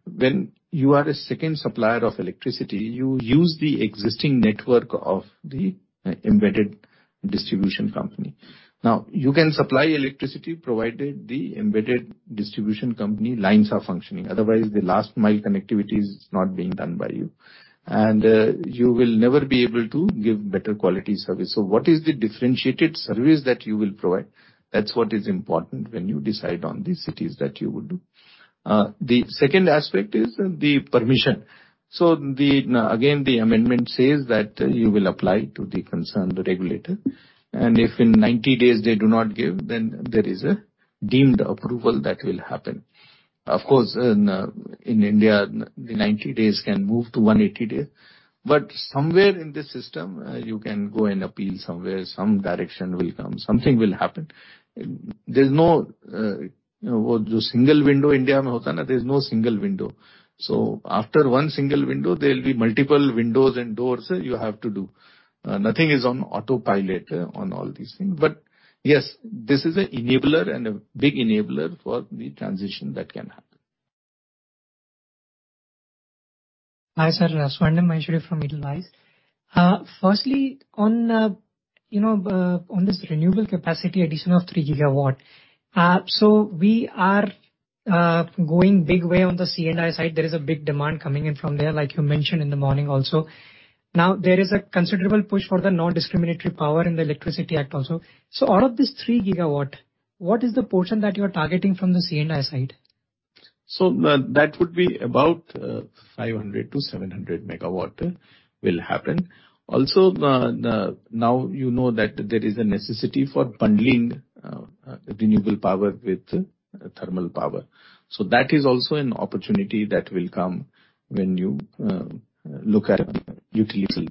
when you are a second supplier of electricity, you use the existing network of the embedded distribution company. Now, you can supply electricity provided the embedded distribution company lines are functioning. Otherwise, the last mile connectivity is not being done by you. You will never be able to give better quality service. What is the differentiated service that you will provide? That's what is important when you decide on the cities that you would do. The second aspect is the permission. The amendment says that you will apply to the concerned regulator, and if in 90 days they do not give, then there is a deemed approval that will happen. Of course, in India, the 90 days can move to 180 days. Somewhere in the system, you can go and appeal somewhere, some direction will come, something will happen. There's no single window in India, there's no single window. After one single window, there will be multiple windows and doors you have to do. Nothing is on autopilot on all these things. Yes, this is an enabler and a big enabler for the transition that can happen. Hi, sir. Swarnim Maheshwari from Edelweiss. Firstly, on, you know, on this renewable capacity addition of 3 gigawatt. We are going big way on the C&I side. There is a big demand coming in from there, like you mentioned in the morning also. Now there is a considerable push for the non-discriminatory power in the Electricity Act also. Out of this 3 gigawatt, what is the portion that you're targeting from the C&I side? That would be about 500-700 MW. Also, now you know that there is a necessity for bundling renewable power with thermal power. That is also an opportunity that will come when you look at utility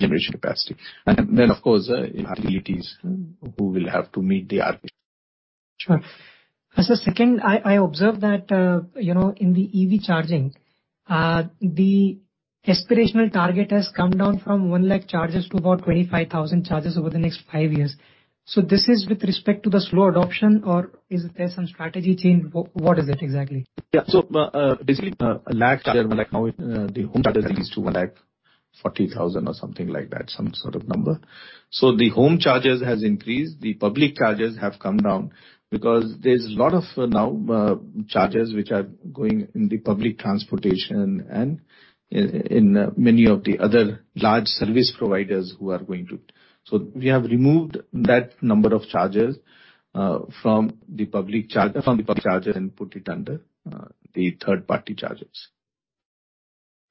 generation capacity. Of course, utilities who will have to meet the RPO. Sure. As a second, I observed that, you know, in the EV charging, the aspirational target has come down from 1 lakh chargers to about 25,000 chargers over the next 5 years. This is with respect to the slow adoption, or is there some strategy change? What is it exactly? Yeah. Basically 1 lakh chargers, 100,000 now, the home chargers reduced to 140,000 or something like that, some sort of number. The home chargers has increased. The public chargers have come down because there's a lot of now chargers which are going in the public transportation and in many of the other large service providers who are going to. We have removed that number of chargers from the public chargers and put it under the third-party chargers.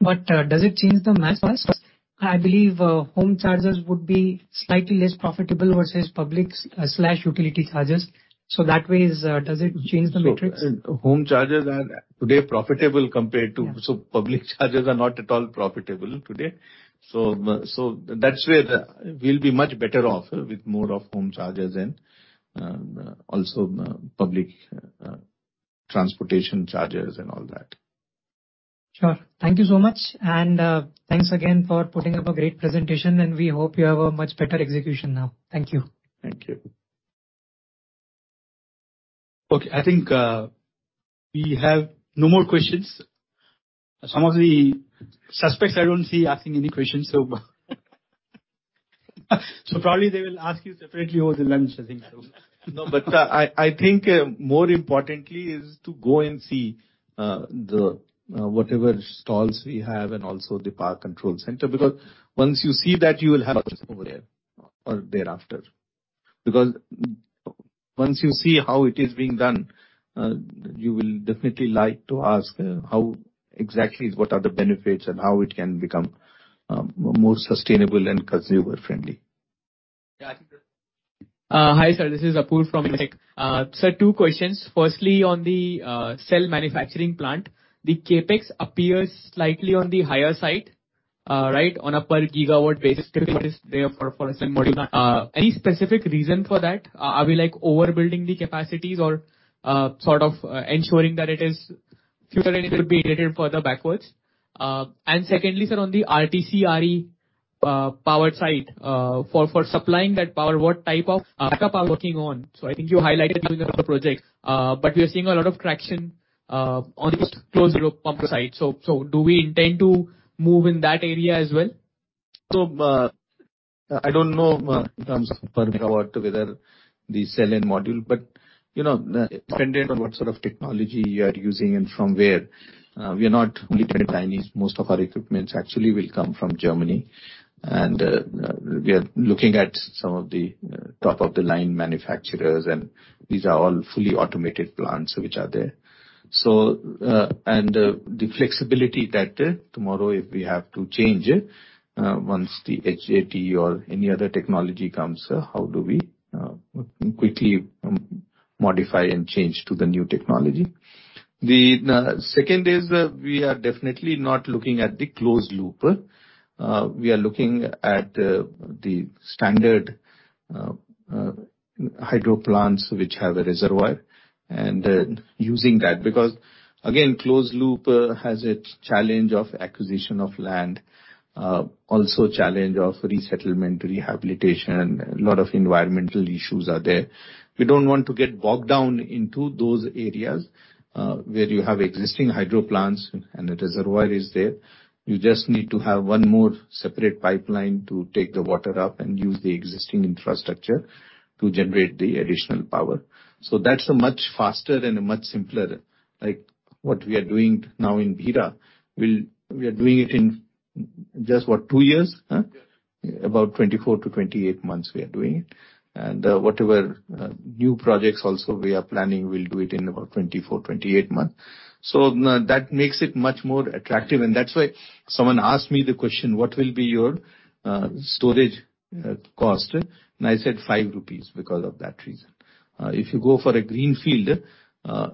Does it change the math? I believe home chargers would be slightly less profitable versus public slash utility chargers. Does it change the metrics? Home chargers are today profitable compared to- Yeah. Public chargers are not at all profitable today. That's where we'll be much better off with more home chargers and also public transportation chargers and all that. Sure. Thank you so much, and thanks again for putting up a great presentation, and we hope you have a much better execution now. Thank you. Thank you. Okay. I think we have no more questions. Some of the analysts I don't see asking any questions, so probably they will ask you separately over lunch, I think so. No, but I think more importantly is to go and see whatever stalls we have and also the power control center. Because once you see that, you will have over there or thereafter. Because once you see how it is being done, you will definitely like to ask how exactly is, what are the benefits and how it can become more sustainable and consumer friendly. Hi, sir. This is Apurva Deshmukh from JM Financial. Sir, two questions. Firstly, on the cell manufacturing plant, the CapEx appears slightly on the higher side, right, on a per gigawatt basis than what is there for a cell module. Any specific reason for that? Are we, like, overbuilding the capacities or sort of ensuring that it is future ready to be integrated further backwards? And secondly, sir, on the RTC-RE power side, for supplying that power, what type of backup are working on? I think you highlighted during the project, but we are seeing a lot of traction on the closed loop pump side. Do we intend to move in that area as well? I don't know in terms of per megawatt whether the cell and module, but you know, dependent on what sort of technology you are using and from where, we are not only Chinese, most of our equipments actually will come from Germany. We are looking at some of the top-of-the-line manufacturers, and these are all fully automated plants which are there. The flexibility that tomorrow, if we have to change, once the HJT or any other technology comes, how do we quickly modify and change to the new technology. The second is we are definitely not looking at the closed loop. We are looking at the standard hydro plants which have a reservoir and using that because again, closed loop has its challenge of acquisition of land, also challenge of resettlement, rehabilitation, a lot of environmental issues are there. We don't want to get bogged down into those areas where you have existing hydro plants and the reservoir is there. You just need to have one more separate pipeline to take the water up and use the existing infrastructure to generate the additional power. That's a much faster and a much simpler, like what we are doing now in Bhira. We are doing it in just what, two years, huh? Yes. About 24-28 months we are doing it. New projects also we are planning, we'll do it in about 24-28 months. That makes it much more attractive. That's why someone asked me the question, "What will be your storage cost?" I said 5 rupees because of that reason. If you go for a greenfield,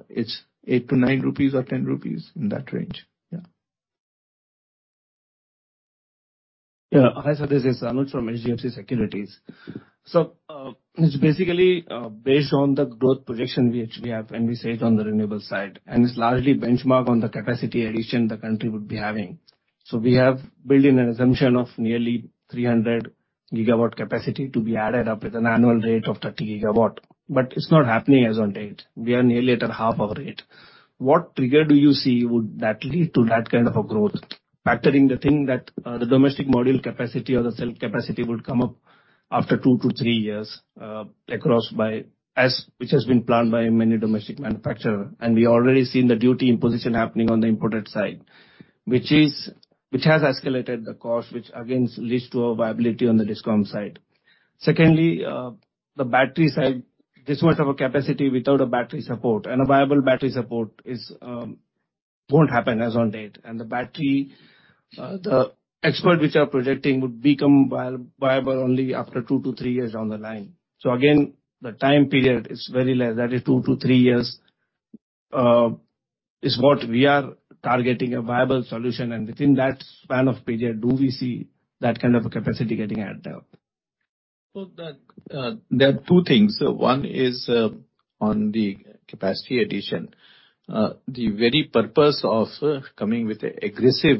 it's 8-9 rupees or 10 rupees in that range. Yeah. Hi, sir. This is Anuj from HDFC Securities. It's basically based on the growth projection which we have when we say it on the renewable side, and it's largely benchmark on the capacity addition the country would be having. We have built in an assumption of nearly 300 gigawatt capacity to be added up with an annual rate of 30 gigawatt. It's not happening as on date. We are nearly at a half of it. What trigger do you see would that lead to that kind of a growth, factoring the thing that the domestic module capacity or the cell capacity would come up after 2-3 years across by as which has been planned by many domestic manufacturer. We already seen the duty imposition happening on the imported side, which has escalated the cost, which again leads to a viability on the DISCOM side. Secondly, the battery side, this much of a capacity without a battery support and a viable battery support won't happen as on date. The battery, the expert which are projecting would become viable only after 2-3 years down the line. Again, the time period is very less. That is 2-3 years is what we are targeting a viable solution. Within that span of period, do we see that kind of a capacity getting added up? Well, there are two things. One is on the capacity addition. The very purpose of coming with aggressive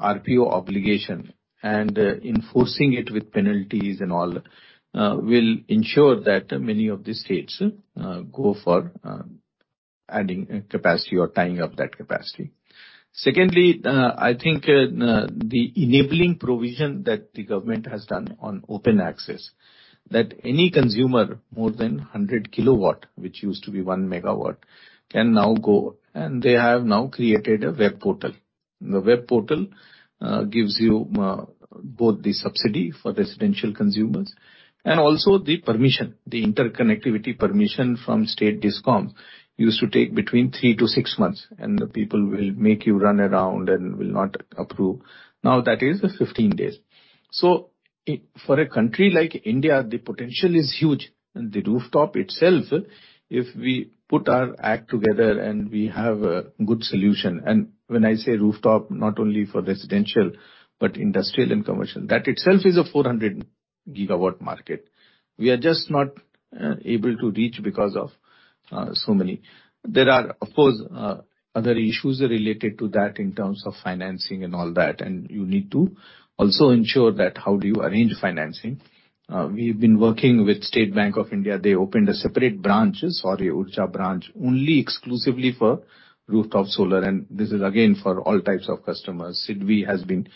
RPO obligation and enforcing it with penalties and all will ensure that many of the states go for adding capacity or tying up that capacity. Secondly, I think the enabling provision that the government has done on open access, that any consumer more than 100 kilowatt, which used to be 1 megawatt, can now go, and they have now created a web portal. The web portal gives you both the subsidy for residential consumers and also the permission. The interconnectivity permission from state DISCOM used to take between 3-6 months, and the people will make you run around and will not approve. Now, that is just 15 days. For a country like India, the potential is huge, and the rooftop itself, if we put our act together and we have a good solution. When I say rooftop, not only for residential, but industrial and commercial. That itself is a 400 gigawatt market. We are just not able to reach because of so many. There are, of course, other issues related to that in terms of financing and all that, and you need to also ensure that how do you arrange financing. We've been working with State Bank of India. They opened separate branches for a branch only exclusively for rooftop solar, and this is again for all types of customers. SIDBI has been.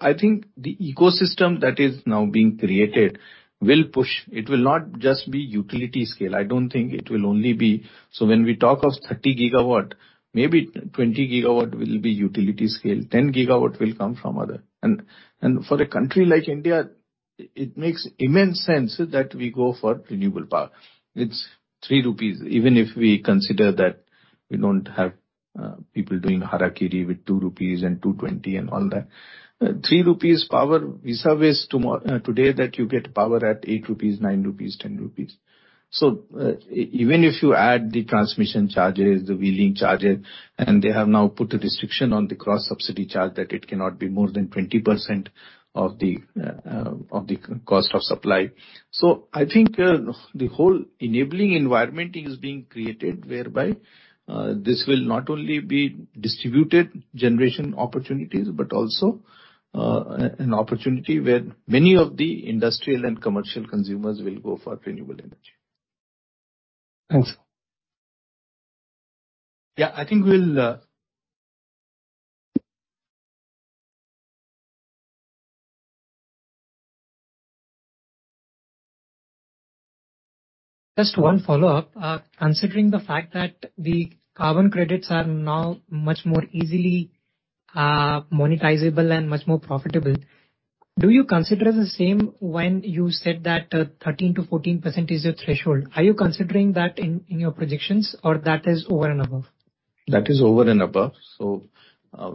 I think the ecosystem that is now being created will push. It will not just be utility scale. I don't think it will only be. When we talk of 30 gigawatt, maybe 20 gigawatt will be utility scale, 10 gigawatt will come from other. For a country like India, it makes immense sense that we go for renewable power. It's 3 rupees. Even if we consider that we don't have people doing harakiri with 2 rupees and 2.20 and all that. 3 rupees power versus today that you get power at 8 rupees, 9 rupees, 10 rupees. Even if you add the transmission charges, the wheeling charges, and they have now put a restriction on the cross-subsidy charge that it cannot be more than 20% of the cost of supply. I think, the whole enabling environment is being created, whereby, this will not only be distributed generation opportunities, but also, an opportunity where many of the industrial and commercial consumers will go for renewable energy. Thanks. Yeah. I think we'll. Just one follow-up. Considering the fact that the carbon credits are now much more easily monetizable and much more profitable, do you consider the same when you said that 13%-14% is your threshold? Are you considering that in your predictions, or that is over and above? That is over and above.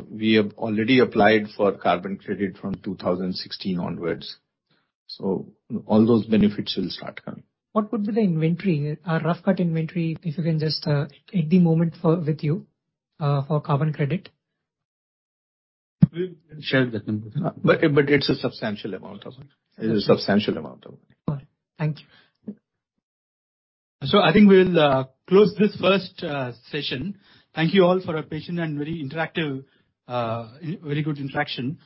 We have already applied for carbon credit from 2016 onwards. All those benefits will start coming. What would be the inventory, rough cut inventory, if you can just at the moment for with you, for carbon credit? We'll share the numbers. It's a substantial amount of money. It is a substantial amount of money. All right. Thank you. I think we'll close this first session. Thank you all for a patient and very interactive, very good interaction.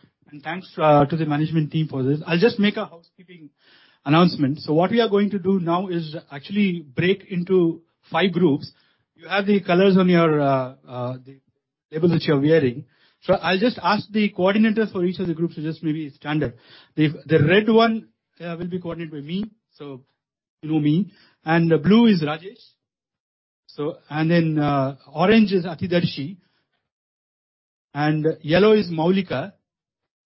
Thanks to the management team for this. I'll just make a housekeeping announcement. What we are going to do now is actually break into five groups. You have the colors on your label that you're wearing. I'll just ask the coordinators for each of the groups to just maybe stand up. The red one will be coordinated by me, so you know me. Blue is Rajesh. Orange is Adidashi, and yellow is Maulika,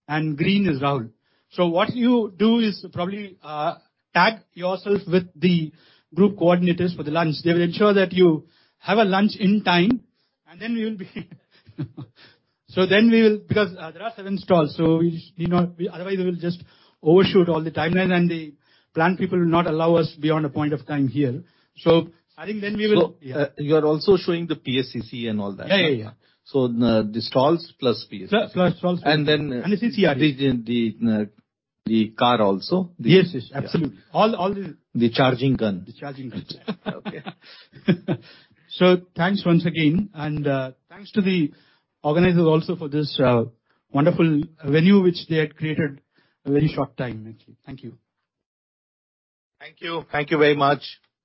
and green is Rahul. What you do is probably tag yourself with the group coordinators for the lunch. They will ensure that you have a lunch in time, and then we will be. Then we will. Because there are seven stalls. Otherwise, we will just overshoot all the timeline, and the plant people will not allow us beyond a point of time here. I think then we will. So- Yeah. You are also showing the PSCC and all that. Yeah, yeah. The sales plus PSCC. Plus stalls- And then- The CCID. The car also. Yes. Absolutely. All the The charging gun. The charging gun. Okay. Thanks once again. Thanks to the organizers also for this wonderful venue which they had created a very short time actually. Thank you. Thank you. Thank you very much.